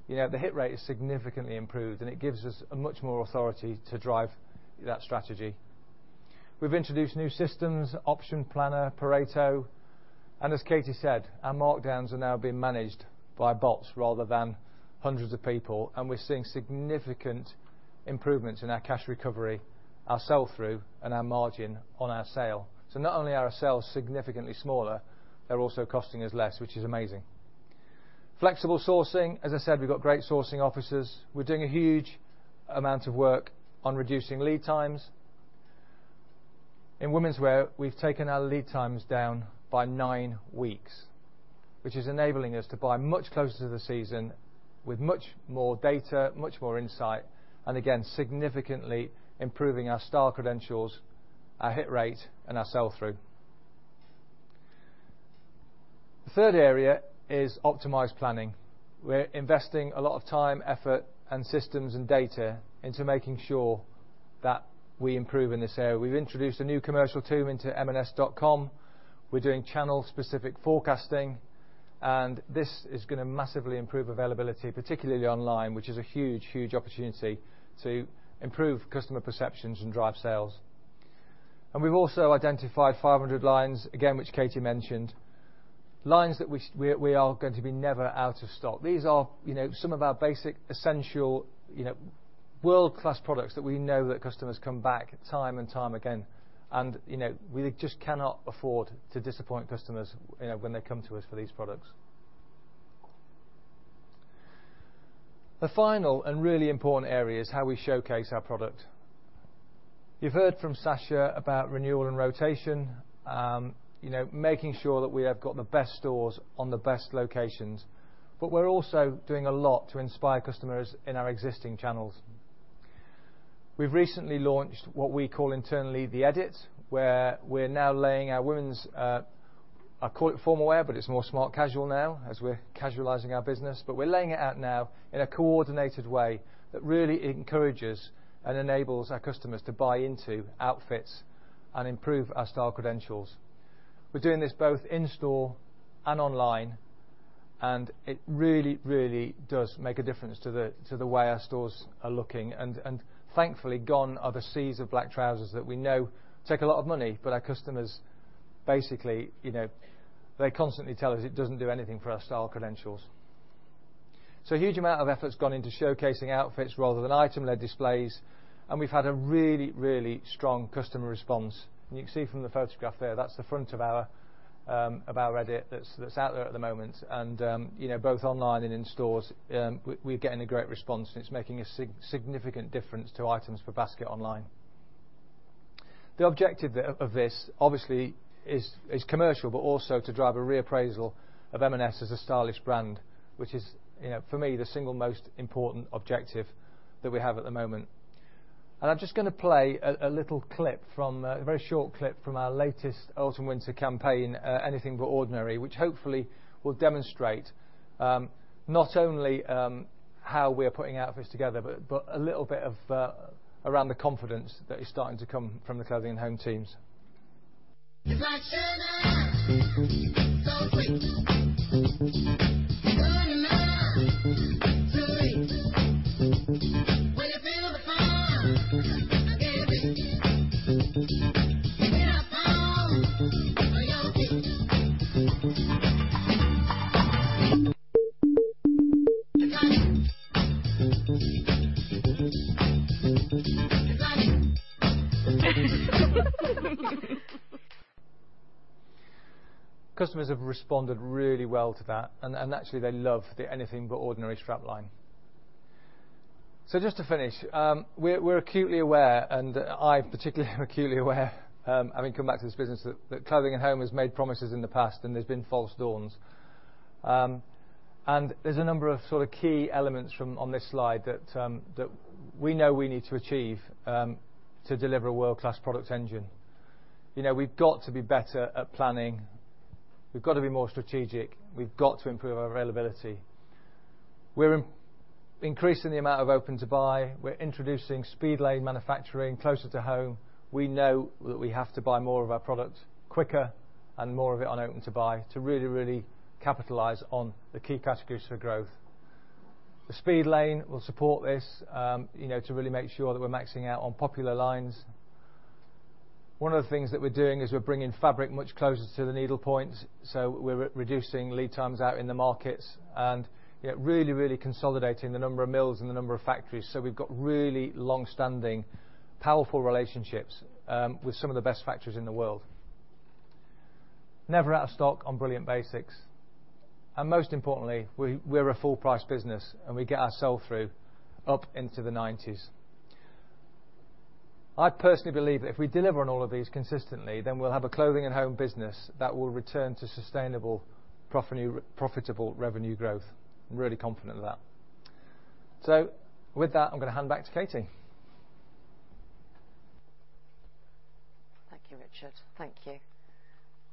the hit rate is significantly improved, and it gives us a much more authority to drive that strategy. We've introduced new systems, Option Planner, Pareto. As Katie said, our markdowns are now being managed by bots rather than hundreds of people. We're seeing significant improvements in our cash recovery, our sell-through, and our margin on our sale. Not only are our sales significantly smaller, they're also costing us less, which is amazing. Flexible sourcing. As I said, we've got great sourcing officers. We're doing a huge amount of work on reducing lead times. In women's wear, we've taken our lead times down by nine weeks, which is enabling us to buy much closer to the season with much more data, much more insight. Again, significantly improving our style credentials, our hit rate, and our sell-through. The third area is optimized planning. We're investing a lot of time, effort, and systems and data into making sure that we improve in this area. We've introduced a new commercial team into M&S.com. We're doing channel-specific forecasting. This is going to massively improve availability, particularly online, which is a huge, huge opportunity to improve customer perceptions and drive sales. We've also identified 500 lines, again, which Katie mentioned, lines that we are going to be never out of stock. These are some of our basic, essential, world-class products that we know that customers come back time and time again. We just cannot afford to disappoint customers when they come to us for these products. The final and really important area is how we showcase our product. You've heard from Sacha about renewal and rotation, making sure that we have got the best stores on the best locations. We're also doing a lot to inspire customers in our existing channels. We've recently launched what we call internally The Edit, where we're now laying our women's, I call it formal wear, but it's more smart casual now, as we're casualizing our business. We're laying it out now in a coordinated way that really encourages and enables our customers to buy into outfits and improve our style credentials. We're doing this both in store and online, it really does make a difference to the way our stores are looking. Thankfully, gone are the seas of black trousers that we know take a lot of money, but our customers basically, they constantly tell us it doesn't do anything for our style credentials. A huge amount of effort's gone into showcasing outfits rather than item-led displays, we've had a really strong customer response. You can see from the photograph there, that's the front of our Edit that's out there at the moment and both online and in stores, we're getting a great response, and it's making a significant difference to items for basket online. The objective of this, obviously, is commercial, but also to drive a reappraisal of M&S as a stylish brand, which is, for me, the single most important objective that we have at the moment. I'm just going to play a very short clip from our latest Autumn/Winter campaign, Anything But Ordinary, which hopefully will demonstrate, not only how we are putting outfits together, but a little bit around the confidence that is starting to come from the Clothing & Home teams. Customers have responded really well to that, actually they love the Anything But Ordinary strapline. Just to finish, we're acutely aware, I particularly am acutely aware, having come back to this business that Clothing & Home has made promises in the past, there's been false dawns. There's a number of sort of key elements on this slide that we know we need to achieve to deliver a world-class product engine. We've got to be better at planning. We've got to be more strategic. We've got to improve our availability. We're increasing the amount of open-to-buy. We're introducing speed lane manufacturing closer to home. We know that we have to buy more of our product quicker and more of it on open-to-buy to really capitalize on the key categories for growth. The speed lane will support this, to really make sure that we're maxing out on popular lines. One of the things that we're doing is we're bringing fabric much closer to the needle points, reducing lead times out in the markets and really consolidating the number of mills and the number of factories. We've got really longstanding, powerful relationships with some of the best factories in the world. Never out of stock on brilliant basics. Most importantly, we're a full-price business, and we get our sell-through up into the 90s. I personally believe that if we deliver on all of these consistently, then we'll have a Clothing & Home business that will return to sustainable, profitable revenue growth. I'm really confident of that. With that, I'm going to hand back to Katie. Thank you, Richard. Thank you.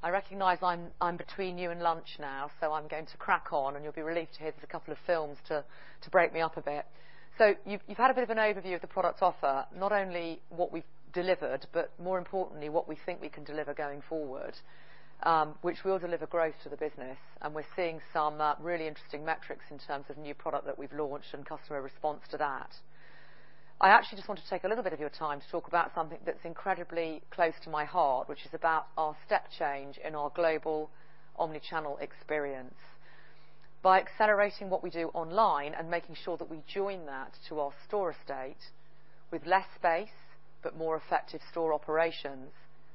I recognize I'm between you and lunch now, so I'm going to crack on, and you'll be relieved to hear there's a couple of films to break me up a bit. You've had a bit of an overview of the product offer, not only what we've delivered, but more importantly, what we think we can deliver going forward, which will deliver growth to the business. We're seeing some really interesting metrics in terms of new product that we've launched and customer response to that. I actually just want to take a little bit of your time to talk about something that's incredibly close to my heart, which is about our step change in our global omni-channel experience. By accelerating what we do online and making sure that we join that to our store estate with less space but more effective store operations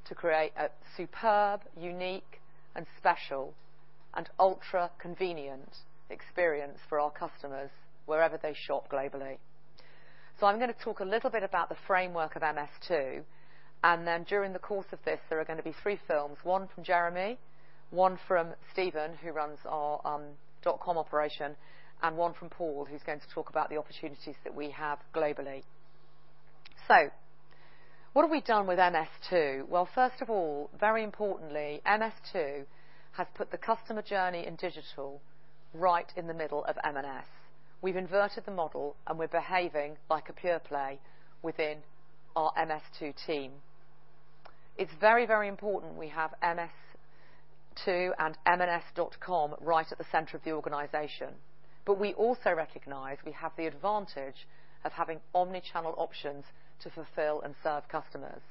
to create a superb, unique, and special and ultra-convenient experience for our customers wherever they shop globally. I'm going to talk a little bit about the framework of MS2, and then during the course of this, there are going to be three films, one from Jeremy, one from Stephen, who runs our dotcom operation, and one from Paul, who's going to talk about the opportunities that we have globally. What have we done with MS2? First of all, very importantly, MS2 has put the customer journey in digital right in the middle of M&S. We've inverted the model, and we're behaving like a pure-play within our MS2 team. It's very, very important we have MS2 and M&S.com right at the center of the organization. We also recognize we have the advantage of having omni-channel options to fulfill and serve customers.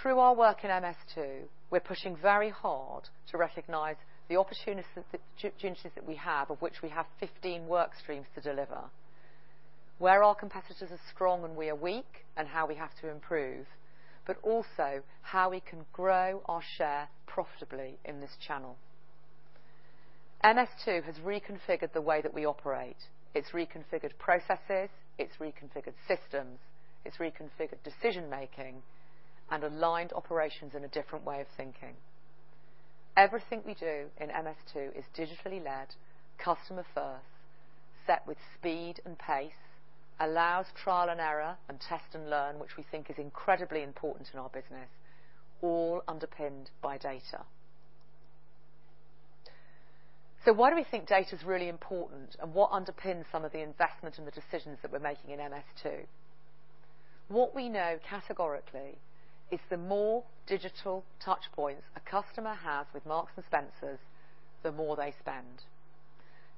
Through our work in MS2, we're pushing very hard to recognize the opportunities that we have, of which we have 15 work streams to deliver, where our competitors are strong and we are weak, and how we have to improve, but also how we can grow our share profitably in this channel. MS2 has reconfigured the way that we operate. It's reconfigured processes, it's reconfigured systems, it's reconfigured decision-making and aligned operations in a different way of thinking. Everything we do in MS2 is digitally led, customer first, set with speed and pace, allows trial and error and test and learn, which we think is incredibly important in our business, all underpinned by data. Why do we think data's really important, and what underpins some of the investment and the decisions that we're making in MS2? What we know categorically is the more digital touch points a customer has with Marks & Spencer, the more they spend.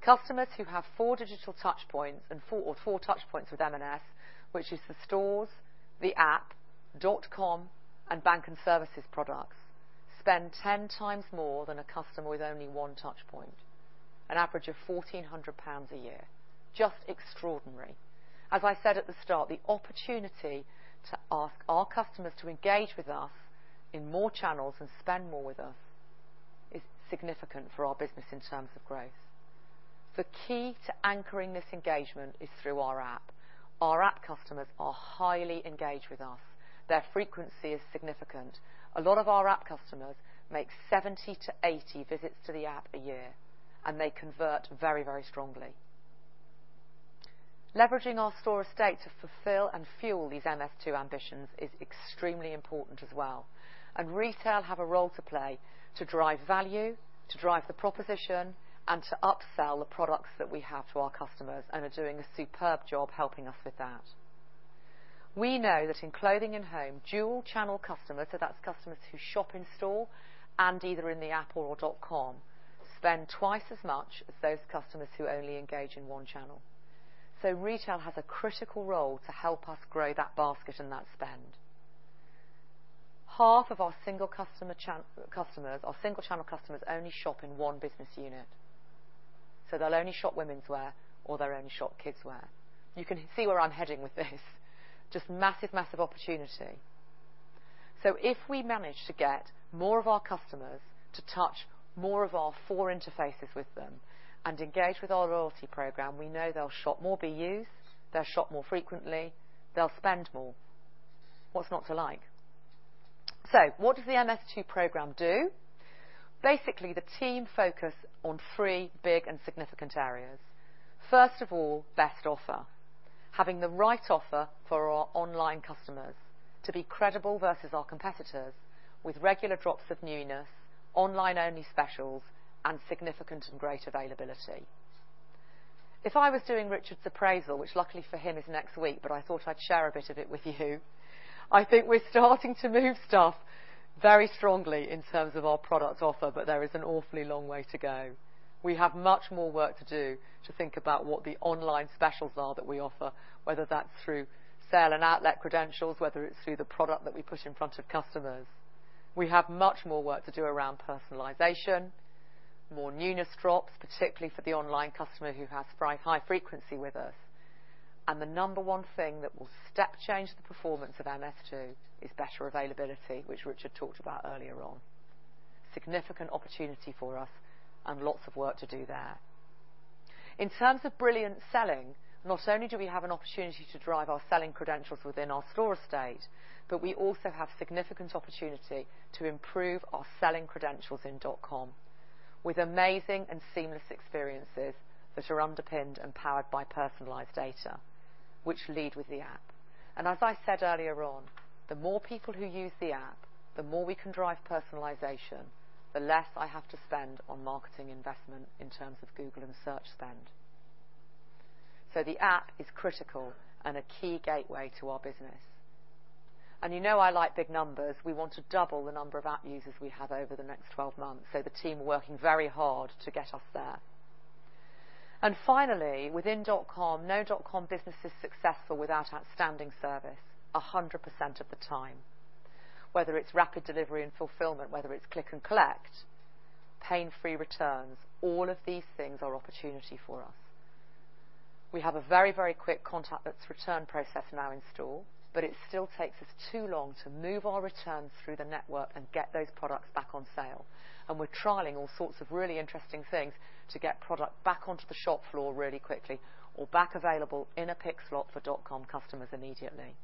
Customers who have four digital touch points or four touch points with M&S, which is the stores, the app, dotcom, and Bank & Services products, spend 10 times more than a customer with only one touch point, an average of 1,400 pounds a year. Just extraordinary. As I said at the start, the opportunity to ask our customers to engage with us in more channels and spend more with us is significant for our business in terms of growth. The key to anchoring this engagement is through our app. Our app customers are highly engaged with us. Their frequency is significant. A lot of our app customers make 70-80 visits to the app a year, and they convert very, very strongly. Leveraging our store estate to fulfill and fuel these MS2 ambitions is extremely important as well, and retail have a role to play to drive value, to drive the proposition, and to upsell the products that we have to our customers and are doing a superb job helping us with that. We know that in Clothing & Home, dual-channel customers, so that's customers who shop in-store and either in the app or dotcom, spend twice as much as those customers who only engage in one channel. Retail has a critical role to help us grow that basket and that spend. Half of our single-channel customers only shop in one business unit, so they'll only shop womenswear or they'll only shop kidswear. You can see where I'm heading with this. Just massive opportunity. If we manage to get more of our customers to touch more of our four interfaces with them and engage with our loyalty program, we know they'll shop more BUs, they'll shop more frequently, they'll spend more. What's not to like? What does the MS2 program do? Basically, the team focus on three big and significant areas. First of all, best offer. Having the right offer for our online customers to be credible versus our competitors with regular drops of newness, online-only specials, and significant and great availability. If I was doing Richard's appraisal, which luckily for him is next week, but I thought I'd share a bit of it with you, I think we're starting to move stuff very strongly in terms of our product offer, but there is an awfully long way to go. We have much more work to do to think about what the online specials are that we offer, whether that's through sale and outlet credentials, whether it's through the product that we put in front of customers. We have much more work to do around personalization, more newness drops, particularly for the online customer who has high frequency with us. The number one thing that will step change the performance of MS2 is better availability, which Richard talked about earlier on. Significant opportunity for us and lots of work to do there. In terms of brilliant selling, not only do we have an opportunity to drive our selling credentials within our store estate, but we also have significant opportunity to improve our selling credentials in dotcom with amazing and seamless experiences that are underpinned and powered by personalized data, which lead with the app. As I said earlier on, the more people who use the app, the more we can drive personalization, the less I have to spend on marketing investment in terms of Google and search spend. The app is critical and a key gateway to our business. You know I like big numbers. We want to double the number of app users we have over the next 12 months. The team are working very hard to get us there. Finally, within dotcom, no dotcom business is successful without outstanding service 100% of the time, whether it's rapid delivery and fulfillment, whether it's Click & Collect, pain-free returns. All of these things are opportunity for us. We have a very quick contactless return process now in store. It still takes us too long to move our returns through the network and get those products back on sale. We're trialing all sorts of really interesting things to get product back onto the shop floor really quickly or back available in a pick slot for dotcom customers immediately.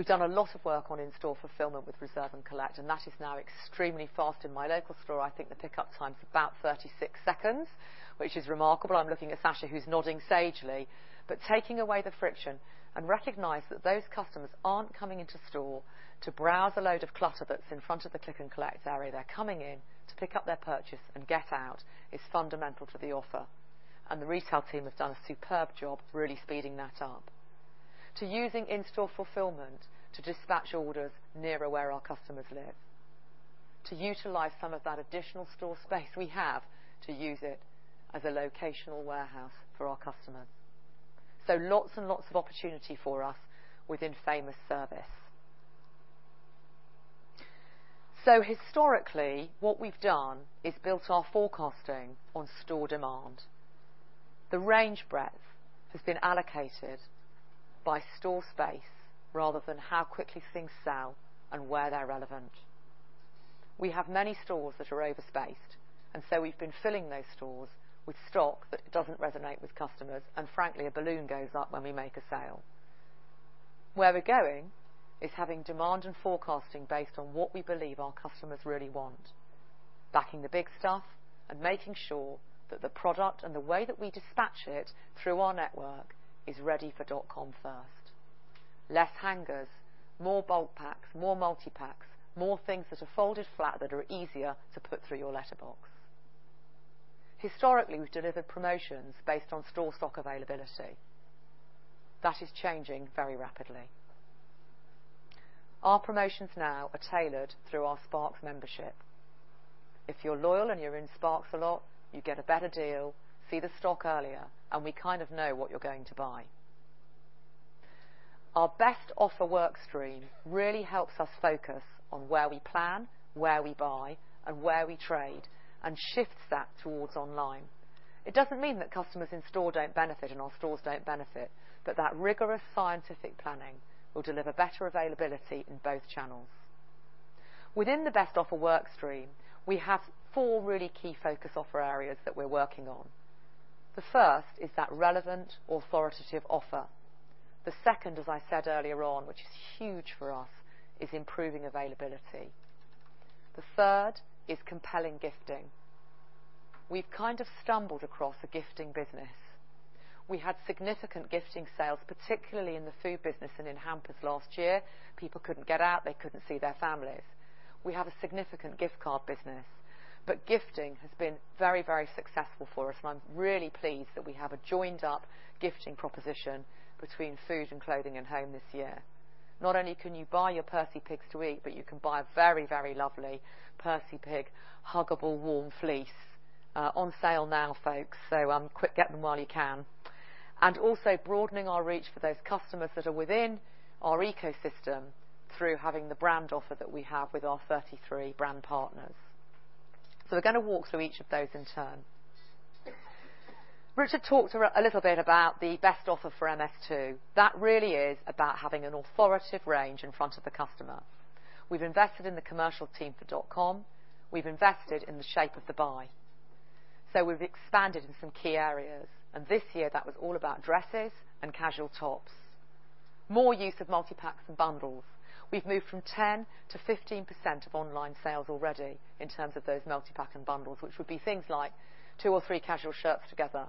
We've done a lot of work on in-store fulfillment with reserve and collect. That is now extremely fast. In my local store, I think the pickup time's about 36 seconds, which is remarkable. I'm looking at Sacha, who's nodding sagely. Taking away the friction and recognize that those customers aren't coming into store to browse a load of clutter that's in front of the Click & Collect area. They're coming in to pick up their purchase and get out, is fundamental to the offer. The retail team have done a superb job really speeding that up. To using in-store fulfillment to dispatch orders nearer where our customers live. To utilize some of that additional store space we have to use it as a locational warehouse for our customers. Lots and lots of opportunity for us within famous service. Historically, what we've done is built our forecasting on store demand. The range breadth has been allocated by store space rather than how quickly things sell and where they're relevant. We have many stores that are over spaced, and so we've been filling those stores with stock that doesn't resonate with customers, and frankly, a balloon goes up when we make a sale. Where we're going is having demand and forecasting based on what we believe our customers really want, backing the big stuff and making sure that the product and the way that we dispatch it through our network is ready for dotcom first. Less hangers, more bulk packs, more multi-packs, more things that are folded flat that are easier to put through your letterbox. Historically, we've delivered promotions based on store stock availability. That is changing very rapidly. Our promotions now are tailored through our Sparks membership. If you're loyal and you're in Sparks a lot, you get a better deal, see the stock earlier, and we kind of know what you're going to buy. Our best offer work stream really helps us focus on where we plan, where we buy and where we trade, shifts that towards online. It doesn't mean that customers in store don't benefit and our stores don't benefit, that rigorous scientific planning will deliver better availability in both channels. Within the best offer work stream, we have four really key focus offer areas that we're working on. The first is that relevant, authoritative offer. The second, as I said earlier on, which is huge for us, is improving availability. The third is compelling gifting. We've kind of stumbled across a gifting business. We had significant gifting sales, particularly in the Food business and in hampers last year. People couldn't get out. They couldn't see their families. We have a significant gift card business, but gifting has been very, very successful for us, and I'm really pleased that we have a joined up gifting proposition between Food and Clothing & Home this year. Not only can you buy your Percy Pigs to eat, but you can buy a very, very lovely Percy Pig huggable warm fleece. On sale now, folks, quick get them while you can. Also broadening our reach for those customers that are within our ecosystem through having the brand offer that we have with our 33 brand partners. We're going to walk through each of those in turn. Richard talked a little bit about the best offer for MS2. That really is about having an authoritative range in front of the customer. We've invested in the commercial team for dotcom. We've invested in the shape of the buy. We've expanded in some key areas, and this year that was all about dresses and casual tops. More use of multi-packs and bundles. We've moved from 10% to 15% of online sales already in terms of those multi-pack and bundles, which would be things like two or three casual shirts together,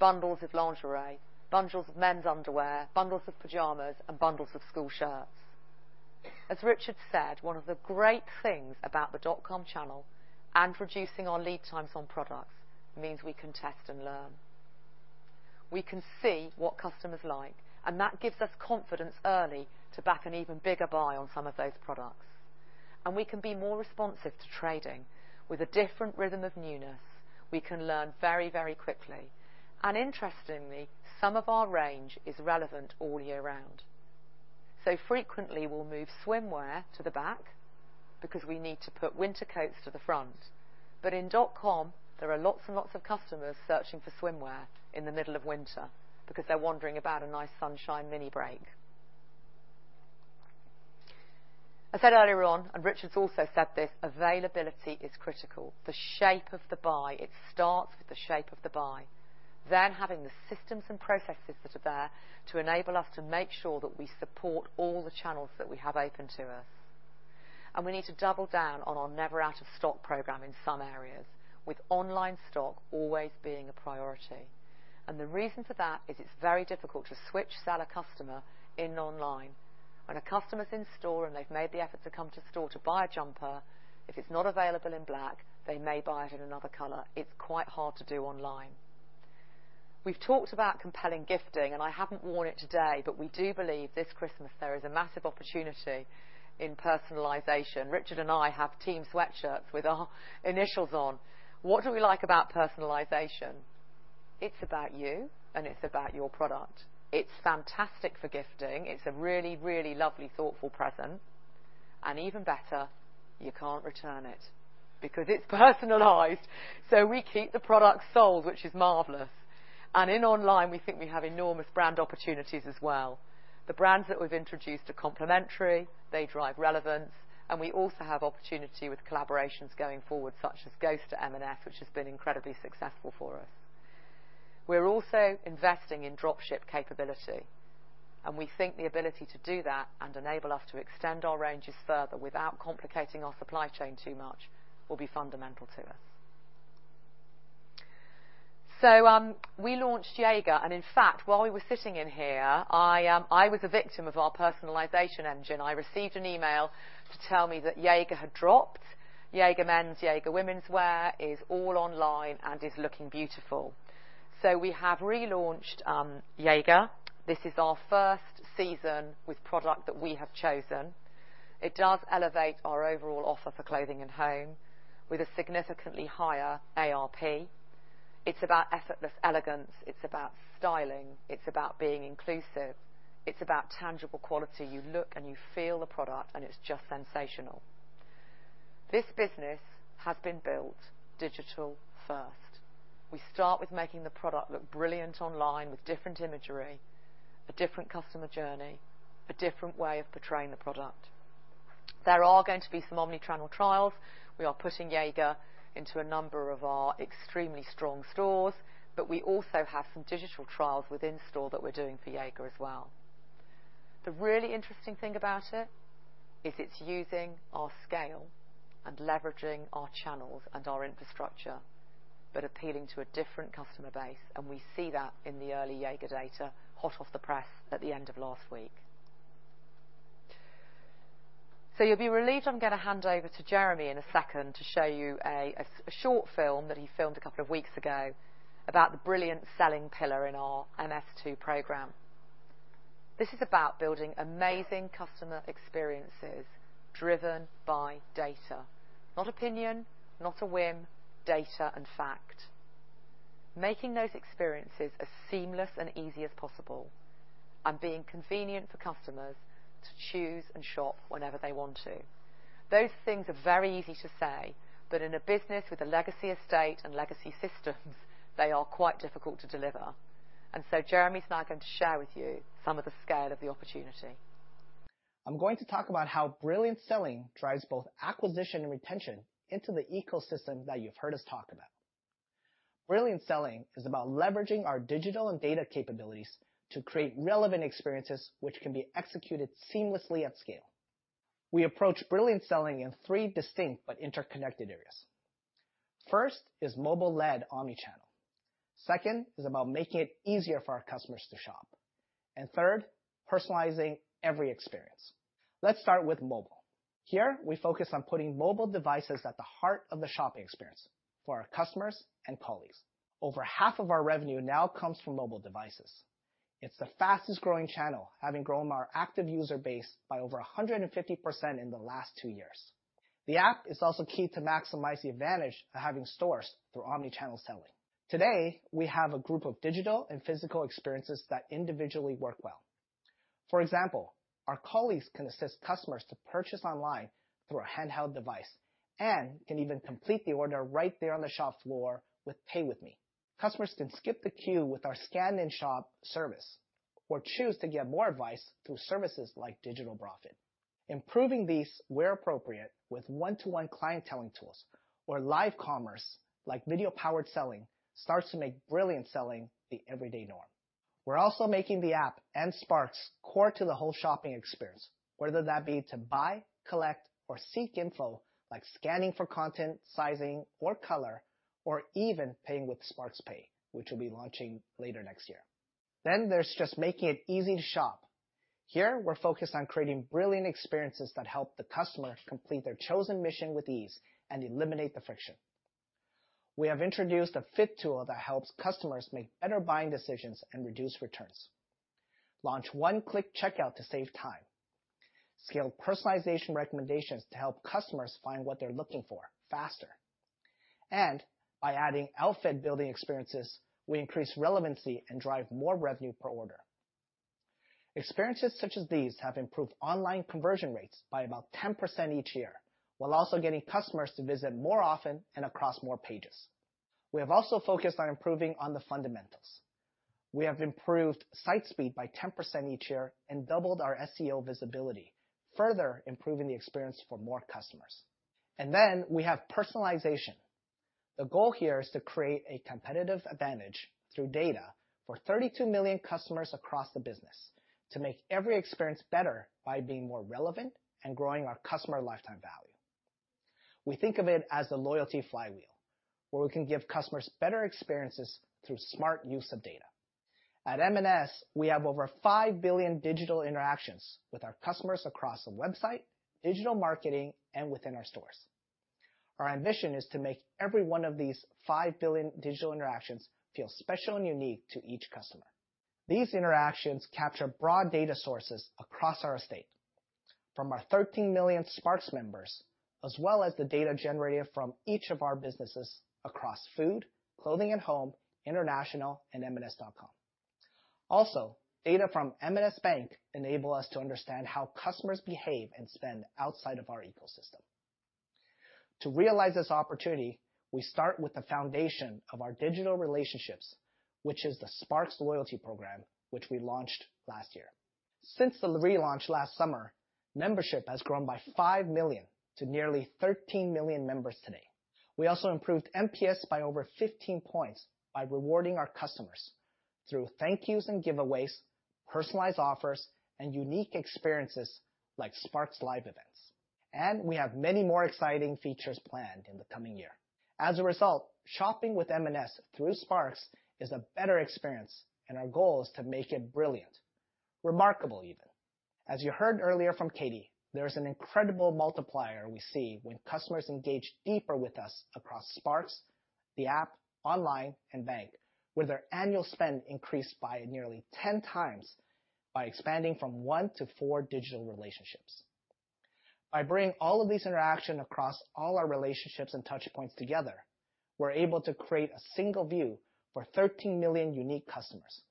bundles of lingerie, bundles of men's underwear, bundles of pajamas, and bundles of school shirts. As Richard said, one of the great things about the dotcom channel and reducing our lead times on products means we can test and learn. We can see what customers like, and that gives us confidence early to back an even bigger buy on some of those products. We can be more responsive to trading with a different rhythm of newness. We can learn very, very quickly. Interestingly, some of our range is relevant all year round. Frequently, we'll move swimwear to the back because we need to put winter coats to the front. In dotcom, there are lots and lots of customers searching for swimwear in the middle of winter because they're wondering about a nice sunshine mini break. I said earlier on, and Richard's also said this, availability is critical. The shape of the buy. It starts with the shape of the buy. Having the systems and processes that are there to enable us to make sure that we support all the channels that we have open to us. We need to double down on our never out of stock program in some areas, with online stock always being a priority. The reason for that is it's very difficult to switch seller-customer in online. When a customer's in store and they've made the effort to come to store to buy a jumper, if it's not available in black, they may buy it in another color. It's quite hard to do online. We've talked about compelling gifting, and I haven't worn it today, but we do believe this Christmas there is a massive opportunity in personalization. Richard and I have team sweatshirts with our initials on. What do we like about personalization? It's about you and it's about your product. It's fantastic for gifting. It's a really, really lovely, thoughtful present. Even better, you can't return it because it's personalized. We keep the product sold, which is marvelous. In online, we think we have enormous brand opportunities as well. The brands that we've introduced are complementary, they drive relevance. We also have opportunity with collaborations going forward, such as Ghost at M&S, which has been incredibly successful for us. We're also investing in drop ship capability. We think the ability to do that and enable us to extend our ranges further without complicating our supply chain too much will be fundamental to us. We launched Jaeger. In fact, while we were sitting in here, I was a victim of our personalization engine. I received an email to tell me that Jaeger had dropped. Jaeger men's, Jaeger women's wear is all online and is looking beautiful. We have relaunched Jaeger. This is our first season with product that we have chosen. It does elevate our overall offer for Clothing & Home with a significantly higher ARP. It's about effortless elegance. It's about styling. It's about being inclusive. It's about tangible quality. You look and you feel the product, and it's just sensational. This business has been built digital first. We start with making the product look brilliant online with different imagery, a different customer journey, a different way of portraying the product. There are going to be some omni-channel trials. We are putting Jaeger into a number of our extremely strong stores, but we also have some digital trials within store that we're doing for Jaeger as well. The really interesting thing about it is it's using our scale and leveraging our channels and our infrastructure, but appealing to a different customer base, and we see that in the early Jaeger data, hot off the press at the end of last week. You'll be relieved, I'm going to hand over to Jeremy in a second to show you a short film that he filmed a couple of weeks ago about the brilliant selling pillar in our MS2 program. This is about building amazing customer experiences driven by data. Not opinion, not a whim, data and fact. Making those experiences as seamless and easy as possible, and being convenient for customers to choose and shop whenever they want to. Those things are very easy to say, but in a business with a legacy estate and legacy systems, they are quite difficult to deliver. Jeremy's now going to share with you some of the scale of the opportunity. I'm going to talk about how brilliant selling drives both acquisition and retention into the ecosystem that you've heard us talk about. Brilliant selling is about leveraging our digital and data capabilities to create relevant experiences which can be executed seamlessly at scale. We approach brilliant selling in three distinct but interconnected areas. First is mobile-led omni-channel. Second is about making it easier for our customers to shop. Third, personalizing every experience. Let's start with mobile. Here, we focus on putting mobile devices at the heart of the shopping experience for our customers and colleagues. Over half of our revenue now comes from mobile devices. It's the fastest-growing channel, having grown our active user base by over 150% in the last two years. The app is also key to maximize the advantage of having stores through omni-channel selling. Today, we have a group of digital and physical experiences that individually work well. For example, our colleagues can assist customers to purchase online through a handheld device and can even complete the order right there on the shop floor with Pay With Me. Customers can skip the queue with our Scan & Shop service or choose to get more advice through services like Digital BraFit. Improving these where appropriate with one-to-one clienteling tools or live commerce like video-powered selling starts to make brilliant selling the everyday norm. We're also making the app and Sparks core to the whole shopping experience, whether that be to buy, collect, or seek info like scanning for content, sizing, or color, or even paying with Sparks Pay, which will be launching later next year. There's just making it easy to shop. Here, we're focused on creating brilliant experiences that help the customer complete their chosen mission with ease and eliminate the friction. We have introduced a fit tool that helps customers make better buying decisions and reduce returns. Launch one-click checkout to save time, scale personalization recommendations to help customers find what they're looking for faster. By adding outfit building experiences, we increase relevancy and drive more revenue per order. Experiences such as these have improved online conversion rates by about 10% each year, while also getting customers to visit more often and across more pages. We have also focused on improving on the fundamentals. We have improved site speed by 10% each year and doubled our SEO visibility, further improving the experience for more customers. We have personalization. The goal here is to create a competitive advantage through data for 32 million customers across the business to make every experience better by being more relevant and growing our customer lifetime value. We think of it as the loyalty flywheel, where we can give customers better experiences through smart use of data. At M&S, we have over 5 billion digital interactions with our customers across the website, digital marketing, and within our stores. Our ambition is to make every one of these 5 billion digital interactions feel special and unique to each customer. These interactions capture broad data sources across our estate. From our 13 million Sparks members, as well as the data generated from each of our businesses across Food, Clothing, & Home, International, and M&S.com. Also, data from M&S Bank enable us to understand how customers behave and spend outside of our ecosystem. To realize this opportunity, we start with the foundation of our digital relationships, which is the Sparks loyalty program, which we launched last year. Since the relaunch last summer, membership has grown by 5 million to nearly 13 million members today. We also improved NPS by over 15 points by rewarding our customers through thank yous and giveaways, personalized offers, and unique experiences like Sparks Live events. We have many more exciting features planned in the coming year. As a result, shopping with M&S through Sparks is a better experience, and our goal is to make it brilliant. Remarkable even. As you heard earlier from Katie, there is an incredible multiplier we see when customers engage deeper with us across Sparks, the app, online, and M&S Bank, where their annual spend increased by nearly 10 times, by expanding from one to four digital relationships. By bringing all of these interactions across all our relationships and touch points together, we are able to create a single view for 13 million unique customers.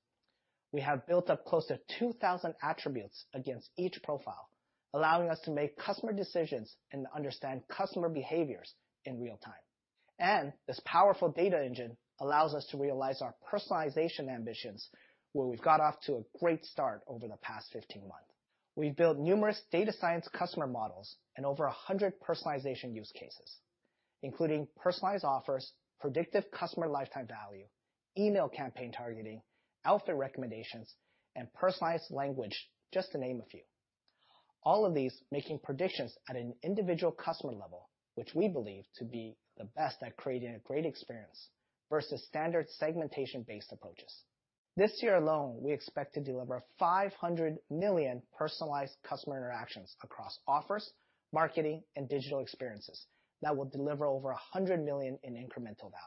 We have built up close to 2,000 attributes against each profile, allowing us to make customer decisions and understand customer behaviors in real time. This powerful data engine allows us to realize our personalization ambitions, where we have got off to a great start over the past 15 months. We have built numerous data science customer models and over 100 personalization use cases, including personalized offers, predictive customer lifetime value, email campaign targeting, outfit recommendations, and personalized language, just to name a few. All of these making predictions at an individual customer level, which we believe to be the best at creating a great experience versus standard segmentation-based approaches. This year alone, we expect to deliver 500 million personalized customer interactions across offers, marketing, and digital experiences that will deliver over 100 million in incremental value.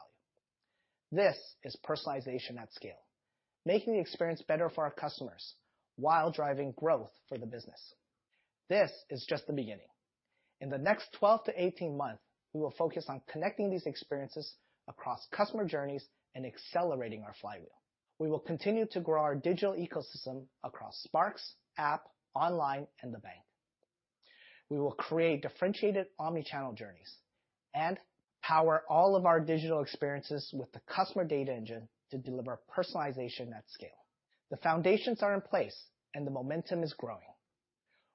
This is personalization at scale, making the experience better for our customers while driving growth for the business. This is just the beginning. In the next 12-18 months, we will focus on connecting these experiences across customer journeys and accelerating our flywheel. We will continue to grow our digital ecosystem across Sparks, app, online, and the bank. We will create differentiated omni-channel journeys and power all of our digital experiences with the customer data engine to deliver personalization at scale. The foundations are in place, and the momentum is growing.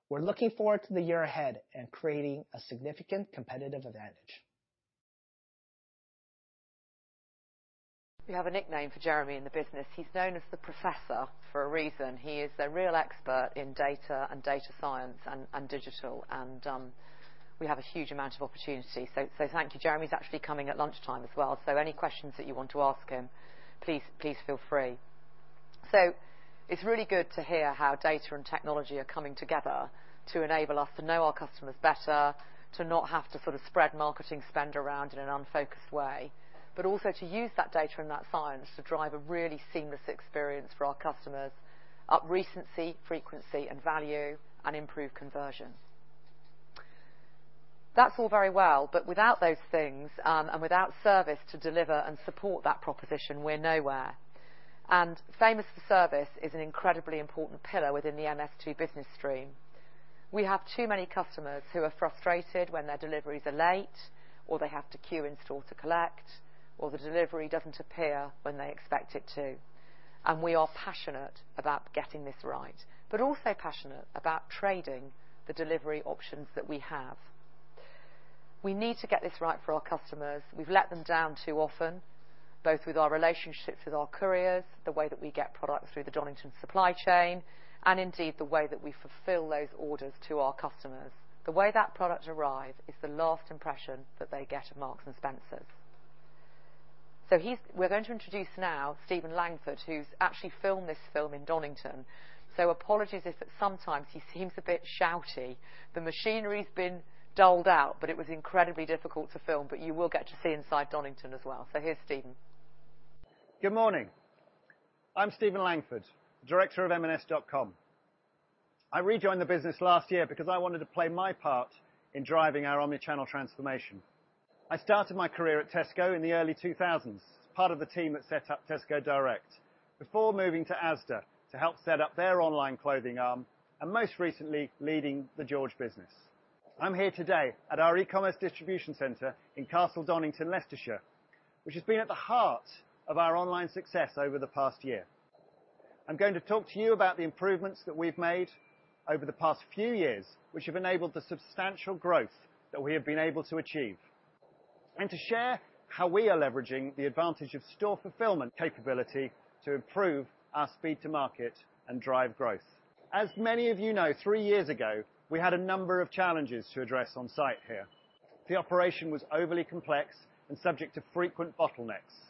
We're looking forward to the year ahead and creating a significant competitive advantage. We have a nickname for Jeremy in the business. He's known as The Professor for a reason. He is a real expert in data and data science and digital. We have a huge amount of opportunity, so thank you. Jeremy's actually coming at lunchtime as well, so any questions that you want to ask him, please feel free. It's really good to hear how data and technology are coming together to enable us to know our customers better, to not have to sort of spread marketing spend around in an unfocused way, but also to use that data and that science to drive a really seamless experience for our customers, up recency, frequency, and value, and improve conversion. That's all very well, but without those things, and without service to deliver and support that proposition, we're nowhere. Famous for service is an incredibly important pillar within the MS2 business stream. We have too many customers who are frustrated when their deliveries are late, or they have to queue in store to collect, or the delivery doesn't appear when they expect it to. We are passionate about getting this right, but also passionate about trading the delivery options that we have. We need to get this right for our customers. We've let them down too often, both with our relationships with our couriers, the way that we get product through the Donington supply chain, and indeed, the way that we fulfill those orders to our customers. The way that product arrives is the last impression that they get of Marks & Spencer. We're going to introduce now Stephen Langford, who's actually filmed this film in Donington. Apologies if at some times he seems a bit shouty. The machinery's been dulled out, but it was incredibly difficult to film. You will get to see inside Donington as well. Here's Stephen. Good morning. I'm Stephen Langford, Director of M&S.com. I rejoined the business last year because I wanted to play my part in driving our omni-channel transformation. I started my career at Tesco in the early 2000s as part of the team that set up Tesco Direct, before moving to Asda to help set up their online clothing arm, and most recently, leading the George business. I'm here today at our e-commerce distribution center in Castle Donington, Leicestershire, which has been at the heart of our online success over the past year. I'm going to talk to you about the improvements that we've made over the past few years, which have enabled the substantial growth that we have been able to achieve, and to share how we are leveraging the advantage of store fulfillment capability to improve our speed to market and drive growth. As many of you know, three years ago, we had a number of challenges to address on-site here. The operation was overly complex and subject to frequent bottlenecks.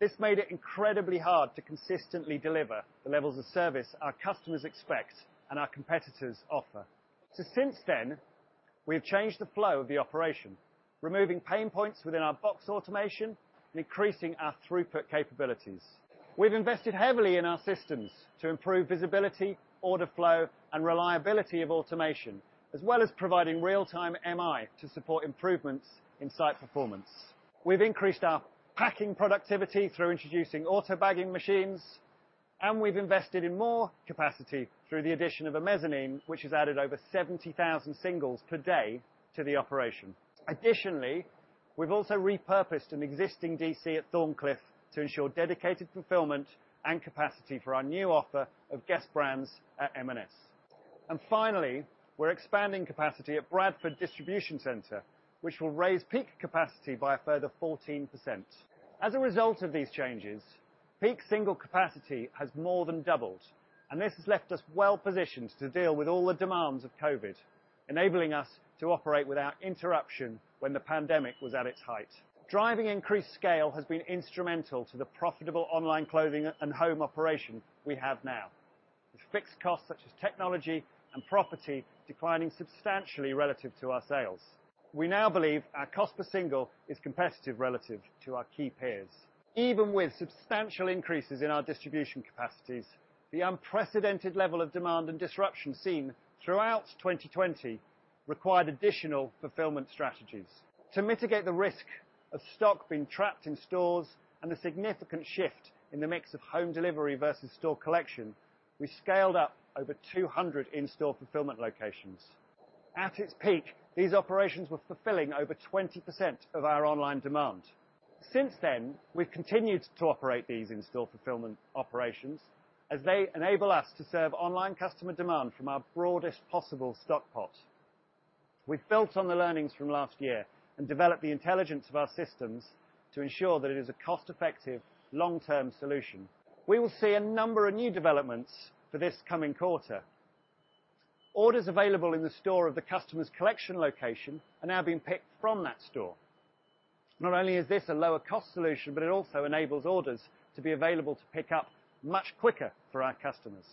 This made it incredibly hard to consistently deliver the levels of service our customers expect and our competitors offer. Since then, we have changed the flow of the operation, removing pain points within our box automation and increasing our throughput capabilities. We've invested heavily in our systems to improve visibility, order flow, and reliability of automation, as well as providing real-time MI to support improvements in site performance. We've increased our packing productivity through introducing auto-bagging machines, and we've invested in more capacity through the addition of a mezzanine, which has added over 70,000 singles per day to the operation. Additionally, we've also repurposed an existing DC at Thorncliffe to ensure dedicated fulfillment and capacity for our new offer of guest brands at M&S. Finally, we're expanding capacity at Bradford distribution center, which will raise peak capacity by a further 14%. As a result of these changes, peak single capacity has more than doubled, and this has left us well-positioned to deal with all the demands of COVID, enabling us to operate without interruption when the pandemic was at its height. Driving increased scale has been instrumental to the profitable online Clothing & Home operation we have now, with fixed costs such as technology and property declining substantially relative to our sales. We now believe our cost per single is competitive relative to our key peers. Even with substantial increases in our distribution capacities, the unprecedented level of demand and disruption seen throughout 2020 required additional fulfillment strategies. To mitigate the risk of stock being trapped in stores and a significant shift in the mix of home delivery versus store collection, we scaled up over 200 in-store fulfillment locations. At its peak, these operations were fulfilling over 20% of our online demand. Since then, we have continued to operate these in-store fulfillment operations as they enable us to serve online customer demand from our broadest possible stock pot. We have built on the learnings from last year and developed the intelligence of our systems to ensure that it is a cost-effective, long-term solution. We will see a number of new developments for this coming quarter. Orders available in the store of the customer's collection location are now being picked from that store. Not only is this a lower cost solution, but it also enables orders to be available to pick up much quicker for our customers.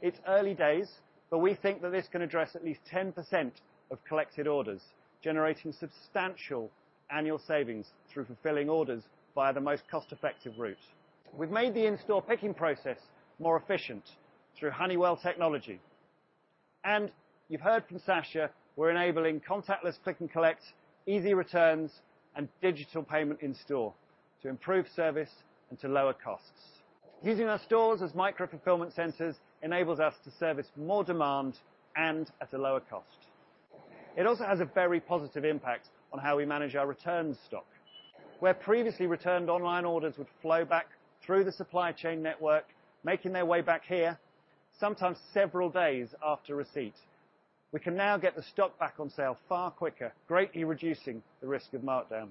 It's early days, but we think that this can address at least 10% of collected orders, generating substantial annual savings through fulfilling orders via the most cost-effective route. We've made the in-store picking process more efficient through Honeywell technology. You've heard from Sacha, we're enabling contactless Click & Collect, easy returns, and digital payment in store to improve service and to lower costs. Using our stores as micro-fulfillment centers enables us to service more demand and at a lower cost. It also has a very positive impact on how we manage our returns stock. Where previously returned online orders would flow back through the supply chain network, making their way back here, sometimes several days after receipt, we can now get the stock back on sale far quicker, greatly reducing the risk of markdown.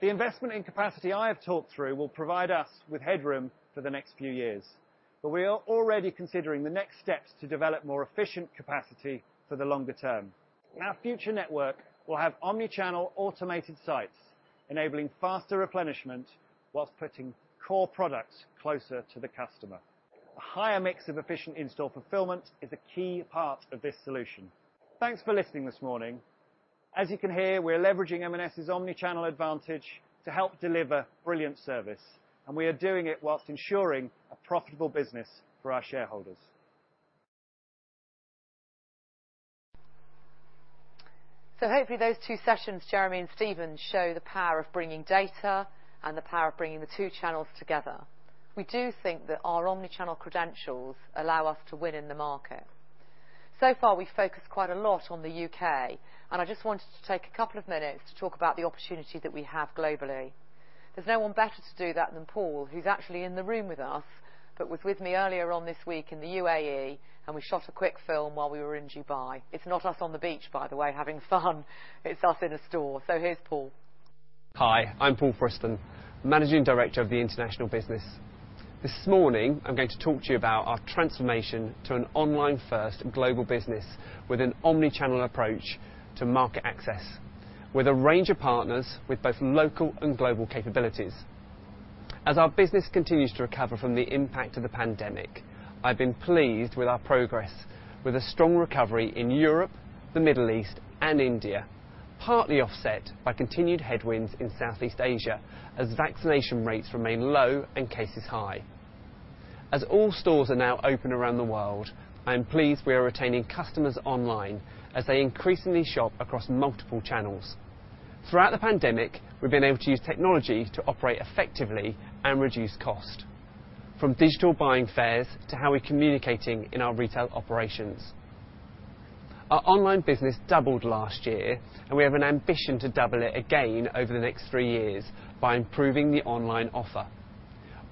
The investment in capacity I have talked through will provide us with headroom for the next few years, but we are already considering the next steps to develop more efficient capacity for the longer term. Our future network will have omni-channel automated sites, enabling faster replenishment while putting core products closer to the customer. A higher mix of efficient in-store fulfillment is a key part of this solution. Thanks for listening this morning. As you can hear, we're leveraging M&S's omni-channel advantage to help deliver brilliant service, and we are doing it while ensuring a profitable business for our shareholders. Hopefully those two sessions, Jeremy and Stephen show the power of bringing data and the power of bringing the two channels together. We do think that our omni-channel credentials allow us to win in the market. So far, we've focused quite a lot on the UK, and I just wanted to take a couple of minutes to talk about the opportunity that we have globally. There's no one better to do that than Paul, who's actually in the room with us, but was with me earlier on this week in the UAE, and we shot a quick film while we were in Dubai. It's not us on the beach, by the way, having fun. It's us in a store. Here's Paul. Hi, I'm Paul Friston, Managing Director of the International Business. This morning, I'm going to talk to you about our transformation to an online-first global business with an omni-channel approach to market access, with a range of partners with both local and global capabilities. As our business continues to recover from the impact of the pandemic, I've been pleased with our progress with a strong recovery in Europe, the Middle East, and India, partly offset by continued headwinds in Southeast Asia as vaccination rates remain low and cases high. As all stores are now open around the world, I am pleased we are retaining customers online as they increasingly shop across multiple channels. Throughout the pandemic, we've been able to use technology to operate effectively and reduce cost, from digital buying fairs to how we're communicating in our retail operations. Our online business doubled last year, and we have an ambition to double it again over the next three years by improving the online offer.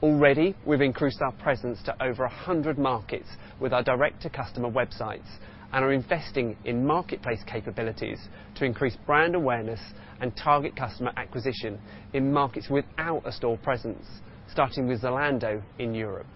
Already, we've increased our presence to over 100 markets with our direct-to-customer websites and are investing in marketplace capabilities to increase brand awareness and target customer acquisition in markets without a store presence, starting with Zalando in Europe.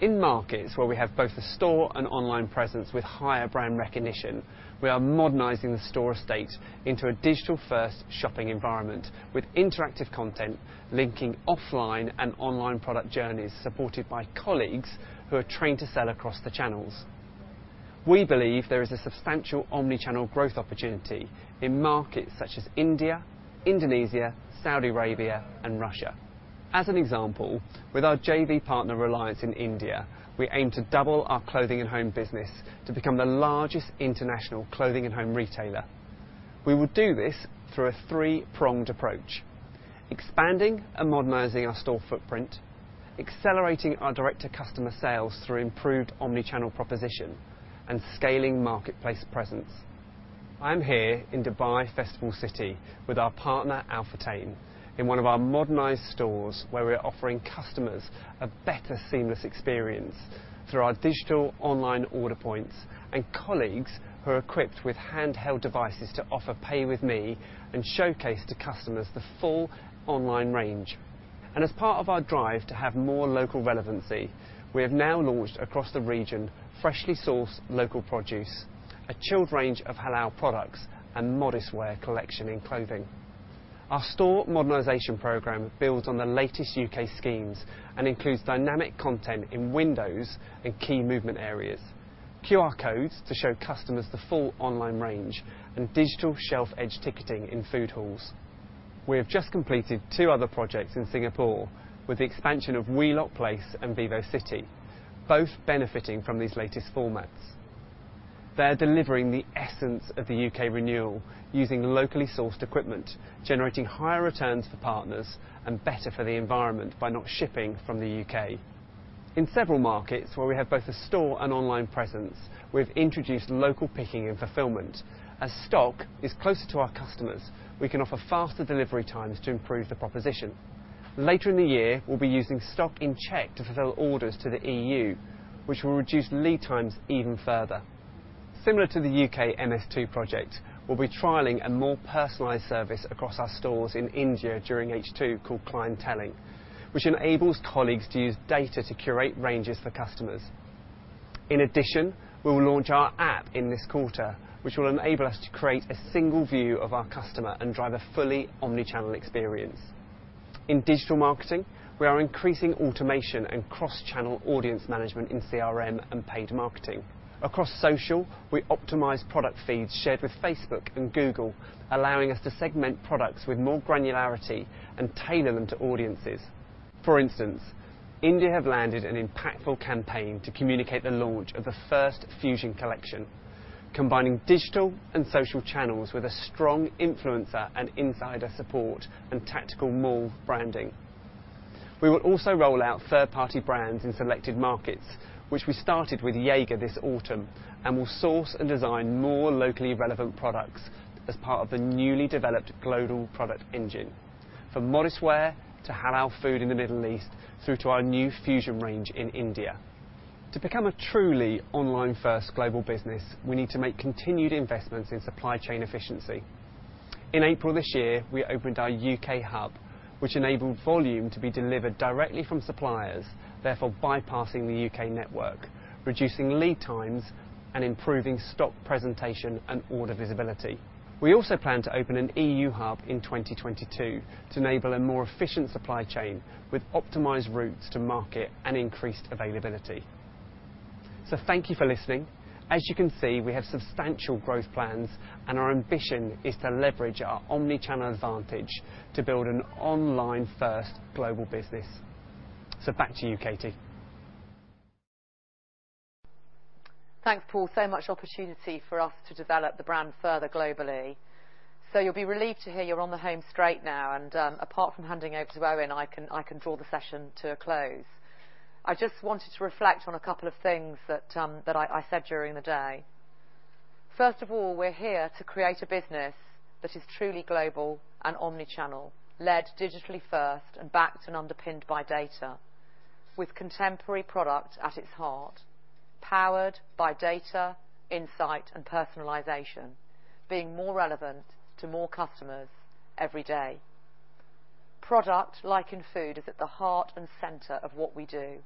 In markets where we have both a store and online presence with higher brand recognition, we are modernizing the store estate into a digital-first shopping environment with interactive content linking offline and online product journeys, supported by colleagues who are trained to sell across the channels. We believe there is a substantial omni-channel growth opportunity in markets such as India, Indonesia, Saudi Arabia, and Russia. As an example, with our JV partner, Reliance, in India, we aim to double our clothing & Home business to become the largest international Clothing & Home retailer. We will do this through a three-pronged approach, expanding and modernizing our store footprint, accelerating our direct-to-customer sales through improved omni-channel proposition, and scaling marketplace presence. I'm here in Dubai Festival City with our partner, Al-Futtaim, in one of our modernized stores where we're offering customers a better seamless experience through our digital online order points and colleagues who are equipped with handheld devices to offer Pay With Me and showcase to customers the full online range. As part of our drive to have more local relevancy, we have now launched across the region freshly sourced local produce, a chilled range of halal products, and modest wear collection in clothing. Our store modernization program builds on the latest UK schemes and includes dynamic content in windows and key movement areas, QR codes to show customers the full online range, and digital shelf edge ticketing in Foodhalls. We have just completed two other projects in Singapore with the expansion of Wheelock Place and VivoCity, both benefiting from these latest formats. They're delivering the essence of the UK renewal using locally sourced equipment, generating higher returns for partners and better for the environment by not shipping from the UK In several markets where we have both a store and online presence, we've introduced local picking and fulfillment. As stock is closer to our customers, we can offer faster delivery times to improve the proposition. Later in the year, we'll be using stock in Czech to fulfill orders to the EU, which will reduce lead times even further. Similar to the UK MS2 project, we'll be trialing a more personalized service across our stores in India during H2 called clienteling, which enables colleagues to use data to curate ranges for customers. In addition, we will launch our app in this quarter, which will enable us to create a single view of our customer and drive a fully omnichannel experience. In digital marketing, we are increasing automation and cross-channel audience management in CRM and paid marketing. Across social, we optimize product feeds shared with Facebook and Google, allowing us to segment products with more granularity and tailor them to audiences. For instance, India have landed an impactful campaign to communicate the launch of the first Fusion collection, combining digital and social channels with a strong influencer and insider support and tactical mall branding. We will also roll out third-party brands in selected markets, which we started with Jaeger this autumn, and will source and design more locally relevant products as part of the newly developed global product engine. From Modest Wear, to halal food in the Middle East, through to our new Fusion range in India. To become a truly online-first global business, we need to make continued investments in supply chain efficiency. In April this year, we opened our UK hub, which enabled volume to be delivered directly from suppliers, therefore bypassing the UK network, reducing lead times, and improving stock presentation and order visibility. We also plan to open an EU hub in 2022 to enable a more efficient supply chain with optimized routes to market and increased availability. Thank you for listening. As you can see, we have substantial growth plans and our ambition is to leverage our omnichannel advantage to build an online-first global business. Back to you, Katie. Thanks, Paul. So much opportunity for us to develop the brand further globally. You'll be relieved to hear you're on the home straight now and apart from handing over to Eoin, I can draw the session to a close. I just wanted to reflect on a couple of things that I said during the day. First of all, we're here to create a business that is truly global and omnichannel, led digitally first and backed and underpinned by data with contemporary product at its heart, powered by data, insight, and personalization, being more relevant to more customers every day. Product, like in Food, is at the heart and center of what we do,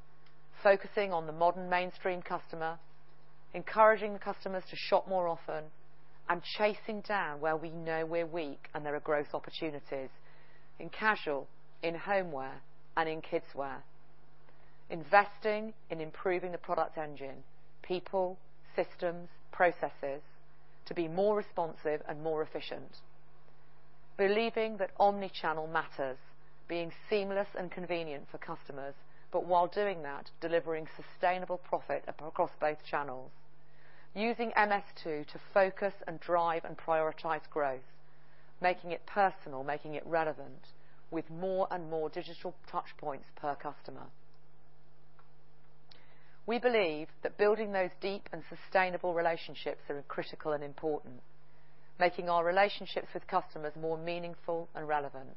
focusing on the modern mainstream customer, encouraging the customers to shop more often, and chasing down where we know we're weak and there are growth opportunities in casual, in homeware, and in kidswear. Investing in improving the product engine, people, systems, processes to be more responsive and more efficient. Believing that omnichannel matters, being seamless and convenient for customers, but while doing that, delivering sustainable profit across both channels. Using MS2 to focus and drive and prioritize growth, making it personal, making it relevant with more and more digital touchpoints per customer. We believe that building those deep and sustainable relationships are critical and important, making our relationships with customers more meaningful and relevant,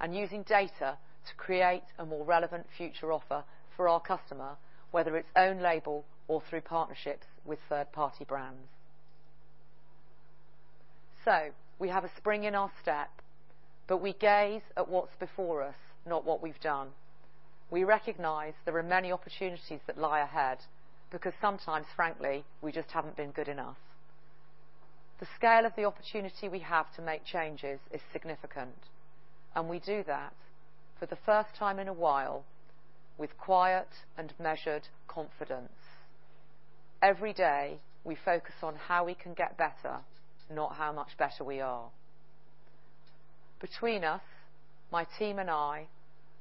and using data to create a more relevant future offer for our customer, whether it's own label or through partnerships with third-party brands. We have a spring in our step, but we gaze at what's before us, not what we've done. We recognize there are many opportunities that lie ahead because sometimes, frankly, we just haven't been good enough. The scale of the opportunity we have to make changes is significant, and we do that for the first time in a while with quiet and measured confidence. Every day, we focus on how we can get better, not how much better we are. Between us, my team and I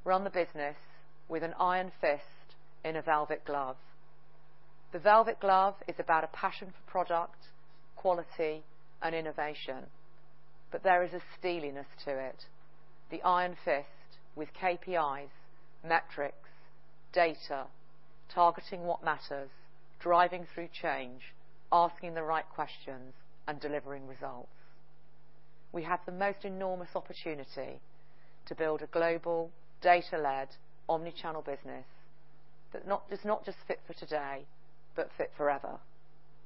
run the business with an iron fist in a velvet glove. The velvet glove is about a passion for product, quality, and innovation, but there is a steeliness to it. The iron fist with KPIs, metrics, data, targeting what matters, driving through change, asking the right questions, and delivering results. We have the most enormous opportunity to build a global, data-led, omnichannel business that is not just fit for today, but fit forever.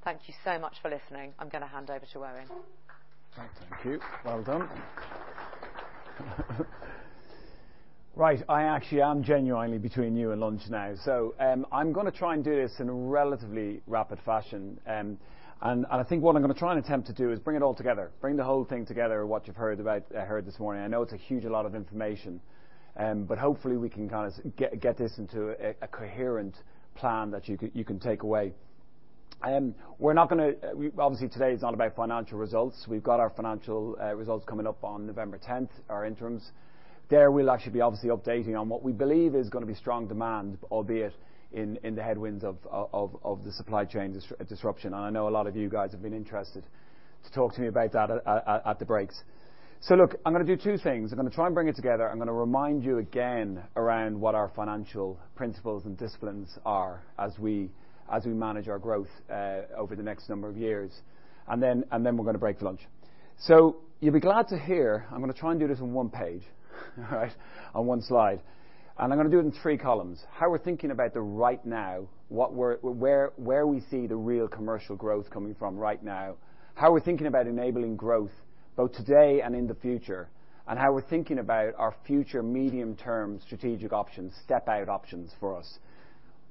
Thank you so much for listening. I'm going to hand over to Eoin. Thank you. Well done. Right. I actually am genuinely between you and lunch now. I'm going to try and do this in a relatively rapid fashion. I think what I'm going to try and attempt to do is bring the whole thing together, what you've heard this morning. I know it's a huge lot of information. Hopefully, we can kind of get this into a coherent plan that you can take away. Obviously, today is not about financial results. We've got our financial results coming up on November 10th, our interims. There, we'll actually be obviously updating on what we believe is going to be strong demand, albeit in the headwinds of the supply chain disruption. I know a lot of you guys have been interested to talk to me about that at the breaks. Look, I'm going to do two things. I'm going to try and bring it together. I'm going to remind you again around what our financial principles and disciplines are as we manage our growth over the next number of years. Then we're going to break for lunch. You'll be glad to hear, I'm going to try and do this on one page, all right. On one slide. I'm going to do it in three columns. How we're thinking about the right now, where we see the real commercial growth coming from right now. How we're thinking about enabling growth both today and in the future, and how we're thinking about our future medium-term strategic options, step-out options for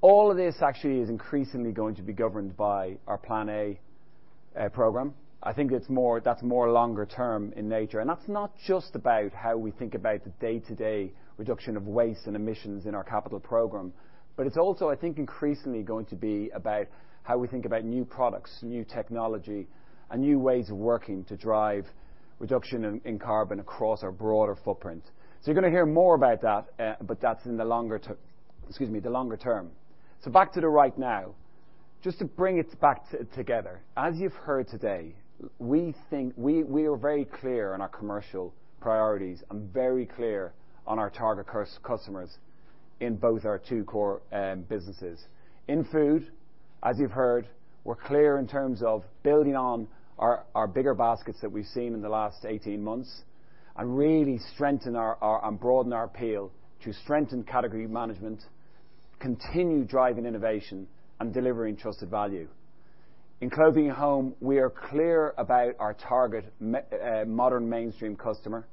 us. All of this actually is increasingly going to be governed by our Plan A program. I think that's more longer term in nature, and that's not just about how we think about the day-to-day reduction of waste and emissions in our capital program, but it's also, I think, increasingly going to be about how we think about new products, new technology, and new ways of working to drive reduction in carbon across our broader footprint. You're going to hear more about that, but that's in the longer term. Back to the right now. Just to bring it back together. As you've heard today, we are very clear on our commercial priorities and very clear on our target customers in both our two core businesses. In Food, as you've heard, we're clear in terms of building on our bigger baskets that we've seen in the last 18 months and really strengthen and broaden our appeal to strengthen category management, continue driving innovation, and delivering trusted value. In Clothing & Home, we are clear about our target modern mainstream customer.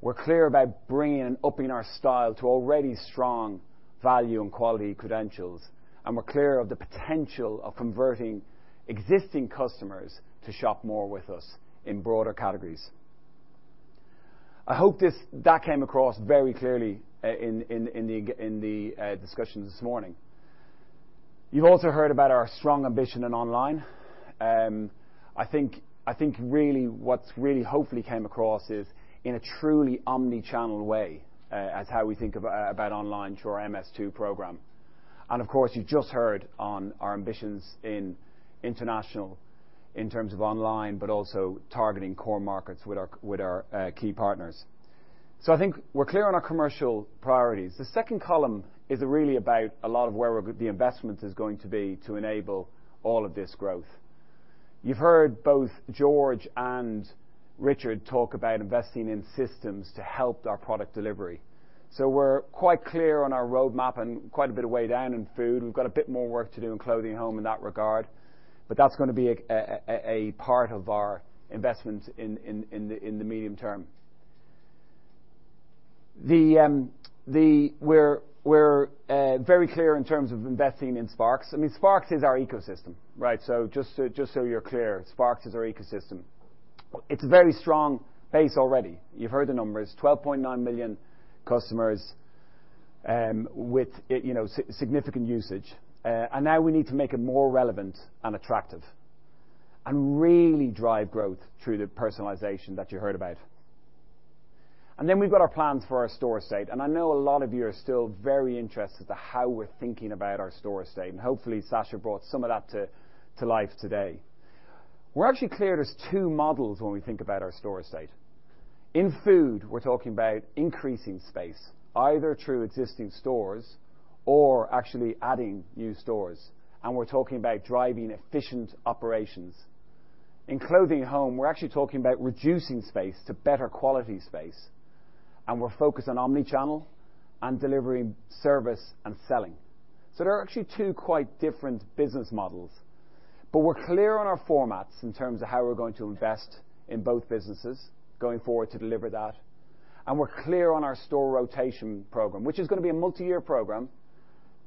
We're clear about bringing and upping our style to already strong value and quality credentials, and we're clear of the potential of converting existing customers to shop more with us in broader categories. I hope that came across very clearly in the discussion this morning. You've also heard about our strong ambition in online. I think what really hopefully came across is in a truly omni-channel way, as how we think about online through our MS2 program. Of course, you just heard on our ambitions in international in terms of online, but also targeting core markets with our key partners. I think we're clear on our commercial priorities. The second column is really about a lot of where the investment is going to be to enable all of this growth. You've heard both George and Richard talk about investing in systems to help our product delivery. We're quite clear on our roadmap and quite a bit of way down in Food. We've got a bit more work to do in Clothing & Home in that regard. That's going to be a part of our investment in the medium term. We're very clear in terms of investing in Sparks. Sparks is our ecosystem. Just so you're clear, Sparks is our ecosystem. It's a very strong pace already. You've heard the numbers, 12.9 million customers with significant usage. Now we need to make it more relevant and attractive and really drive growth through the personalization that you heard about. We've got our plans for our store estate, and I know a lot of you are still very interested as to how we're thinking about our store estate. Hopefully, Sacha brought some of that to life today. We're actually clear there's two models when we think about our store estate. In Food, we're talking about increasing space, either through existing stores or actually adding new stores. We're talking about driving efficient operations. In Clothing & Home, we're actually talking about reducing space to better quality space, and we're focused on omni-channel and delivering service and selling. There are actually two quite different business models. We're clear on our formats in terms of how we're going to invest in both businesses going forward to deliver that. We're clear on our Store Rotation Programme, which is going to be a multi-year program,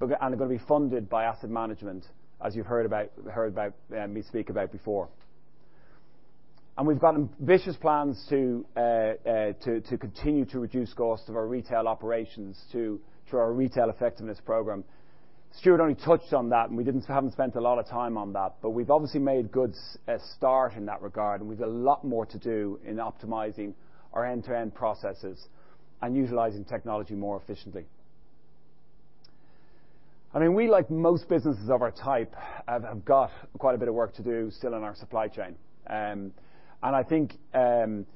and they're going to be funded by asset management, as you've heard me speak about before. We've got ambitious plans to continue to reduce costs of our retail operations through our Retail Effectiveness Program. Stuart only touched on that, and we haven't spent a lot of time on that. We've obviously made good start in that regard, and we've a lot more to do in optimizing our end-to-end processes and utilizing technology more efficiently. We, like most businesses of our type, have got quite a bit of work to do still in our supply chain. I think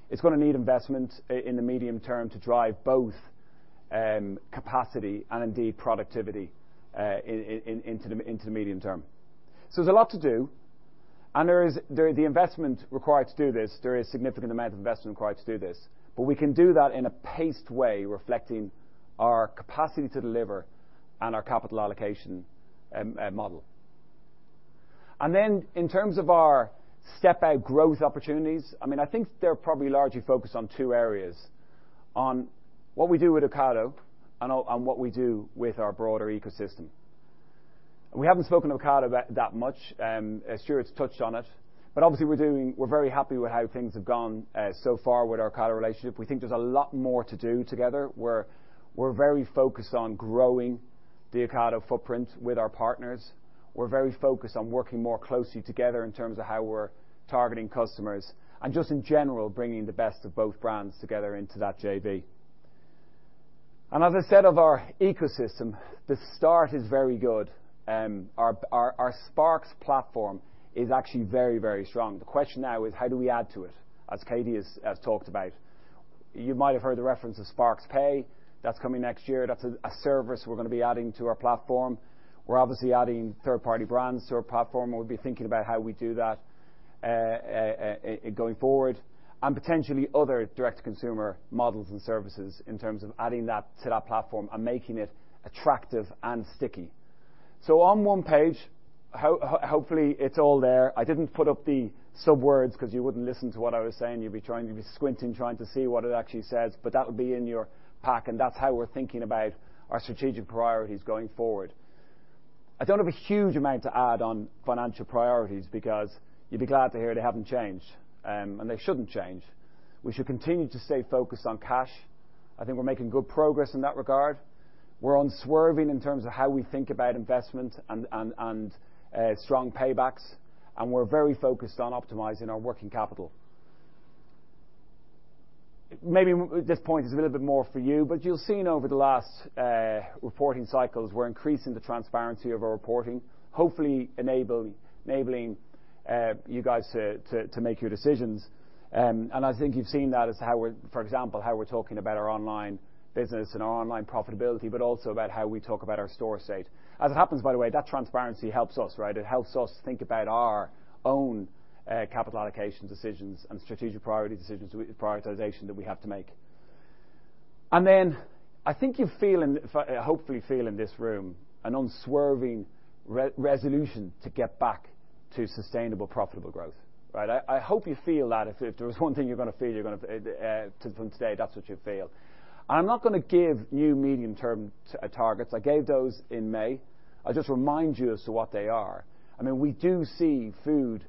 it's going to need investment in the medium term to drive both capacity and indeed productivity into the medium term. There's a lot to do. There is significant amount of investment required to do this. We can do that in a paced way, reflecting our capacity to deliver and our capital allocation model. In terms of our step-out growth opportunities, I think they're probably largely focused on two areas. On what we do with Ocado, and on what we do with our broader ecosystem. We haven't spoken Ocado that much. Stuart's touched on it. Obviously we're very happy with how things have gone so far with our Ocado relationship. We think there's a lot more to do together. We're very focused on growing the Ocado footprint with our partners. We're very focused on working more closely together in terms of how we're targeting customers and just in general, bringing the best of both brands together into that JV. As I said of our ecosystem, the start is very good. Our Sparks platform is actually very, very strong. The question now is how do we add to it, as Katie has talked about. You might have heard the reference to Sparks Pay. That's coming next year. That's a service we're going to be adding to our platform. We're obviously adding third-party brands to our platform, and we'll be thinking about how we do that going forward. Potentially other direct consumer models and services in terms of adding that to that platform and making it attractive and sticky. On one page, hopefully it's all there. I didn't put up the sub-words because you wouldn't listen to what I was saying. You'd be squinting, trying to see what it actually says. That'll be in your pack, and that's how we're thinking about our strategic priorities going forward. I don't have a huge amount to add on financial priorities because you'll be glad to hear they haven't changed, and they shouldn't change. We should continue to stay focused on cash. I think we're making good progress in that regard. We're unswerving in terms of how we think about investment and strong paybacks, and we're very focused on optimizing our working capital. Maybe this point is a little bit more for you, but you'll have seen over the last reporting cycles, we're increasing the transparency of our reporting, hopefully enabling you guys to make your decisions. I think you've seen that as, for example, how we're talking about our online business and our online profitability, but also about how we talk about our store estate. As it happens, by the way, that transparency helps us. It helps us think about our own capital allocation decisions and strategic priority decisions, prioritization that we have to make. Then I think you hopefully feel in this room an unswerving resolution to get back to sustainable, profitable growth. I hope you feel that. If there was one thing you're going to feel from today, that's what you'll feel. I'm not going to give new medium-term targets. I gave those in May. I'll just remind you as to what they are. We do see Food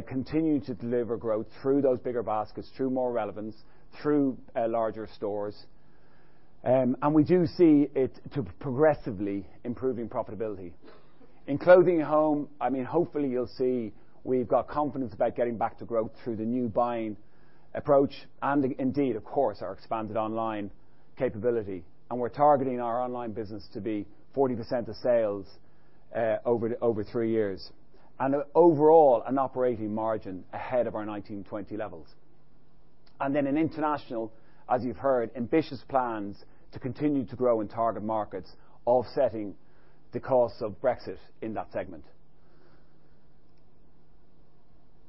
continuing to deliver growth through those bigger baskets, through more relevance, through larger stores. We do see it to progressively improving profitability. In Clothing & Home, hopefully you'll see we've got confidence about getting back to growth through the new buying approach and indeed, of course, our expanded online capability. We're targeting our online business to be 40% of sales over three years. Overall, an operating margin ahead of our 2019/2020 levels. Then in International, as you've heard, ambitious plans to continue to grow in target markets, offsetting the cost of Brexit in that segment.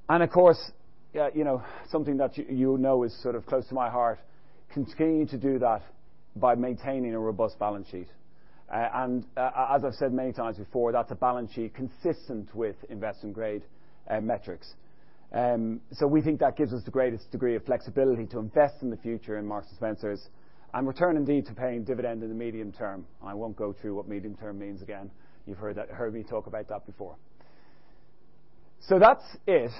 Of course, something that you know is close to my heart, continuing to do that by maintaining a robust balance sheet. As I've said many times before, that's a balance sheet consistent with investment-grade metrics. We think that gives us the greatest degree of flexibility to invest in the future in Marks & Spencer, and return indeed to paying dividend in the medium term. I won't go through what medium term means again. You've heard me talk about that before. That's it.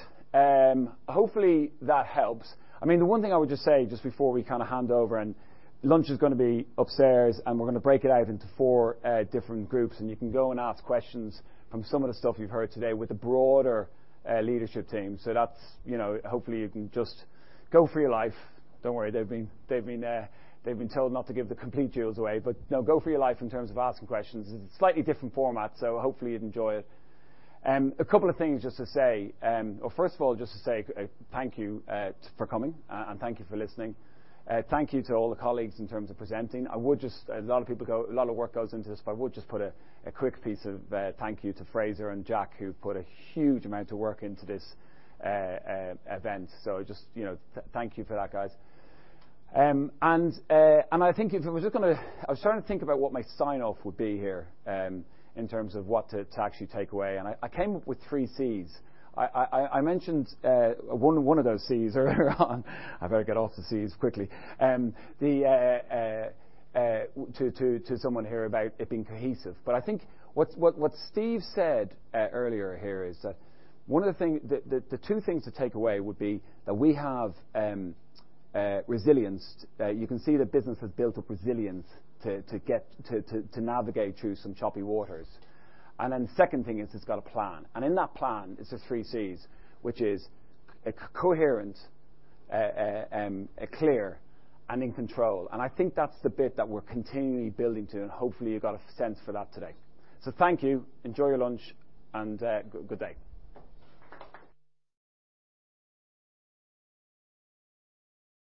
Hopefully that helps. The one thing I would just say, just before we hand over, and lunch is going to be upstairs, and we're going to break it out into four different groups, and you can go and ask questions from some of the stuff you've heard today with the broader leadership team. Hopefully you can just go for your life. Don't worry, they've been told not to give the complete jewels away. No, go for your life in terms of asking questions. It's a slightly different format, so hopefully you'd enjoy it. A couple of things just to say. First of all, just to say thank you for coming, and thank you for listening. Thank you to all the colleagues in terms of presenting. A lot of work goes into this, but I would just put a quick piece of thank you to Fraser and Jack, who put a huge amount of work into this event. Thank you for that, guys. I was starting to think about what my sign-off would be here in terms of what to actually take away, and I came up with three Cs. I mentioned one of those Cs earlier on. I better get off the Cs quickly. To someone here about it being cohesive. I think what Steve said earlier here is that the two things to take away would be that we have resilience. You can see the business has built up resilience to navigate through some choppy waters. The second thing is it's got a plan. In that plan, it's those three Cs, which is coherent, clear, and in control. I think that's the bit that we're continually building to, and hopefully you got a sense for that today. Thank you. Enjoy your lunch, and good day.